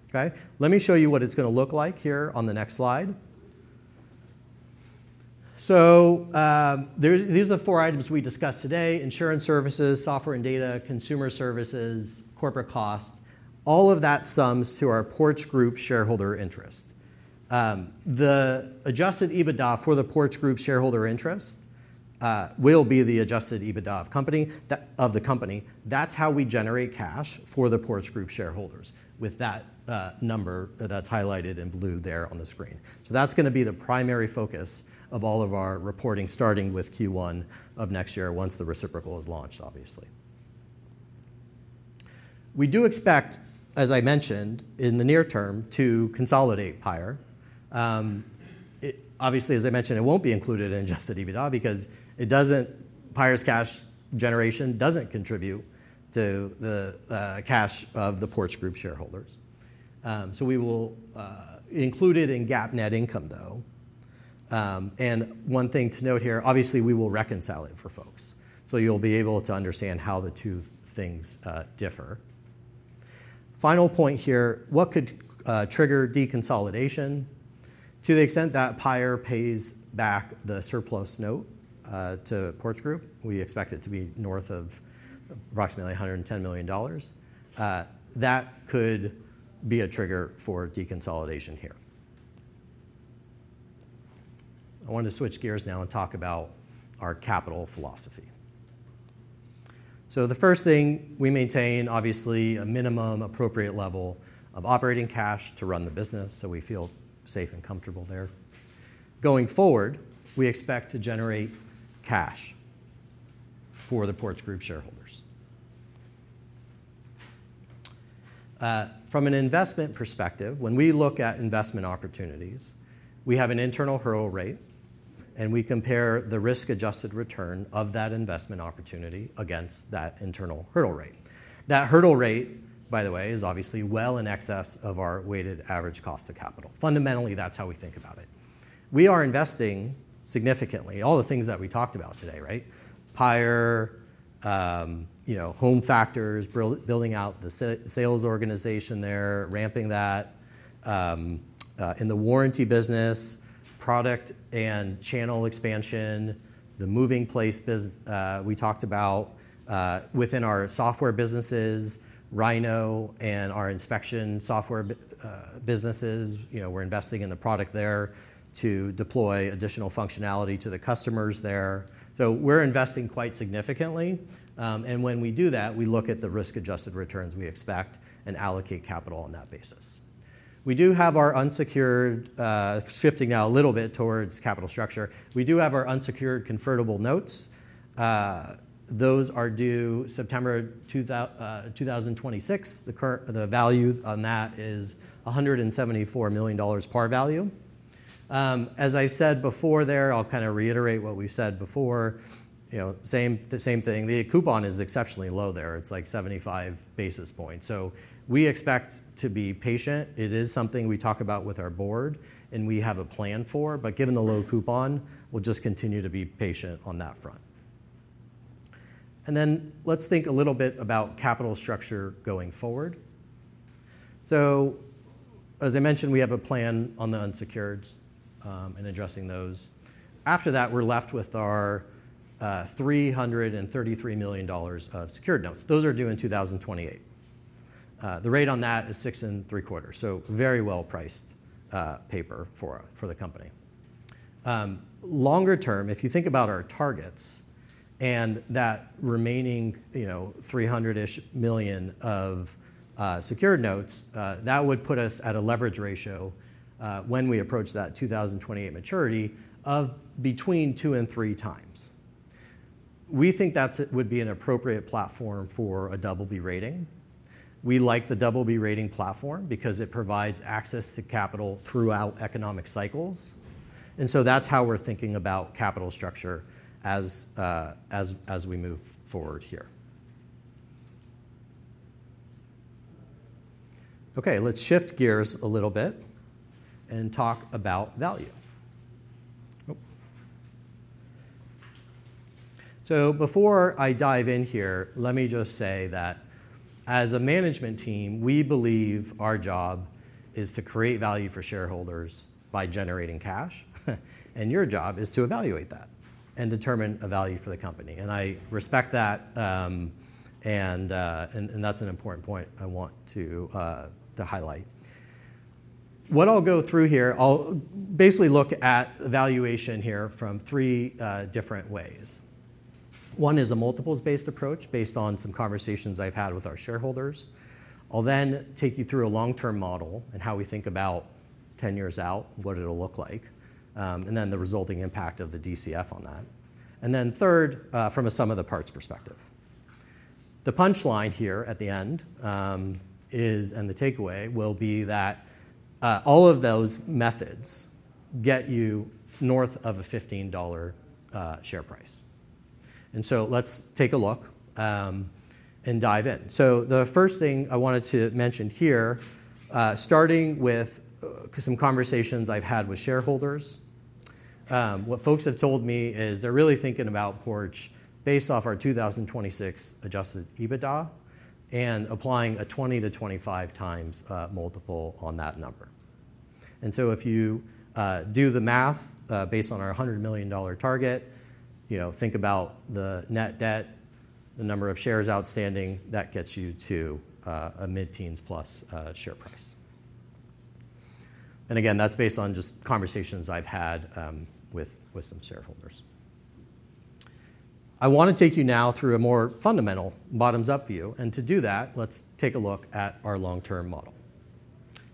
Okay, let me show you what it's going to look like here on the next slide. These are the four items we discussed today: Insurance Services, Software and Data, Consumer Services, corporate costs. All of that sums to our Porch Group shareholder interest. The Adjusted EBITDA for the Porch Group shareholder interest will be the Adjusted EBITDA of the company. That's how we generate cash for the Porch Group shareholders with that number that's highlighted in blue there on the screen. So that's going to be the primary focus of all of our reporting, starting with Q1 of next year once the reciprocal is launched, obviously. We do expect, as I mentioned, in the near term to consolidate PIRE. Obviously, as I mentioned, it won't be included in Adjusted EBITDA because PIRE's cash generation doesn't contribute to the cash of the Porch Group shareholders. So we will include it in GAAP net income, though. And one thing to note here, obviously, we will reconcile it for folks. So you'll be able to understand how the two things differ. Final point here, what could trigger deconsolidation? To the extent that PIRE pays back the Surplus Note to Porch Group, we expect it to be north of approximately $110 million. That could be a trigger for deconsolidation here. I want to switch gears now and talk about our capital philosophy, so the first thing, we maintain, obviously, a minimum appropriate level of operating cash to run the business, so we feel safe and comfortable there. Going forward, we expect to generate cash for the Porch Group shareholders. From an investment perspective, when we look at investment opportunities, we have an internal hurdle rate, and we compare the risk-adjusted return of that investment opportunity against that internal hurdle rate. That hurdle rate, by the way, is obviously well in excess of our weighted average cost of capital. Fundamentally, that's how we think about it. We are investing significantly, all the things that we talked about today, right? PIRE, HomeFactors, building out the sales organization there, ramping that in the warranty business, product and channel expansion, the MovingPlace business we talked about within our software businesses, Rynoh, and our inspection software businesses. We're investing in the product there to deploy additional functionality to the customers there. So we're investing quite significantly. And when we do that, we look at the risk-adjusted returns we expect and allocate capital on that basis. We do have our unsecured, shifting now a little bit towards capital structure. We do have our unsecured convertible notes. Those are due September 2026. The value on that is $174 million par value. As I said before there, I'll kind of reiterate what we said before. Same thing, the coupon is exceptionally low there. It's like 75 basis points. So we expect to be patient. It is something we talk about with our board, and we have a plan for, but given the low coupon, we'll just continue to be patient on that front, and then let's think a little bit about capital structure going forward, so as I mentioned, we have a plan on the unsecured and addressing those. After that, we're left with our $333 million of secured notes. Those are due in 2028. The rate on that is six and three quarters. So very well-priced paper for the company. Longer term, if you think about our targets and that remaining 300-ish million of secured notes, that would put us at a leverage ratio when we approach that 2028 maturity of between two and three times. We think that would be an appropriate platform for a double B rating. We like the double-B rating platform because it provides access to capital throughout economic cycles, and so that's how we're thinking about capital structure as we move forward here. Okay, let's shift gears a little bit and talk about value, so before I dive in here, let me just say that as a management team, we believe our job is to create value for shareholders by generating cash, and your job is to evaluate that and determine a value for the company, and I respect that, and that's an important point I want to highlight. What I'll go through here, I'll basically look at valuation here from three different ways. One is a multiples-based approach based on some conversations I've had with our shareholders. I'll then take you through a long-term model and how we think about 10 years out, what it'll look like, and then the resulting impact of the DCF on that. And then third, from a sum of the parts perspective. The punchline here at the end is, and the takeaway will be that all of those methods get you north of a $15 share price. And so let's take a look and dive in. So the first thing I wanted to mention here, starting with some conversations I've had with shareholders, what folks have told me is they're really thinking about Porch based off our 2026 Adjusted EBITDA and applying a 20-25 times multiple on that number. And so if you do the math based on our $100 million target, think about the net debt, the number of shares outstanding, that gets you to a mid-teens plus share price. And again, that's based on just conversations I've had with some shareholders. I want to take you now through a more fundamental bottoms-up view. And to do that, let's take a look at our long-term model.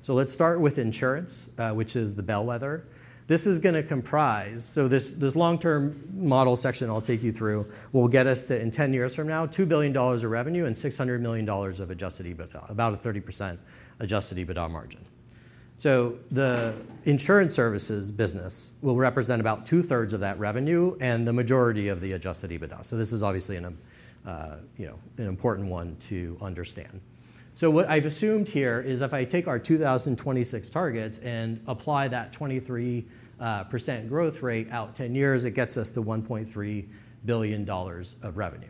So let's start with insurance, which is the bellwether. This is going to comprise, so this long-term model section I'll take you through will get us to, in 10 years from now, $2 billion of revenue and $600 million of Adjusted EBITDA, about a 30% Adjusted EBITDA margin. So the Insurance Services business will represent about two-thirds of that revenue and the majority of the Adjusted EBITDA. So this is obviously an important one to understand. What I've assumed here is if I take our 2026 targets and apply that 23% growth rate out 10 years, it gets us to $1.3 billion of revenue.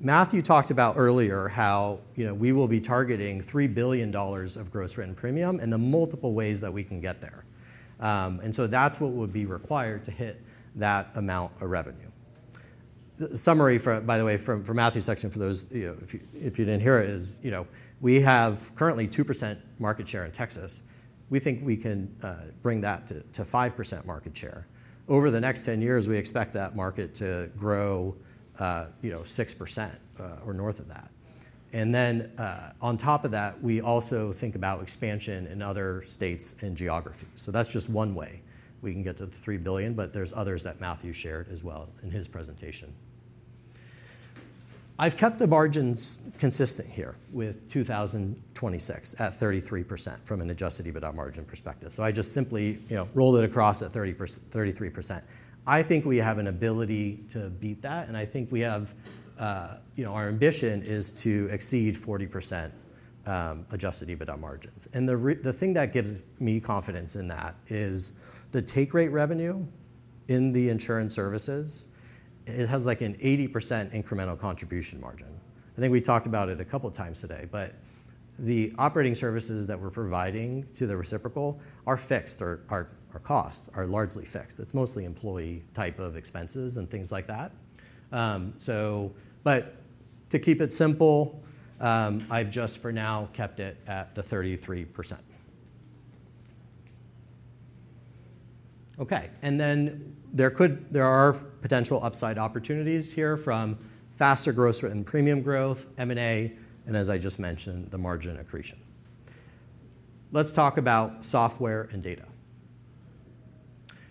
Matthew talked about earlier how we will be targeting $3 billion of gross written premium and the multiple ways that we can get there. And so that's what would be required to hit that amount of revenue. Summary, by the way, from Matthew's section for those if you didn't hear it, is we have currently 2% market share in Texas. We think we can bring that to 5% market share. Over the next 10 years, we expect that market to grow 6% or north of that. And then on top of that, we also think about expansion in other states and geographies. So that's just one way we can get to the $3 billion, but there's others that Matthew shared as well in his presentation. I've kept the margins consistent here with 2026 at 33% from an Adjusted EBITDA margin perspective. So I just simply rolled it across at 33%. I think we have an ability to beat that, and I think we have our ambition is to exceed 40% Adjusted EBITDA margins. And the thing that gives me confidence in that is the take rate revenue in the Insurance Services, it has like an 80% incremental contribution margin. I think we talked about it a couple of times today, but the operating services that we're providing to the reciprocal are fixed. Our costs are largely fixed. It's mostly employee type of expenses and things like that. But to keep it simple, I've just for now kept it at the 33%. Okay, and then there are potential upside opportunities here from faster gross written premium growth, M&A, and as I just mentioned, the margin accretion. Let's talk about Software and Data.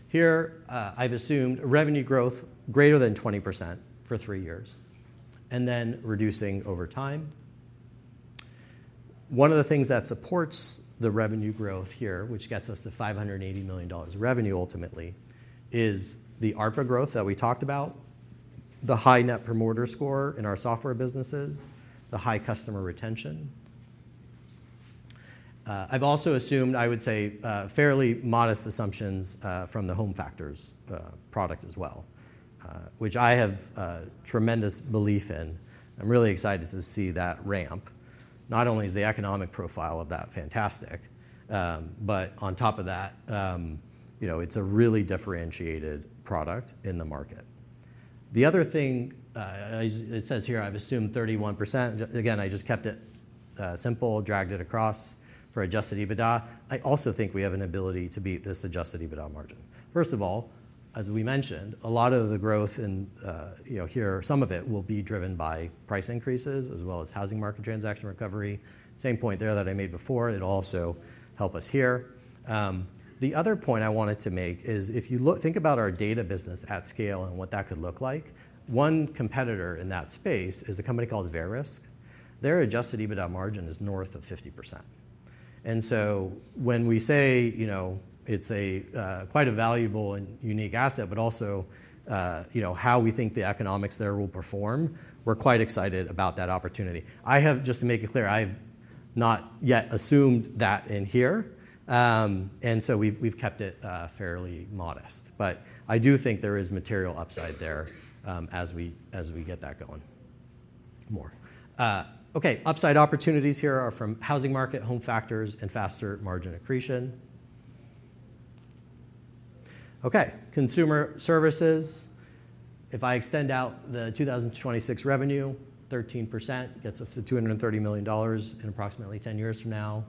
Here, I've assumed revenue growth greater than 20% for three years and then reducing over time. One of the things that supports the revenue growth here, which gets us to $580 million revenue ultimately, is the ARPA growth that we talked about, the high Net Promoter Score in our software businesses, the high customer retention. I've also assumed, I would say, fairly modest assumptions from the HomeFactors product as well, which I have tremendous belief in. I'm really excited to see that ramp. Not only is the economic profile of that fantastic, but on top of that, it's a really differentiated product in the market. The other thing it says here, I've assumed 31%. Again, I just kept it simple, dragged it across for Adjusted EBITDA. I also think we have an ability to beat this Adjusted EBITDA margin. First of all, as we mentioned, a lot of the growth here, some of it will be driven by price increases as well as housing market transaction recovery. Same point there that I made before. It'll also help us here. The other point I wanted to make is if you think about our data business at scale and what that could look like, one competitor in that space is a company called Verisk. Their Adjusted EBITDA margin is north of 50%. And so when we say it's quite a valuable and unique asset, but also how we think the economics there will perform, we're quite excited about that opportunity. I have, just to make it clear, I've not yet assumed that in here. So we've kept it fairly modest. But I do think there is material upside there as we get that going more. Okay, upside opportunities here are from housing market, HomeFactors, and faster margin accretion. Okay, Consumer Services. If I extend out the 2026 revenue, 13% gets us to $230 million in approximately 10 years from now.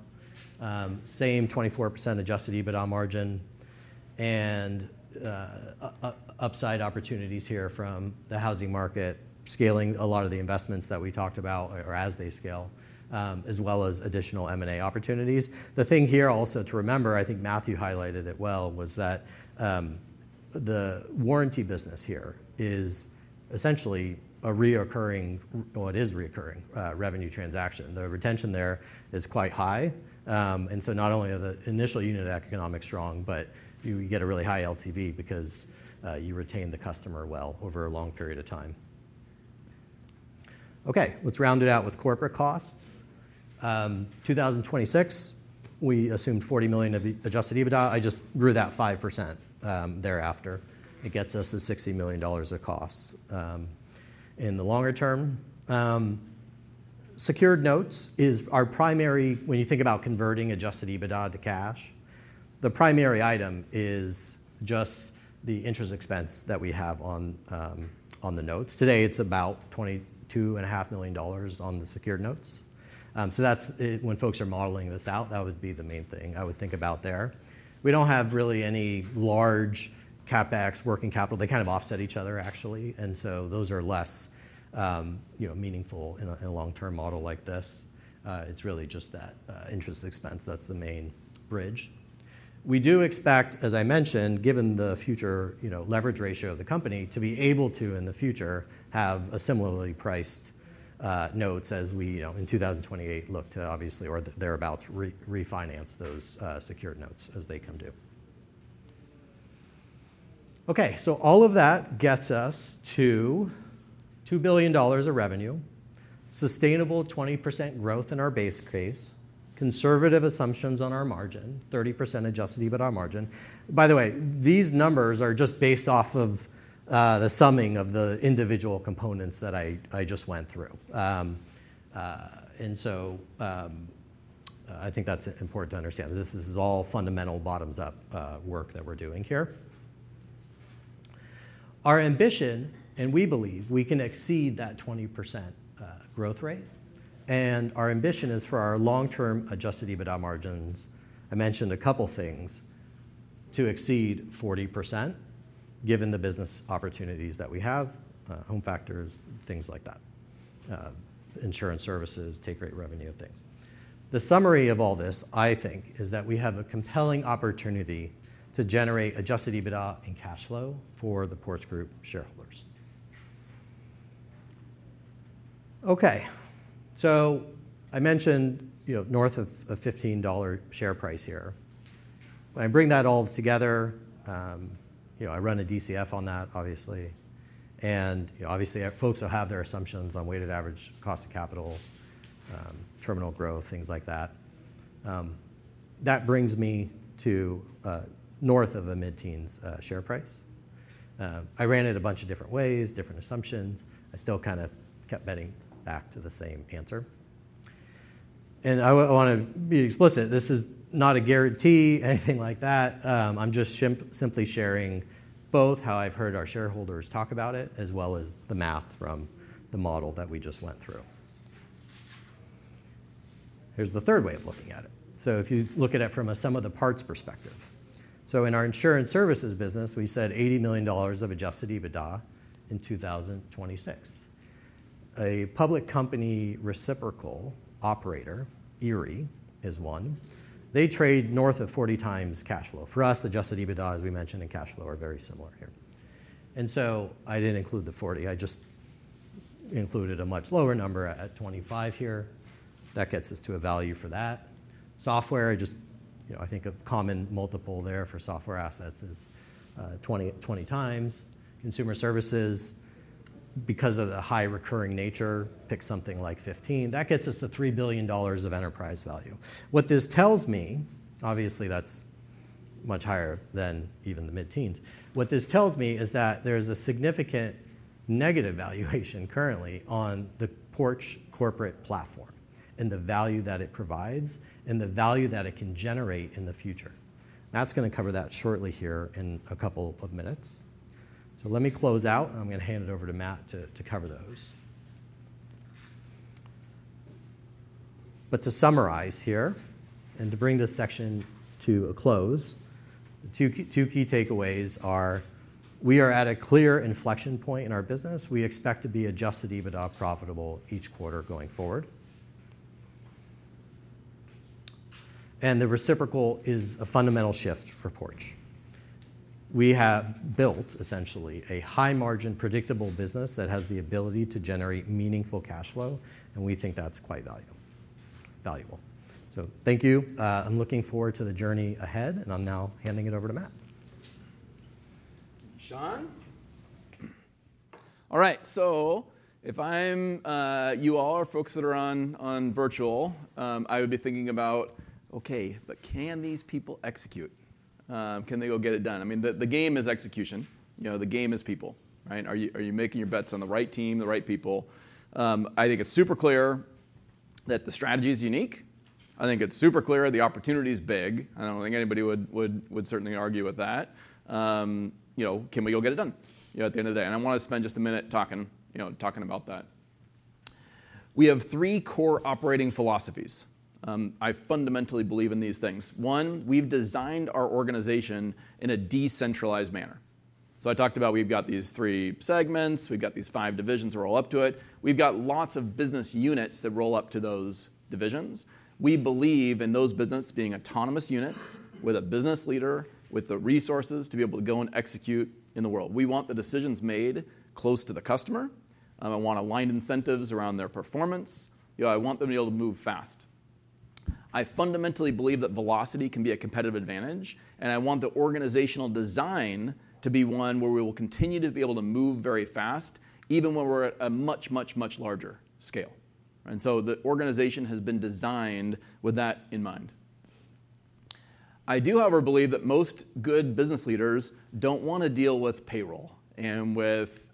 Same 24% Adjusted EBITDA margin. Upside opportunities here from the housing market, scaling a lot of the investments that we talked about or as they scale, as well as additional M&A opportunities. The thing here also to remember, I think Matthew highlighted it well, was that the warranty business here is essentially a recurring, or it is recurring revenue transaction. The retention there is quite high. And so not only are the initial unit economics strong, but you get a really high LTV because you retain the customer well over a long period of time. Okay, let's round it out with corporate costs. In 2026, we assumed $40 million of Adjusted EBITDA. I just grew that 5% thereafter. It gets us to $60 million of costs in the longer term. Secured notes is our primary. When you think about converting Adjusted EBITDA to cash, the primary item is just the interest expense that we have on the notes. Today, it's about $22.5 million on the secured notes. So that's when folks are modeling this out, that would be the main thing I would think about there. We don't have really any large CapEx, working capital. They kind of offset each other, actually. And so those are less meaningful in a long-term model like this. It's really just that interest expense. That's the main bridge. We do expect, as I mentioned, given the future leverage ratio of the company, to be able to, in the future, have a similarly priced notes as we, in 2028, look to obviously, or thereabouts, refinance those secured notes as they come due. Okay, so all of that gets us to $2 billion of revenue, sustainable 20% growth in our base case, conservative assumptions on our margin, 30% Adjusted EBITDA margin. By the way, these numbers are just based off of the summing of the individual components that I just went through. And so I think that's important to understand. This is all fundamental bottoms-up work that we're doing here. Our ambition, and we believe we can exceed that 20% growth rate. And our ambition is for our long-term Adjusted EBITDA margins. I mentioned a couple of things to exceed 40%, given the business opportunities that we have, HomeFactors, things like that, Insurance Services, take rate revenue of things. The summary of all this, I think, is that we have a compelling opportunity to generate Adjusted EBITDA and cash flow for the Porch Group shareholders. Okay, so I mentioned north of $15 share price here. When I bring that all together, I run a DCF on that, obviously. And obviously, folks will have their assumptions on weighted average cost of capital, terminal growth, things like that. That brings me to north of a mid-teens share price. I ran it a bunch of different ways, different assumptions. I still kind of kept coming back to the same answer. And I want to be explicit. This is not a guarantee, anything like that. I'm just simply sharing both how I've heard our shareholders talk about it, as well as the math from the model that we just went through. Here's the third way of looking at it. So if you look at it from some of the parts perspective. So in our Insurance Services business, we said $80 million of Adjusted EBITDA in 2026. A public company reciprocal operator, Erie, is one. They trade north of 40 times cash flow. For us, Adjusted EBITDA, as we mentioned in cash flow, are very similar here. And so I didn't include the 40. I just included a much lower number at 25 here. That gets us to a value for that. Software, I just think a common multiple there for software assets is 20 times. Consumer Services, because of the high recurring nature, pick something like 15. That gets us to $3 billion of enterprise value. What this tells me, obviously, that's much higher than even the mid-teens. What this tells me is that there is a significant negative valuation currently on the Porch corporate platform and the value that it provides and the value that it can generate in the future. That's going to cover that shortly here in a couple of minutes. So let me close out, and I'm going to hand it over to Matt to cover those. But to summarize here and to bring this section to a close, the two key takeaways are we are at a clear inflection point in our business. We expect to be Adjusted EBITDA profitable each quarter going forward. And the reciprocal is a fundamental shift for Porch. We have built, essentially, a high-margin predictable business that has the ability to generate meaningful cash flow, and we think that's quite valuable. So thank you. I'm looking forward to the journey ahead, and I'm now handing it over to Matt. All right, so if you all are folks that are on virtual, I would be thinking about, okay, but can these people execute? Can they go get it done? I mean, the game is execution. The game is people. Are you making your bets on the right team, the right people? I think it's super clear that the strategy is unique. I think it's super clear. The opportunity is big. I don't think anybody would certainly argue with that. Can we go get it done at the end of the day? And I want to spend just a minute talking about that. We have three core operating philosophies. I fundamentally believe in these things. One, we've designed our organization in a decentralized manner. So I talked about we've got these three segments. We've got these five divisions roll up to it. We've got lots of business units that roll up to those divisions. We believe in those businesses being autonomous units with a business leader, with the resources to be able to go and execute in the world. We want the decisions made close to the customer. I want aligned incentives around their performance. I want them to be able to move fast. I fundamentally believe that velocity can be a competitive advantage, and I want the organizational design to be one where we will continue to be able to move very fast, even when we're at a much, much, much larger scale. And so the organization has been designed with that in mind. I do, however, believe that most good business leaders don't want to deal with payroll and with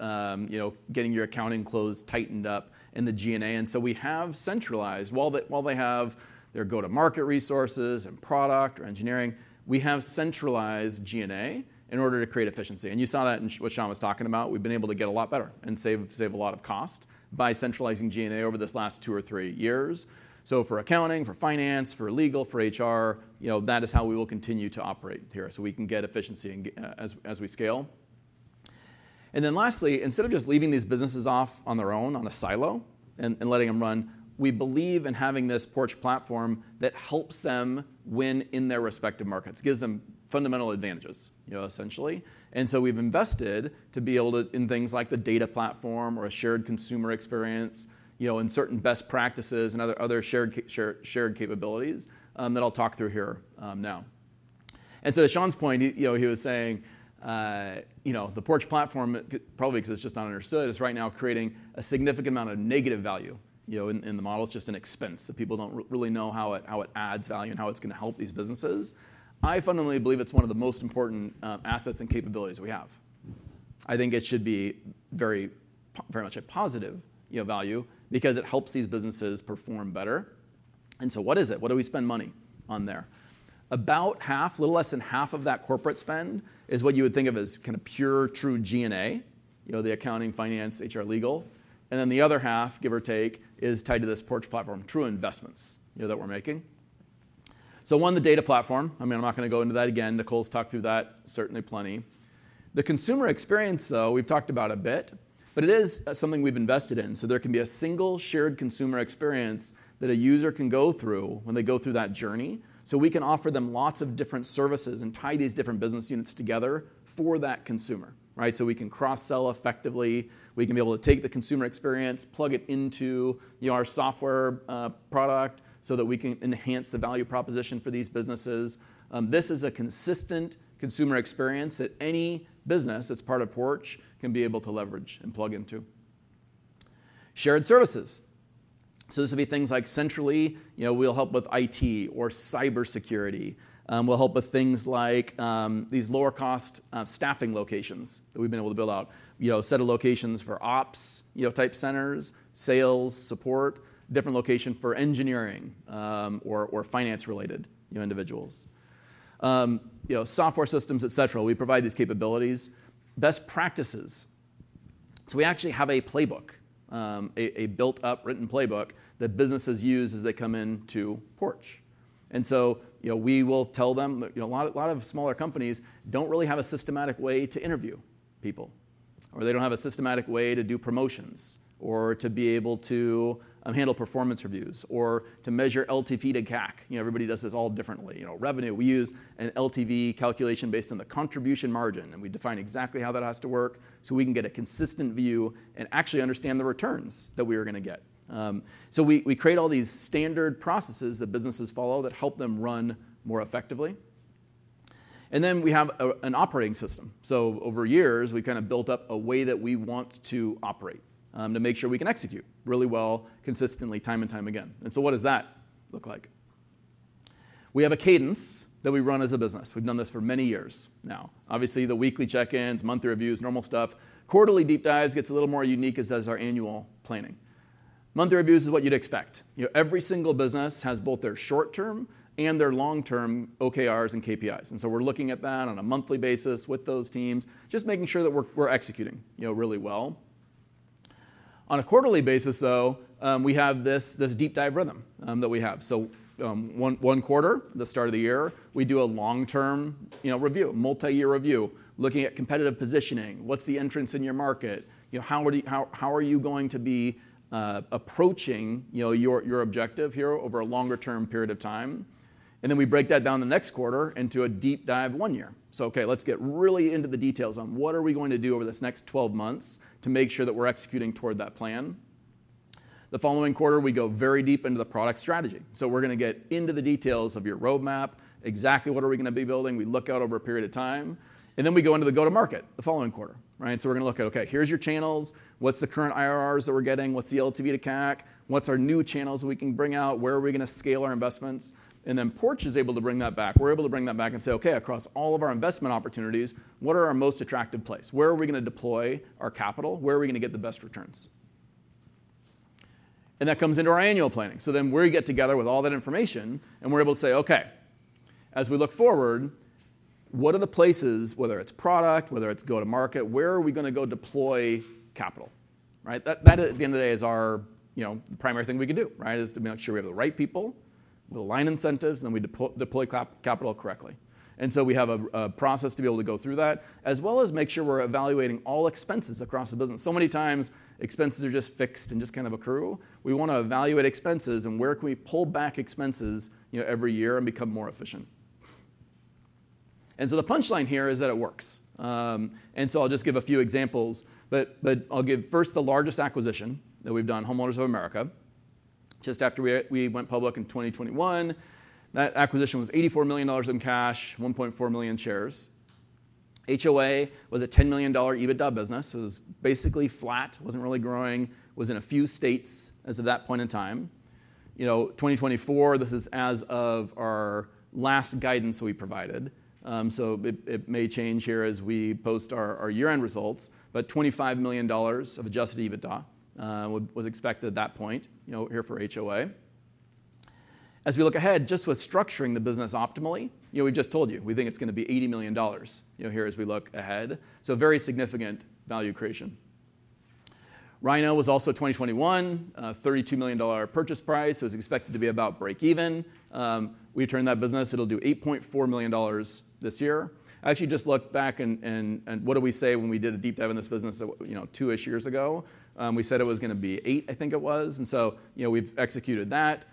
getting your accounting closed, tightened up in the G&A. And so we have centralized, while they have their go-to-market resources and product or engineering, we have centralized G&A in order to create efficiency. And you saw that in what Shawn was talking about. We've been able to get a lot better and save a lot of cost by centralizing G&A over this last two or three years. So for accounting, for finance, for legal, for HR, that is how we will continue to operate here so we can get efficiency as we scale. And then lastly, instead of just leaving these businesses off on their own in a silo and letting them run, we believe in having this Porch platform that helps them win in their respective markets, gives them fundamental advantages, essentially. We've invested to be able to, in things like the data platform or a shared consumer experience, in certain best practices and other shared capabilities that I'll talk through here now. To Shawn's point, he was saying the Porch platform, probably because it's just not understood, is right now creating a significant amount of negative value in the model. It's just an expense that people don't really know how it adds value and how it's going to help these businesses. I fundamentally believe it's one of the most important assets and capabilities we have. I think it should be very much a positive value because it helps these businesses perform better. What is it? What do we spend money on there? About half, a little less than half, of that corporate spend is what you would think of as kind of pure, true G&A, the accounting, finance, HR, legal, and then the other half, give or take, is tied to this Porch platform, true investments that we're making, so one, the data platform. I mean, I'm not going to go into that again. Nicole's talked through that certainly plenty. The consumer experience, though, we've talked about a bit, but it is something we've invested in, so there can be a single shared consumer experience that a user can go through when they go through that journey, so we can offer them lots of different services and tie these different business units together for that consumer, so we can cross-sell effectively. We can be able to take the consumer experience, plug it into our software product so that we can enhance the value proposition for these businesses. This is a consistent consumer experience that any business that's part of Porch can be able to leverage and plug into. Shared services. So this would be things like centrally, we'll help with IT or cybersecurity. We'll help with things like these lower-cost staffing locations that we've been able to build out, a set of locations for ops-type centers, sales support, different locations for engineering or finance-related individuals, software systems, etc. We provide these capabilities. Best practices. So we actually have a playbook, a built-up written playbook that businesses use as they come into Porch. And so we will tell them a lot of smaller companies don't really have a systematic way to interview people, or they don't have a systematic way to do promotions or to be able to handle performance reviews or to measure LTV to CAC. Everybody does this all differently. Revenue, we use an LTV calculation based on the contribution margin, and we define exactly how that has to work so we can get a consistent view and actually understand the returns that we are going to get. So we create all these standard processes that businesses follow that help them run more effectively. And then we have an operating system. So over years, we've kind of built up a way that we want to operate to make sure we can execute really well, consistently, time and time again. And so what does that look like? We have a cadence that we run as a business. We've done this for many years now. Obviously, the weekly check-ins, monthly reviews, normal stuff. Quarterly deep dives gets a little more unique as does our annual planning. Monthly reviews is what you'd expect. Every single business has both their short-term and their long-term OKRs and KPIs. And so we're looking at that on a monthly basis with those teams, just making sure that we're executing really well. On a quarterly basis, though, we have this deep dive rhythm that we have. So one quarter, the start of the year, we do a long-term review, multi-year review, looking at competitive positioning. What's the entrance in your market? How are you going to be approaching your objective here over a longer-term period of time? And then we break that down the next quarter into a deep dive one year. So, okay, let's get really into the details on what we are going to do over this next 12 months to make sure that we're executing toward that plan. The following quarter, we go very deep into the product strategy. So we're going to get into the details of your roadmap, exactly what we are going to be building. We look out over a period of time. And then we go into the go-to-market the following quarter. So we're going to look at, okay, here's your channels. What's the current IRRs that we're getting? What's the LTV to CAC? What's our new channels we can bring out? Where are we going to scale our investments? And then Porch is able to bring that back. We're able to bring that back and say, okay, across all of our investment opportunities, what are our most attractive places? Where are we going to deploy our capital? Where are we going to get the best returns? And that comes into our annual planning. So then we get together with all that information, and we're able to say, okay, as we look forward, what are the places, whether it's product, whether it's go-to-market, where are we going to go deploy capital? That, at the end of the day, is our primary thing we could do, is to make sure we have the right people, the aligned incentives, and then we deploy capital correctly. And so we have a process to be able to go through that, as well as make sure we're evaluating all expenses across the business. So many times, expenses are just fixed and just kind of accrue. We want to evaluate expenses and where can we pull back expenses every year and become more efficient. And so the punchline here is that it works. And so I'll just give a few examples, but I'll give first the largest acquisition that we've done, Homeowners of America. Just after we went public in 2021, that acquisition was $84 million in cash, 1.4 million shares. HOA was a $10 million EBITDA business. It was basically flat, wasn't really growing, was in a few states as of that point in time. 2024, this is as of our last guidance we provided. So it may change here as we post our year-end results, but $25 million of Adjusted EBITDA was expected at that point here for HOA. As we look ahead, just with structuring the business optimally, we just told you, we think it's going to be $80 million here as we look ahead. So very significant value creation. Rynoh was also 2021, $32 million purchase price. It was expected to be about break-even. We turned that business. It'll do $8.4 million this year. I actually just looked back and what do we say when we did a deep dive in this business two-ish years ago? We said it was going to be eight, I think it was. And so we've executed that.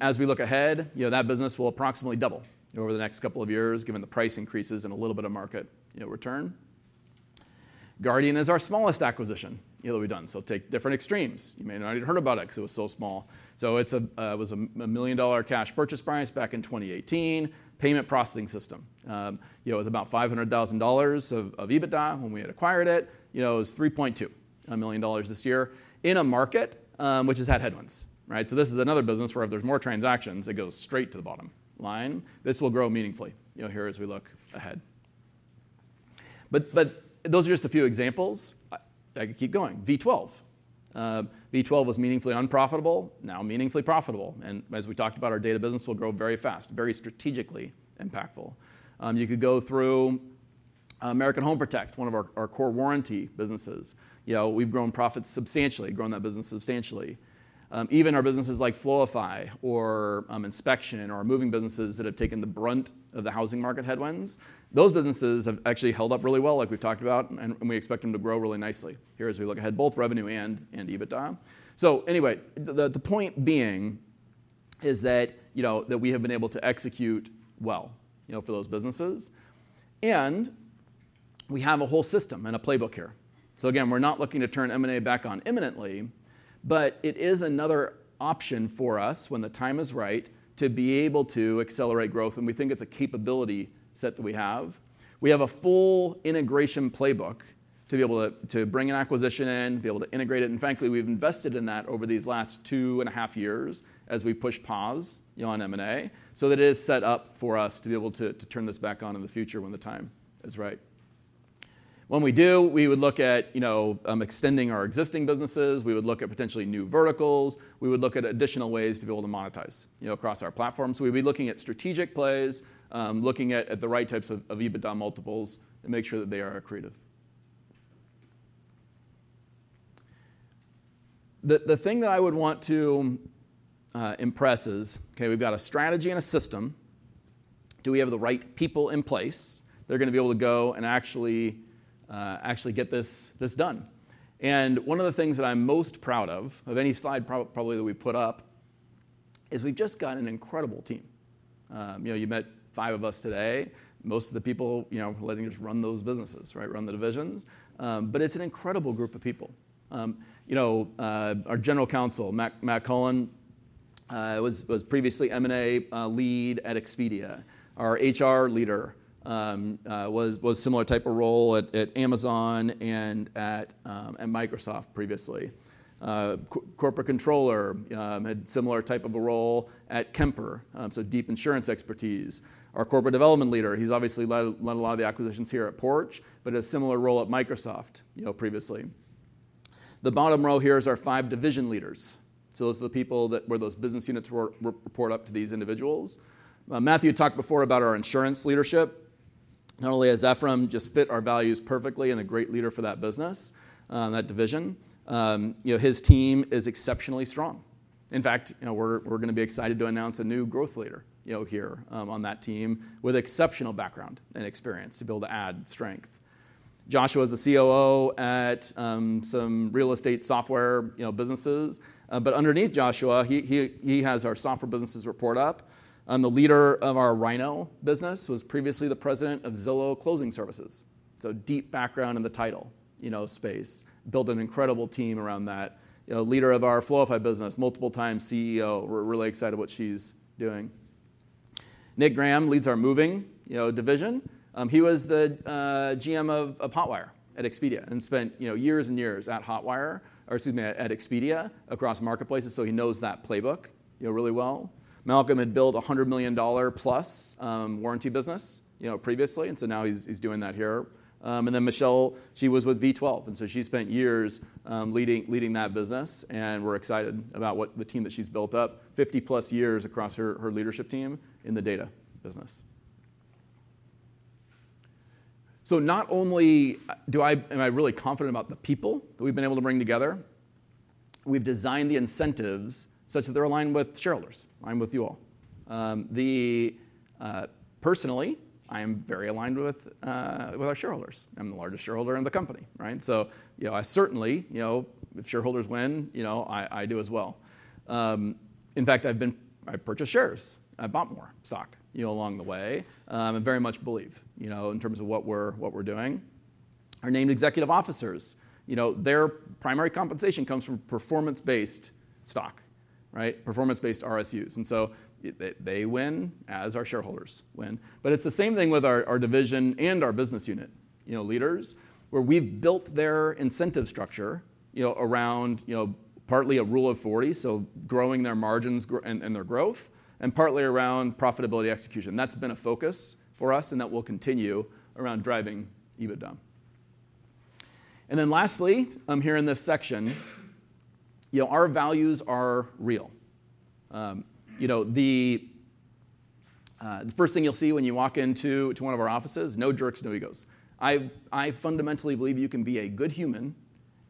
As we look ahead, that business will approximately double over the next couple of years given the price increases and a little bit of market return. Guardian is our smallest acquisition that we've done. So take different extremes. You may not have heard about it because it was so small. So it was a $1 million cash purchase price back in 2018. Payment processing system was about $500,000 of EBITDA when we had acquired it. It was $3.2 million this year in a market which has had headwinds. So this is another business where if there's more transactions, it goes straight to the bottom line. This will grow meaningfully here as we look ahead. But those are just a few examples. I could keep going. V12. V12 was meaningfully unprofitable, now meaningfully profitable. And as we talked about, our data business will grow very fast, very strategically impactful. You could go through American Home Protect, one of our core warranty businesses. We've grown profits substantially, grown that business substantially. Even our businesses like Floify or Inspection or Moving businesses that have taken the brunt of the housing market headwinds, those businesses have actually held up really well, like we've talked about, and we expect them to grow really nicely here as we look ahead, both revenue and EBITDA. So anyway, the point being is that we have been able to execute well for those businesses. And we have a whole system and a playbook here. So again, we're not looking to turn M&A back on imminently, but it is another option for us when the time is right to be able to accelerate growth. And we think it's a capability set that we have. We have a full integration playbook to be able to bring an acquisition in, be able to integrate it. And frankly, we've invested in that over these last two and a half years as we push pause on M&A so that it is set up for us to be able to turn this back on in the future when the time is right. When we do, we would look at extending our existing businesses. We would look at potentially new verticals. We would look at additional ways to be able to monetize across our platform. So we'd be looking at strategic plays, looking at the right types of EBITDA multiples to make sure that they are accretive. The thing that I would want to impress is, okay, we've got a strategy and a system. Do we have the right people in place that are going to be able to go and actually get this done? And one of the things that I'm most proud of, of any slide probably that we put up, is we've just got an incredible team. You met five of us today. Most of the people leading us run those businesses, run the divisions. But it's an incredible group of people. Our General Counsel, Matt Cullen, was previously M&A lead at Expedia. Our HR leader was a similar type of role at Amazon and at Microsoft previously. Corporate controller had a similar type of role at Kemper, so deep insurance expertise. Our corporate development leader, he's obviously led a lot of the acquisitions here at Porch, but had a similar role at Microsoft previously. The bottom row here is our five division leaders. So those are the people to whom those business units report up to these individuals. Matthew talked before about our insurance leadership. Not only has Ephraim just fit our values perfectly and a great leader for that business, that division, his team is exceptionally strong. In fact, we're going to be excited to announce a new growth leader here on that team with exceptional background and experience to be able to add strength. Joshua is the COO at some real estate software businesses. But underneath Joshua, he has our software businesses report up. The leader of our Rynoh business was previously the president of Zillow Closing Services. So deep background in the title space, built an incredible team around that. Leader of our Floify business, multiple-time CEO. We're really excited about what she's doing. Nick Graham leads our Moving Division. He was the GM of Hotwire at Expedia and spent years and years at Hotwire, or excuse me, at Expedia across marketplaces. So he knows that playbook really well. Malcolm had built a $100 million-plus warranty business previously. And so now he's doing that here. And then Michelle, she was with V12. And so she spent years leading that business. And we're excited about the team that she's built up, 50-plus years across her leadership team in the data business. So not only am I really confident about the people that we've been able to bring together, we've designed the incentives such that they're aligned with shareholders, aligned with you all. Personally, I am very aligned with our shareholders. I'm the largest shareholder in the company. So I certainly, if shareholders win, I do as well. In fact, I've purchased shares. I've bought more stock along the way and very much believe in terms of what we're doing. Our named executive officers, their primary compensation comes from performance-based stock, performance-based RSUs. And so they win as our shareholders win. But it's the same thing with our division and our business unit leaders where we've built their incentive structure around partly a Rule of 40, so growing their margins and their growth, and partly around profitability execution. That's been a focus for us and that will continue around driving EBITDA. And then lastly, here in this section, our values are real. The first thing you'll see when you walk into one of our offices, no jerks, no egos. I fundamentally believe you can be a good human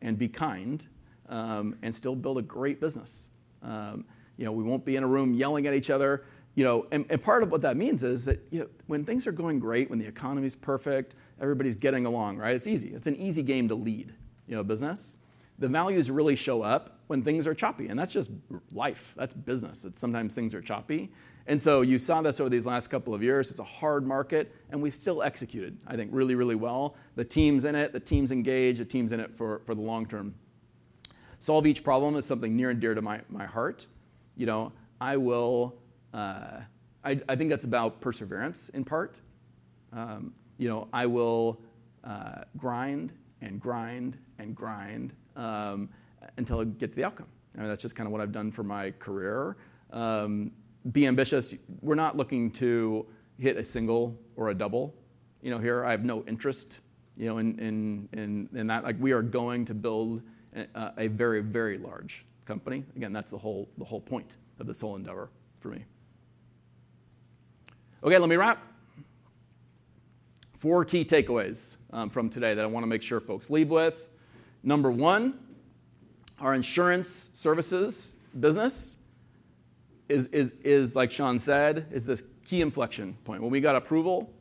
and be kind and still build a great business. We won't be in a room yelling at each other. And part of what that means is that when things are going great, when the economy's perfect, everybody's getting along, it's easy. It's an easy game to lead a business. The values really show up when things are choppy. And that's just life. That's business. Sometimes things are choppy. And so you saw this over these last couple of years. It's a hard market. And we still executed, I think, really, really well. The team's in it. The team's engaged. The team's in it for the long term. Solve each problem is something near and dear to my heart. I think that's about perseverance in part. I will grind and grind and grind until I get to the outcome. That's just kind of what I've done for my career. Be ambitious. We're not looking to hit a single or a double here. I have no interest in that. We are going to build a very, very large company. Again, that's the whole point of this whole endeavor for me. Okay, let me wrap. Four key takeaways from today that I want to make sure folks leave with. Number one, our Insurance Services business is, like Shawn said, is this key inflection point. When we got approval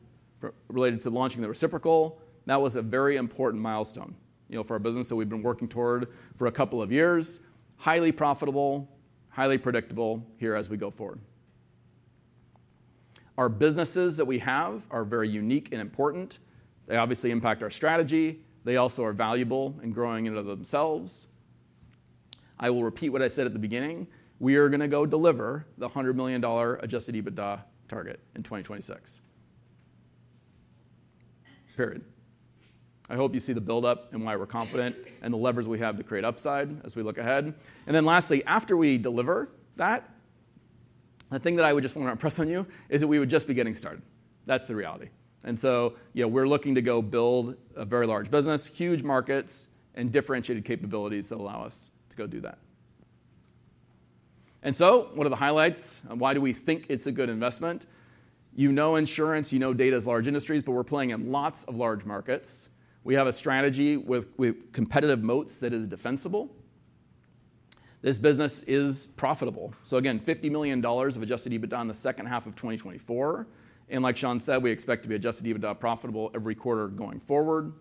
related to launching the reciprocal, that was a very important milestone for our business that we've been working toward for a couple of years. Highly profitable, highly predictable here as we go forward. Our businesses that we have are very unique and important. They obviously impact our strategy. They also are valuable and growing into themselves. I will repeat what I said at the beginning. We are going to go deliver the $100 million Adjusted EBITDA target in 2026. Period. I hope you see the buildup and why we're confident and the levers we have to create upside as we look ahead. And then lastly, after we deliver that, the thing that I would just want to impress on you is that we would just be getting started. That's the reality. And so we're looking to go build a very large business, huge markets, and differentiated capabilities that allow us to go do that. And so one of the highlights, why do we think it's a good investment? You know insurance, you know data's large industries, but we're playing in lots of large markets. We have a strategy with competitive moats that is defensible. This business is profitable. So again, $50 million of Adjusted EBITDA in the second half of 2024. And like Shawn said, we expect to be Adjusted EBITDA profitable every quarter going forward.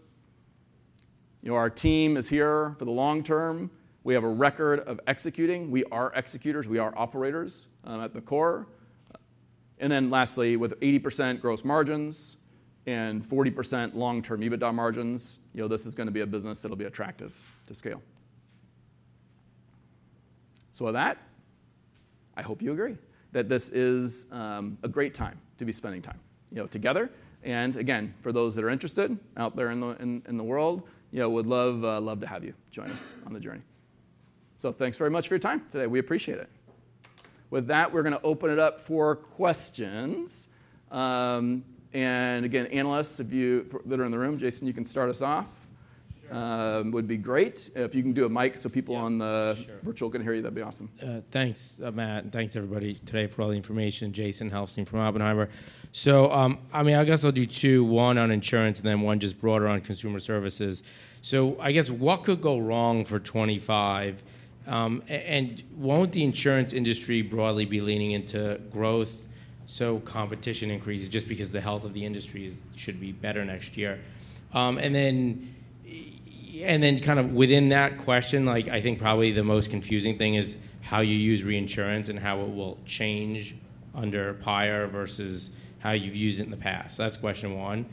Our team is here for the long term. We have a record of executing. We are executors. We are operators at the core. And then lastly, with 80% gross margins and 40% long-term EBITDA margins, this is going to be a business that'll be attractive to scale. With that, I hope you agree that this is a great time to be spending time together. And again, for those that are interested out there in the world, we'd love to have you join us on the journey. So thanks very much for your time today. We appreciate it. With that, we're going to open it up for questions. And again, analysts, if any that are in the room, Jason, you can start us off. It would be great if you can do a mic so people on the virtual can hear you. That'd be awesome. Thanks, Matt. And thanks, everybody today for all the information. Jason Helfstein from Oppenheimer. I mean, I guess I'll do two. One on insurance and then one just broader on Consumer Services. What could go wrong for 2025? Won't the insurance industry broadly be leaning into growth? Competition increases just because the health of the industry should be better next year. Within that question, I think probably the most confusing thing is how you use reinsurance and how it will change under PIRE versus how you've used it in the past. That's question one.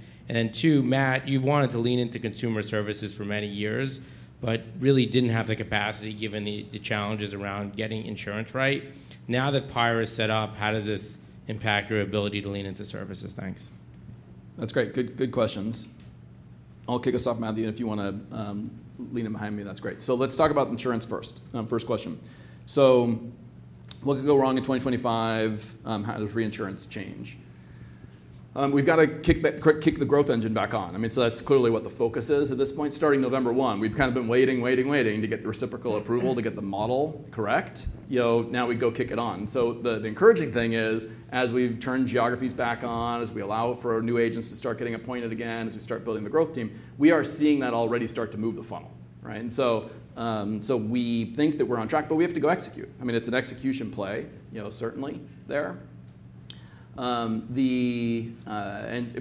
Two, Matt, you've wanted to lean into Consumer Services for many years, but really didn't have the capacity given the challenges around getting insurance right. Now that PIRE is set up, how does this impact your ability to lean into services? Thanks. That's great. Good questions. I'll kick us off, Matthew. And if you want to lean in behind me, that's great. So let's talk about insurance first. First question. So what could go wrong in 2025? How does reinsurance change? We've got to kick the growth engine back on. I mean, so that's clearly what the focus is at this point. Starting November 1st, we've kind of been waiting, waiting, waiting to get the reciprocal approval to get the model correct. Now we go kick it on. So the encouraging thing is as we've turned geographies back on, as we allow for new agents to start getting appointed again, as we start building the growth team, we are seeing that already start to move the funnel. And so we think that we're on track, but we have to go execute. I mean, it's an execution play, certainly, there. We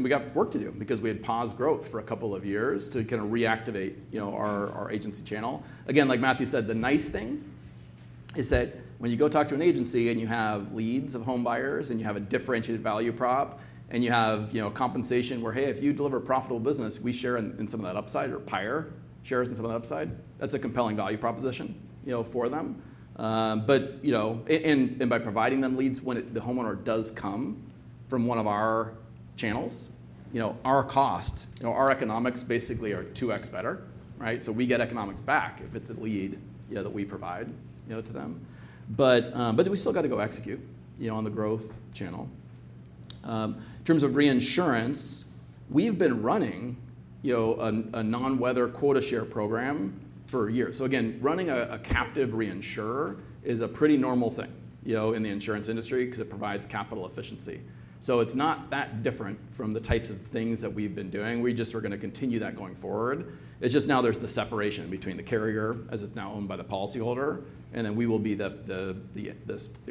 got work to do because we had paused growth for a couple of years to kind of reactivate our agency channel. Again, like Matthew said, the nice thing is that when you go talk to an agency and you have leads of homebuyers and you have a differentiated value prop and you have compensation where, hey, if you deliver a profitable business, we share in some of that upside or PIRE shares in some of that upside. That's a compelling value proposition for them. By providing them leads when the homeowner does come from one of our channels, our cost, our economics basically are 2x better. We get economics back if it's a lead that we provide to them. We still got to go execute on the growth channel. In terms of reinsurance, we've been running a non-weather quota share program for years. So again, running a captive reinsurer is a pretty normal thing in the insurance industry because it provides capital efficiency. So it's not that different from the types of things that we've been doing. We just are going to continue that going forward. It's just now there's the separation between the carrier as it's now owned by the policyholder, and then we will be the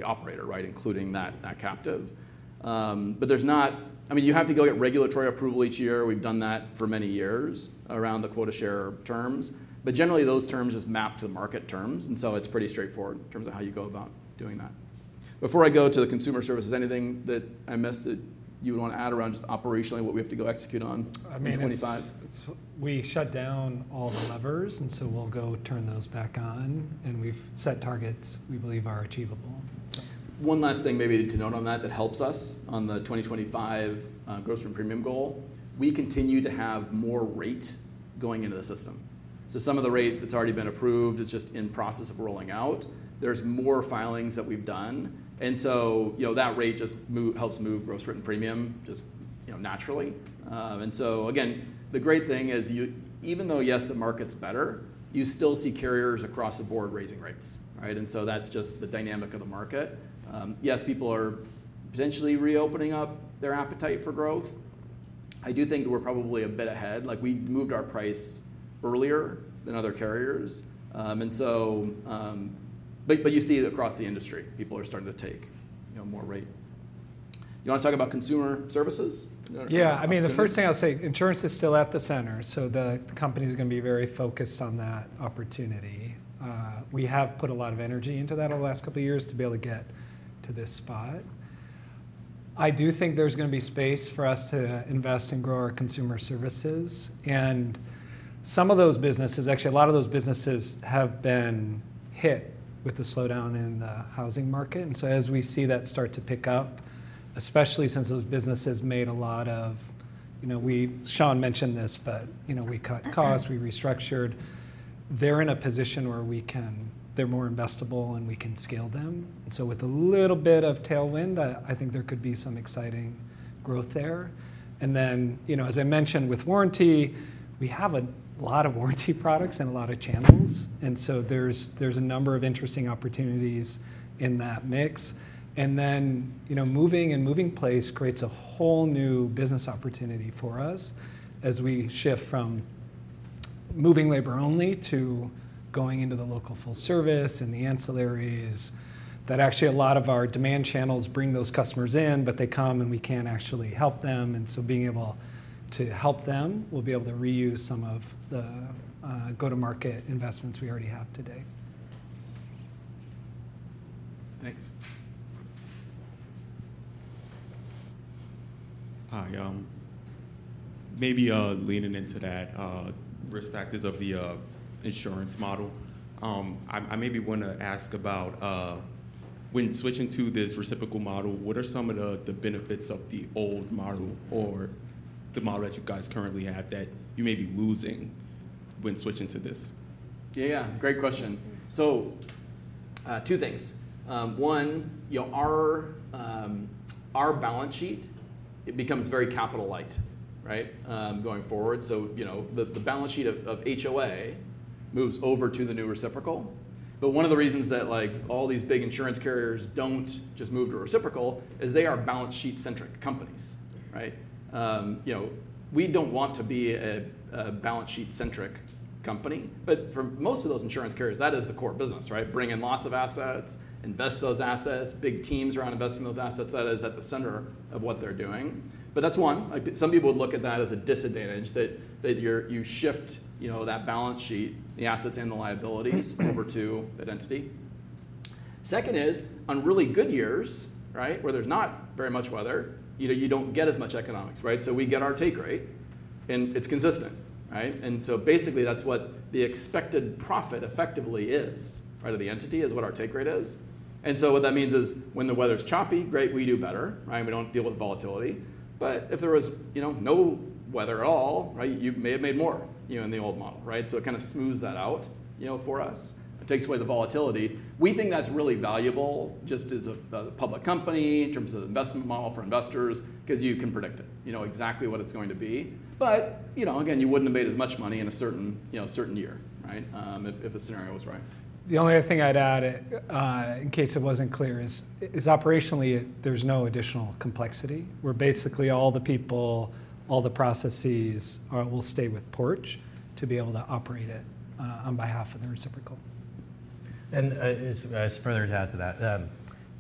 operator, including that captive. But there's not, I mean, you have to go get regulatory approval each year. We've done that for many years around the quota share terms. But generally, those terms just map to the market terms. And so it's pretty straightforward in terms of how you go about doing that. Before I go to the Consumer Services, anything that I missed that you would want to add around just operationally what we have to go execute on in 2025? We shut down all the levers, and so we'll go turn those back on, and we've set targets we believe are achievable. One last thing, maybe, to note on that, that helps us on the 2025 gross written premium goal. We continue to have more rate going into the system. So some of the rate that's already been approved is just in process of rolling out. There's more filings that we've done. And so that rate just helps move gross written premium just naturally. And so again, the great thing is even though, yes, the market's better, you still see carriers across the board raising rates. And so that's just the dynamic of the market. Yes, people are potentially reopening up their appetite for growth. I do think that we're probably a bit ahead. We moved our price earlier than other carriers. But you see across the industry, people are starting to take more rate. You want to talk about Consumer Services? Yeah. I mean, the first thing I'll say, insurance is still at the center. So the company is going to be very focused on that opportunity. We have put a lot of energy into that over the last couple of years to be able to get to this spot. I do think there's going to be space for us to invest and grow our Consumer Services. And some of those businesses, actually, a lot of those businesses have been hit with the slowdown in the housing market. So as we see that start to pick up, especially since those businesses made a lot of, Shawn mentioned this, but we cut costs, we restructured, they're in a position where they're more investable and we can scale them. With a little bit of tailwind, I think there could be some exciting growth there. And then, as I mentioned, with warranty, we have a lot of warranty products and a lot of channels. And so there's a number of interesting opportunities in that mix. And then moving and MovingPlace creates a whole new business opportunity for us as we shift from moving labor only to going into the local full service and the ancillaries that actually a lot of our demand channels bring those customers in, but they come and we can't actually help them. And so being able to help them, we'll be able to reuse some of the go-to-market investments we already have today. Thanks. Hi. Maybe leaning into that risk factors of the insurance model. I maybe want to ask about when switching to this reciprocal model, what are some of the benefits of the old model or the model that you guys currently have that you may be losing when switching to this? Yeah, yeah. Great question. So two things. One, our balance sheet, it becomes very capital-light going forward. So the balance sheet of HOA moves over to the new reciprocal. But one of the reasons that all these big insurance carriers don't just move to reciprocal is they are balance sheet-centric companies. We don't want to be a balance sheet-centric company. But for most of those insurance carriers, that is the core business, bring in lots of assets, invest those assets, big teams around investing those assets. That is at the center of what they're doing. But that's one. Some people would look at that as a disadvantage that you shift that balance sheet, the assets and the liabilities over to that entity. Second is, on really good years where there's not very much weather, you don't get as much economics. So we get our take rate, and it's consistent. And so basically, that's what the expected profit effectively is out of the entity is what our take rate is. And so what that means is when the weather's choppy, great, we do better. We don't deal with volatility. But if there was no weather at all, you may have made more in the old model. So it kind of smooths that out for us. It takes away the volatility. We think that's really valuable just as a public company in terms of the investment model for investors because you can predict it exactly what it's going to be. But again, you wouldn't have made as much money in a certain year if the scenario was right. The only other thing I'd add in case it wasn't clear is operationally, there's no additional complexity. We're basically all the people, all the processes will stay with Porch to be able to operate it on behalf of the reciprocal. As further to add to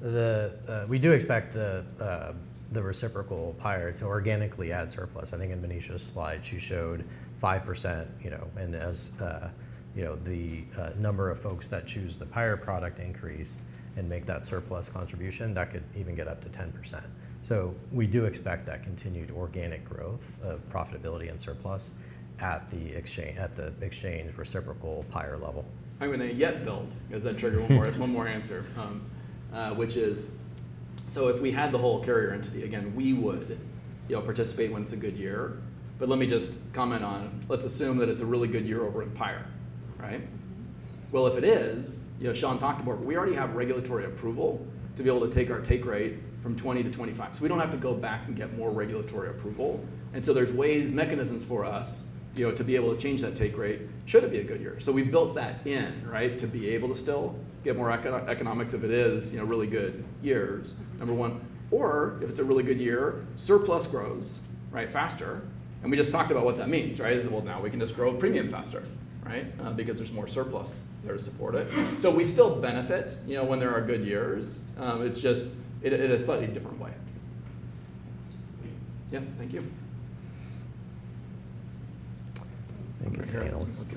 that, we do expect the reciprocal PIRE to organically add surplus. I think in Manisha's slide, she showed 5%. As the number of folks that choose the PIRE product increase and make that surplus contribution, that could even get up to 10%. We do expect that continued organic growth of profitability and surplus at the exchange reciprocal PIRE level. I'm going to just build on that to trigger one more answer, which is so if we had the whole carrier entity, again, we would participate when it's a good year. But let me just comment on let's assume that it's a really good year over in PIRE. Well, if it is, Shawn talked about, we already have regulatory approval to be able to take our take rate from 20%-25%. So we don't have to go back and get more regulatory approval. And so there's ways, mechanisms for us to be able to change that take rate should it be a good year. So we've built that in to be able to still get more economics if it is really good year, number one. Or if it's a really good year, surplus grows faster. And we just talked about what that means. Now we can just grow premium faster because there's more surplus there to support it. We still benefit when there are good years. It's just in a slightly different way. Yep. Thank you. Thank you, panelists.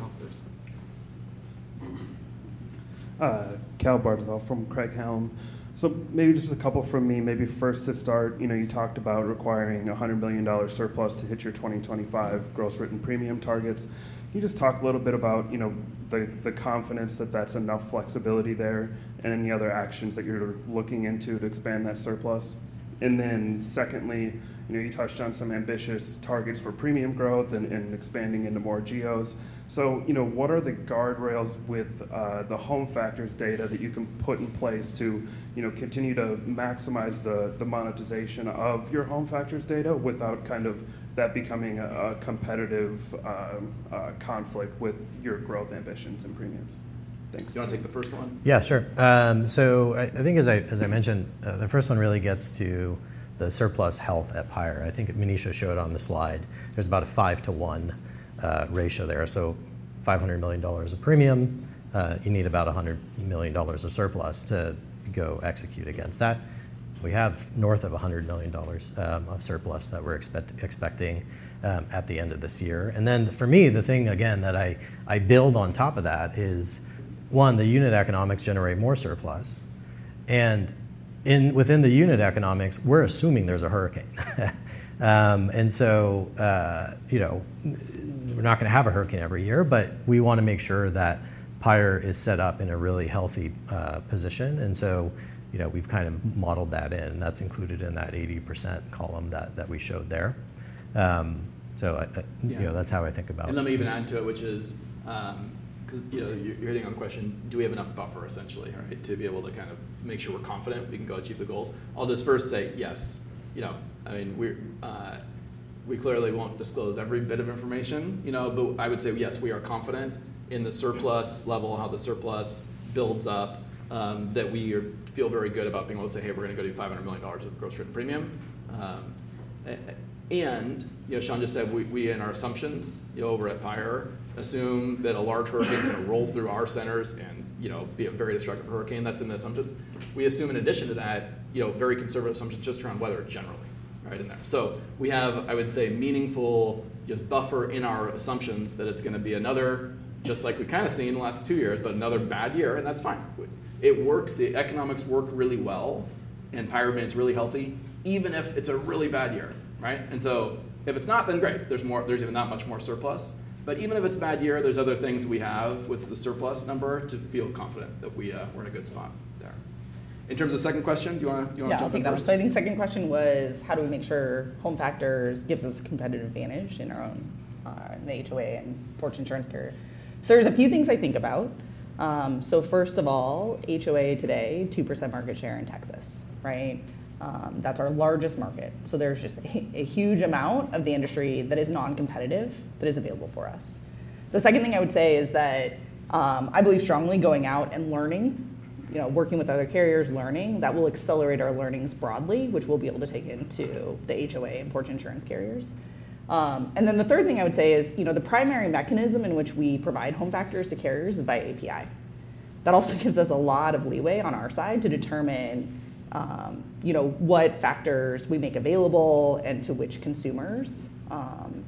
Cal Bartyzal from Craig-Hallum. So maybe just a couple from me. Maybe first to start, you talked about requiring $100 million surplus to hit your 2025 gross written premium targets. Can you just talk a little bit about the confidence that that's enough flexibility there and any other actions that you're looking into to expand that surplus? And then secondly, you touched on some ambitious targets for premium growth and expanding into more GOs. So what are the guardrails with the HomeFactors data that you can put in place to continue to maximize the monetization of your HomeFactors data without kind of that becoming a competitive conflict with your growth ambitions and premiums? Thanks. Do you want to take the first one? Yeah, sure. So I think as I mentioned, the first one really gets to the surplus health at PIRE. I think Manisha showed on the slide. There's about a five-to-one ratio there. So $500 million of premium, you need about $100 million of surplus to go execute against that. We have north of $100 million of surplus that we're expecting at the end of this year. And then for me, the thing again that I build on top of that is, one, the unit economics generate more surplus. And within the unit economics, we're assuming there's a hurricane. And so we're not going to have a hurricane every year, but we want to make sure that PIRE is set up in a really healthy position. And so we've kind of modeled that in. That's included in that 80% column that we showed there. So that's how I think about it. And let me even add to it, which is because you're hitting on the question, do we have enough buffer essentially to be able to kind of make sure we're confident we can go achieve the goals? I'll just first say yes. I mean, we clearly won't disclose every bit of information. But I would say yes, we are confident in the surplus level, how the surplus builds up, that we feel very good about being able to say, hey, we're going to go do $500 million of gross written premium. And Shawn just said we in our assumptions over at PIRE assume that a large hurricane is going to roll through our centers and be a very destructive hurricane. That's in the assumptions. We assume in addition to that, very conservative assumptions just around weather generally in there. So we have, I would say, meaningful buffer in our assumptions that it's going to be another, just like we kind of seen in the last two years, but another bad year. And that's fine. It works. The economics work really well. And PIRE remains really healthy even if it's a really bad year. And so if it's not, then great. There's even not much more surplus. But even if it's a bad year, there's other things we have with the surplus number to feel confident that we're in a good spot there. In terms of the second question, do you want to jump in? Yeah, I think that was exciting. Second question was, how do we make sure HomeFactors gives us a competitive advantage in the HOA and Porch Insurance carrier? So there's a few things I think about. So first of all, HOA today, 2% market share in Texas. That's our largest market. So there's just a huge amount of the industry that is non-competitive that is available for us. The second thing I would say is that I believe strongly going out and learning, working with other carriers, learning that will accelerate our learnings broadly, which we'll be able to take into the HOA and Porch Insurance carriers. And then the third thing I would say is the primary mechanism in which we provide HomeFactors to carriers is by API. That also gives us a lot of leeway on our side to determine what factors we make available and to which consumers.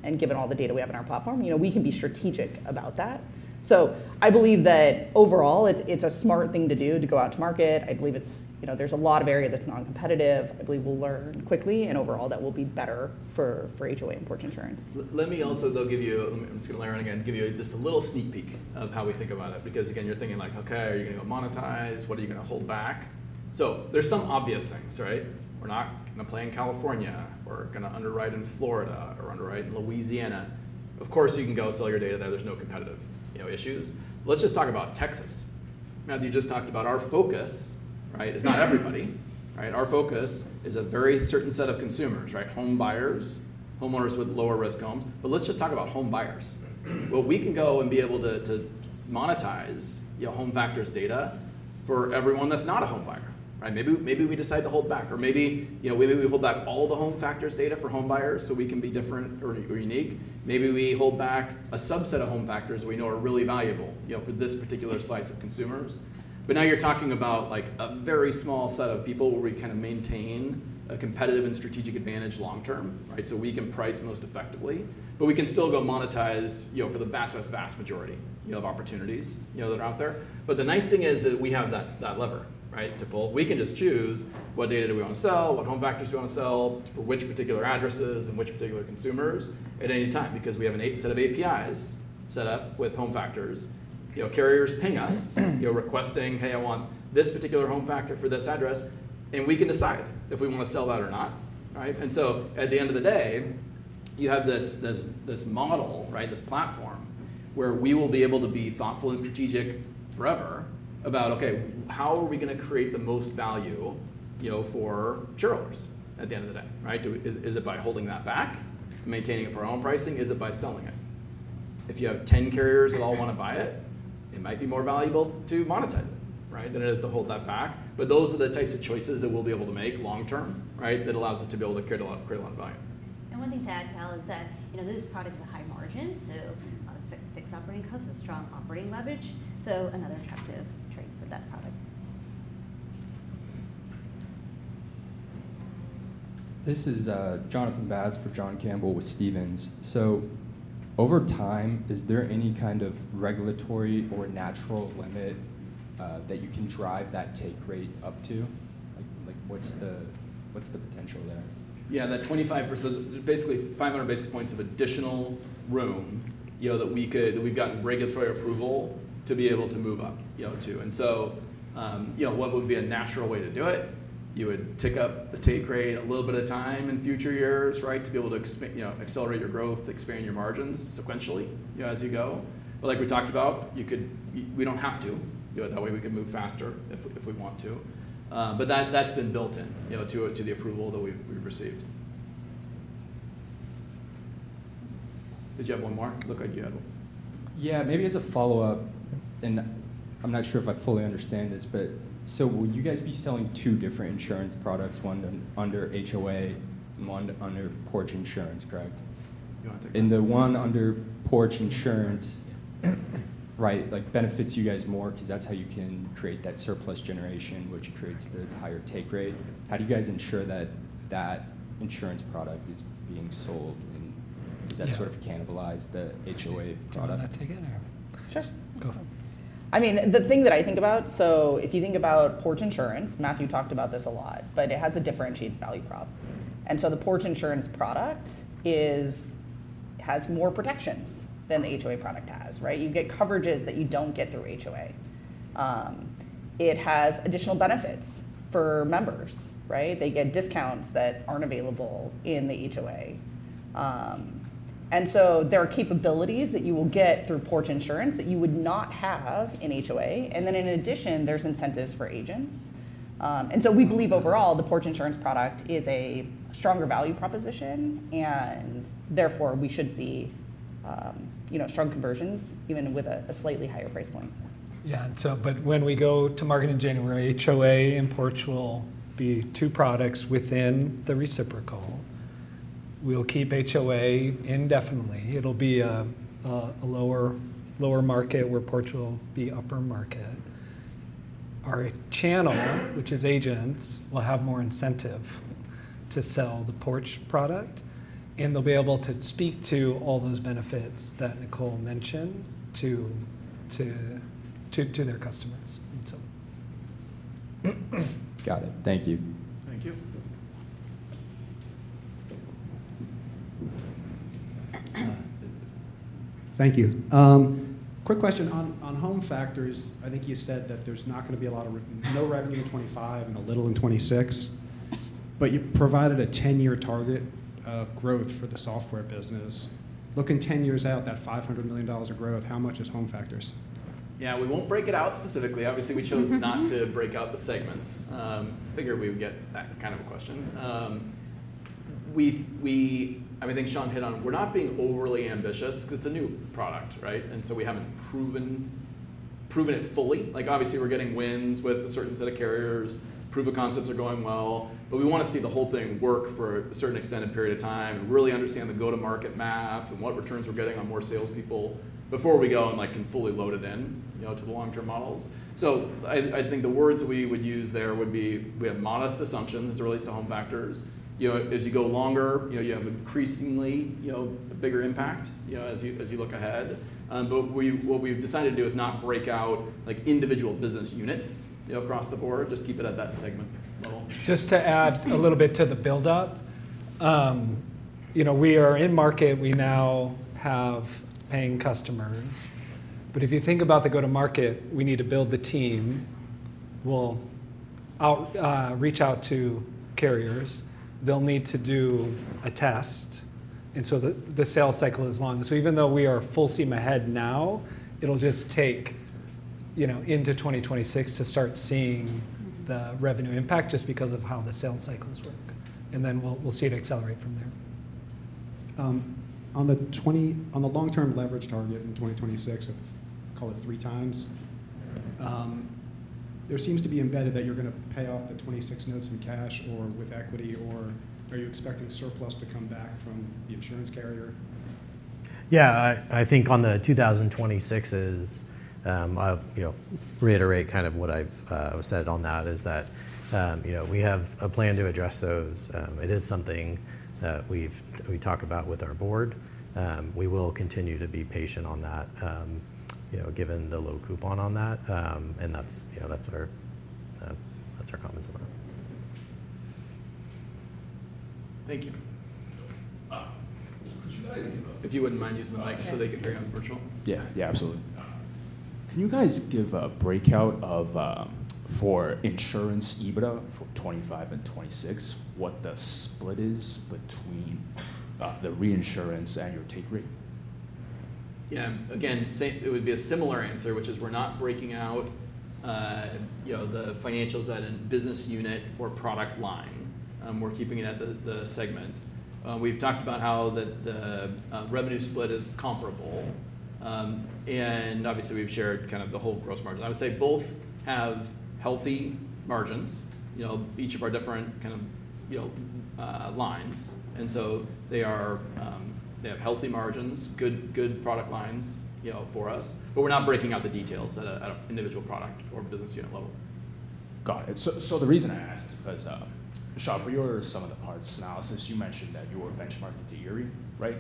And given all the data we have in our platform, we can be strategic about that. So I believe that overall, it's a smart thing to do to go out to market. I believe there's a lot of area that's non-competitive. I believe we'll learn quickly. And overall, that will be better for HOA and Porch Insurance. Let me also though give you. I'm just going to lay it out again and give you just a little sneak peek of how we think about it. Because again, you're thinking like, okay, are you going to go monetize? What are you going to hold back? So there's some obvious things. We're not going to play in California. We're going to underwrite in Florida or underwrite in Louisiana. Of course, you can go sell your data there. There's no competitive issues. Let's just talk about Texas. Matthew just talked about our focus is not everybody. Our focus is a very certain set of consumers, homebuyers, homeowners with lower risk homes. But let's just talk about homebuyers. Well, we can go and be able to monetize HomeFactors data for everyone that's not a home buyer. Maybe we decide to hold back. or maybe we hold back all the HomeFactors data for homebuyers so we can be different or unique. Maybe we hold back a subset of HomeFactors we know are really valuable for this particular slice of consumers. but now you're talking about a very small set of people where we kind of maintain a competitive and strategic advantage long term so we can price most effectively. but we can still go monetize for the vast, vast, vast majority of opportunities that are out there. but the nice thing is that we have that lever to pull. We can just choose what data do we want to sell, what HomeFactors do we want to sell, for which particular addresses and which particular consumers at any time because we have a set of APIs set up with HomeFactors. Carriers ping us requesting, "Hey, I want this particular HomeFactors for this address." We can decide if we want to sell that or not. At the end of the day, you have this model, this platform where we will be able to be thoughtful and strategic forever about, okay, how are we going to create the most value for shareholders at the end of the day. Is it by holding that back, maintaining it for our own pricing? Is it by selling it? If you have 10 carriers that all want to buy it, it might be more valuable to monetize it than it is to hold that back. Those are the types of choices that we'll be able to make long term that allows us to be able to create a lot of value. And one thing to add, Cal, is that this product is a high margin. So a lot of fixed operating costs, a strong operating leverage. So another attractive trade for that product. This is Jonathan Bass for John Campbell with Stephens. So over time, is there any kind of regulatory or natural limit that you can drive that take rate up to? What's the potential there? Yeah, that 25% is basically 500 basis points of additional room that we've gotten regulatory approval to be able to move up to. And so what would be a natural way to do it? You would tick up the take rate a little bit of time in future years to be able to accelerate your growth, expand your margins sequentially as you go. But like we talked about, we don't have to. That way we can move faster if we want to. But that's been built into the approval that we've received. Did you have one more? Look like you had one. Yeah, maybe as a follow-up, and I'm not sure if I fully understand this, but so will you guys be selling two different insurance products, one under HOA and one under Porch Insurance, correct? And the one under Porch Insurance benefits you guys more because that's how you can create that surplus generation, which creates the higher take rate. How do you guys ensure that that insurance product is being sold, and does that sort of cannibalize the HOA product? I'm going to take it. Just go for it. I mean, the thing that I think about, so if you think about Porch Insurance, Matthew talked about this a lot, but it has a differentiated value prop, and so the Porch Insurance product has more protections than the HOA product has. You get coverages that you don't get through HOA. It has additional benefits for members. They get discounts that aren't available in the HOA, and so there are capabilities that you will get through Porch Insurance that you would not have in HOA, and then in addition, there's incentives for agents, and so we believe overall, the Porch Insurance product is a stronger value proposition, and therefore, we should see strong conversions even with a slightly higher price point. Yeah, but when we go to market in January, HOA and Porch will be two products within the reciprocal. We'll keep HOA indefinitely. It'll be a lower market where Porch will be upper market. Our channel, which is agents, will have more incentive to sell the Porch product. And they'll be able to speak to all those benefits that Nicole mentioned to their customers. Got it. Thank you. Thank you. Thank you. Quick question on HomeFactors. I think you said that there's not going to be a lot of revenue in 2025 and a little in 2026. But you provided a 10-year target of growth for the software business. Looking 10 years out, that $500 million of growth, how much is HomeFactors? Yeah, we won't break it out specifically. Obviously, we chose not to break out the segments. I figured we would get that kind of a question. I think Shawn hit on it. We're not being overly ambitious because it's a new product, and so we haven't proven it fully. Obviously, we're getting wins with a certain set of carriers. Proof of concepts are going well. But we want to see the whole thing work for a certain extended period of time and really understand the go-to-market math and what returns we're getting on more salespeople before we go and can fully load it into the long-term models. So I think the words we would use there would be, we have modest assumptions as it relates to HomeFactors. As you go longer, you have increasingly a bigger impact as you look ahead. But what we've decided to do is not break out individual business units across the board. Just keep it at that segment level. Just to add a little bit to the build-up, we are in market. We now have paying customers. But if you think about the go-to-market, we need to build the team. We'll reach out to carriers. They'll need to do a test. And so the sales cycle is long. So even though we are full steam ahead now, it'll just take into 2026 to start seeing the revenue impact just because of how the sales cycles work. And then we'll see it accelerate from there. On the long-term leverage target in 2026, I'll call it three times, there seems to be embedded that you're going to pay off the '26 notes in cash or with equity. Or are you expecting surplus to come back from the insurance carrier? Yeah, I think on the 2026, I'll reiterate kind of what I've said on that is that we have a plan to address those. It is something that we talk about with our board. We will continue to be patient on that given the low coupon on that. And that's our comments on that. Thank you. Could you guys give a break? If you wouldn't mind using the mic so they can hear you on the virtual. Yeah, yeah, absolutely. Can you guys give a breakout for insurance EBITDA for 2025 and 2026, what the split is between the reinsurance and your take rate? Yeah, again, it would be a similar answer, which is we're not breaking out the financials at a business unit or product line. We're keeping it at the segment. We've talked about how the revenue split is comparable. And obviously, we've shared kind of the whole gross margin. I would say both have healthy margins, each of our different kind of lines. And so they have healthy margins, good product lines for us. But we're not breaking out the details at an individual product or business unit level. Got it. So the reason I asked is because, Shawn, for your sum of the parts analysis, you mentioned that you were benchmarking to Erie, right?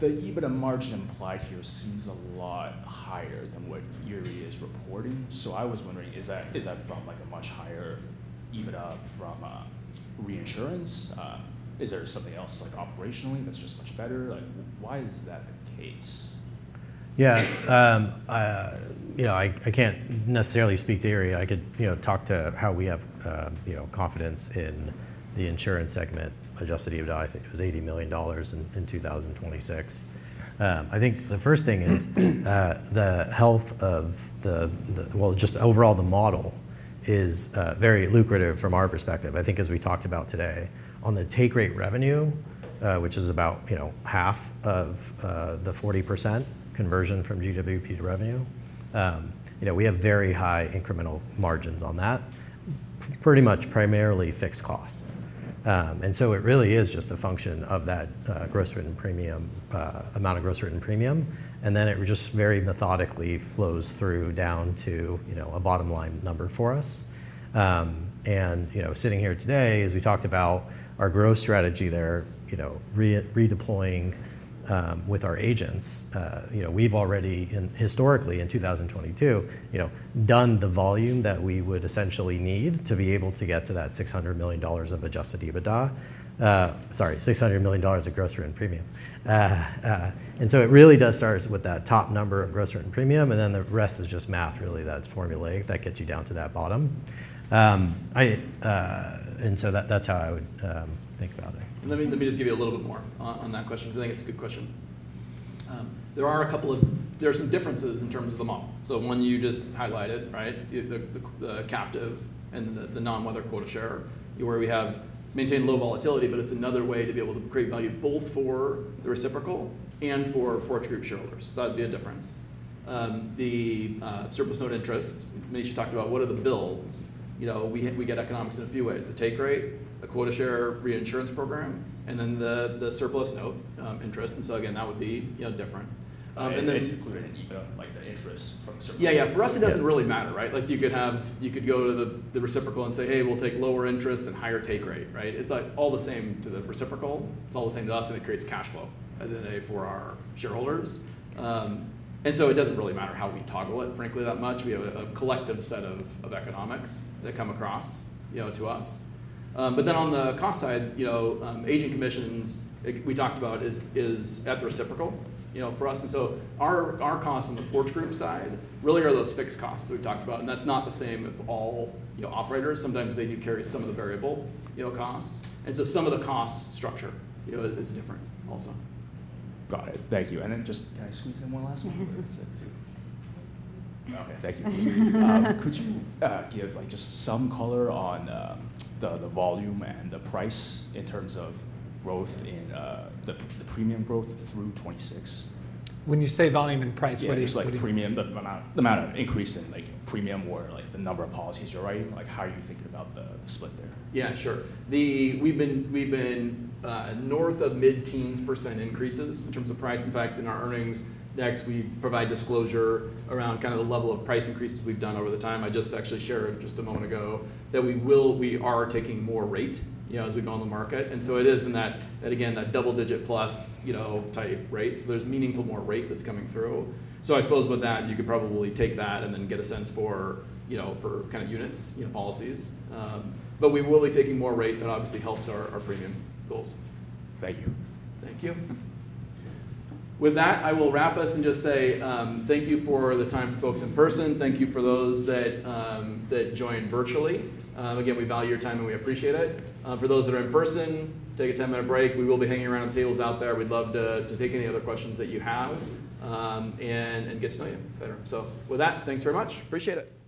The EBITDA margin implied here seems a lot higher than what Erie is reporting. So I was wondering, is that from a much higher EBITDA from reinsurance? Is there something else operationally that's just much better? Why is that the case? Yeah, I can't necessarily speak to Erie. I could talk to how we have confidence in the insurance segment Adjusted EBITDA. I think it was $80 million in 2026. I think the first thing is the health of the, well, just overall the model is very lucrative from our perspective. I think as we talked about today, on the take rate revenue, which is about half of the 40% conversion from GWP to revenue, we have very high incremental margins on that, pretty much primarily fixed costs. And so it really is just a function of that gross written premium, amount of gross written premium. And then it just very methodically flows through down to a bottom line number for us. And sitting here today, as we talked about our growth strategy there, redeploying with our agents, we've already historically in 2022 done the volume that we would essentially need to be able to get to that $600 million of Adjusted EBITDA. Sorry, $600 million of gross written premium. And so it really does start with that top number of gross written premium. And then the rest is just math, really. That's formulaic that gets you down to that bottom. That's how I would think about it. And let me just give you a little bit more on that question because I think it's a good question. There are a couple of, there are some differences in terms of the model. So one you just highlighted, the captive and the non-weather quota share, where we have maintained low volatility, but it's another way to be able to create value both for the reciprocal and for Porch Group shareholders. That would be a difference. The surplus note interest, Manisha talked about, what are the bells and whistles? We get economics in a few ways. The take rate, the quota share reinsurance program, and then the surplus note interest. And so again, that would be different. Basically an EBITDA, like the interest from the surplus. Yeah, yeah, for us, it doesn't really matter. You could go to the reciprocal and say, hey, we'll take lower interest and higher take rate. It's all the same to the reciprocal. It's all the same to us, and it creates cash flow for our shareholders. And so it doesn't really matter how we toggle it, frankly, that much. We have a collective set of economics that come across to us. But then on the cost side, agent commissions we talked about is at the reciprocal for us. And so our costs on the Porch Group side really are those fixed costs that we talked about. And that's not the same of all operators. Sometimes they do carry some of the variable costs. And so some of the cost structure is different also. Got it. Thank you. And then just can I squeeze in one last one? Okay, thank you. Could you give just some color on the volume and the price in terms of growth in the premium growth through 2026? When you say volume and price, what do you mean? Just like premium, the amount of increase in premium or the number of policies you're writing. How are you thinking about the split there? Yeah, sure. We've been north of mid-teens percent increases in terms of price. In fact, in our next earnings, we provide disclosure around kind of the level of price increases we've done over time. I just actually shared just a moment ago that we are taking more rate as we go on the market. And so it is in that, again, that double-digit plus type rate. So there's meaningful more rate that's coming through. So I suppose with that, you could probably take that and then get a sense for kind of units, policies. But we will be taking more rate that obviously helps our premium goals. Thank you. Thank you. With that, I will wrap up and just say thank you for the time for folks in person. Thank you for those that joined virtually. Again, we value your time and we appreciate it. For those that are in person, take a 10-minute break. We will be hanging around on tables out there. We'd love to take any other questions that you have and get to know you better. So with that, thanks very much. Appreciate it.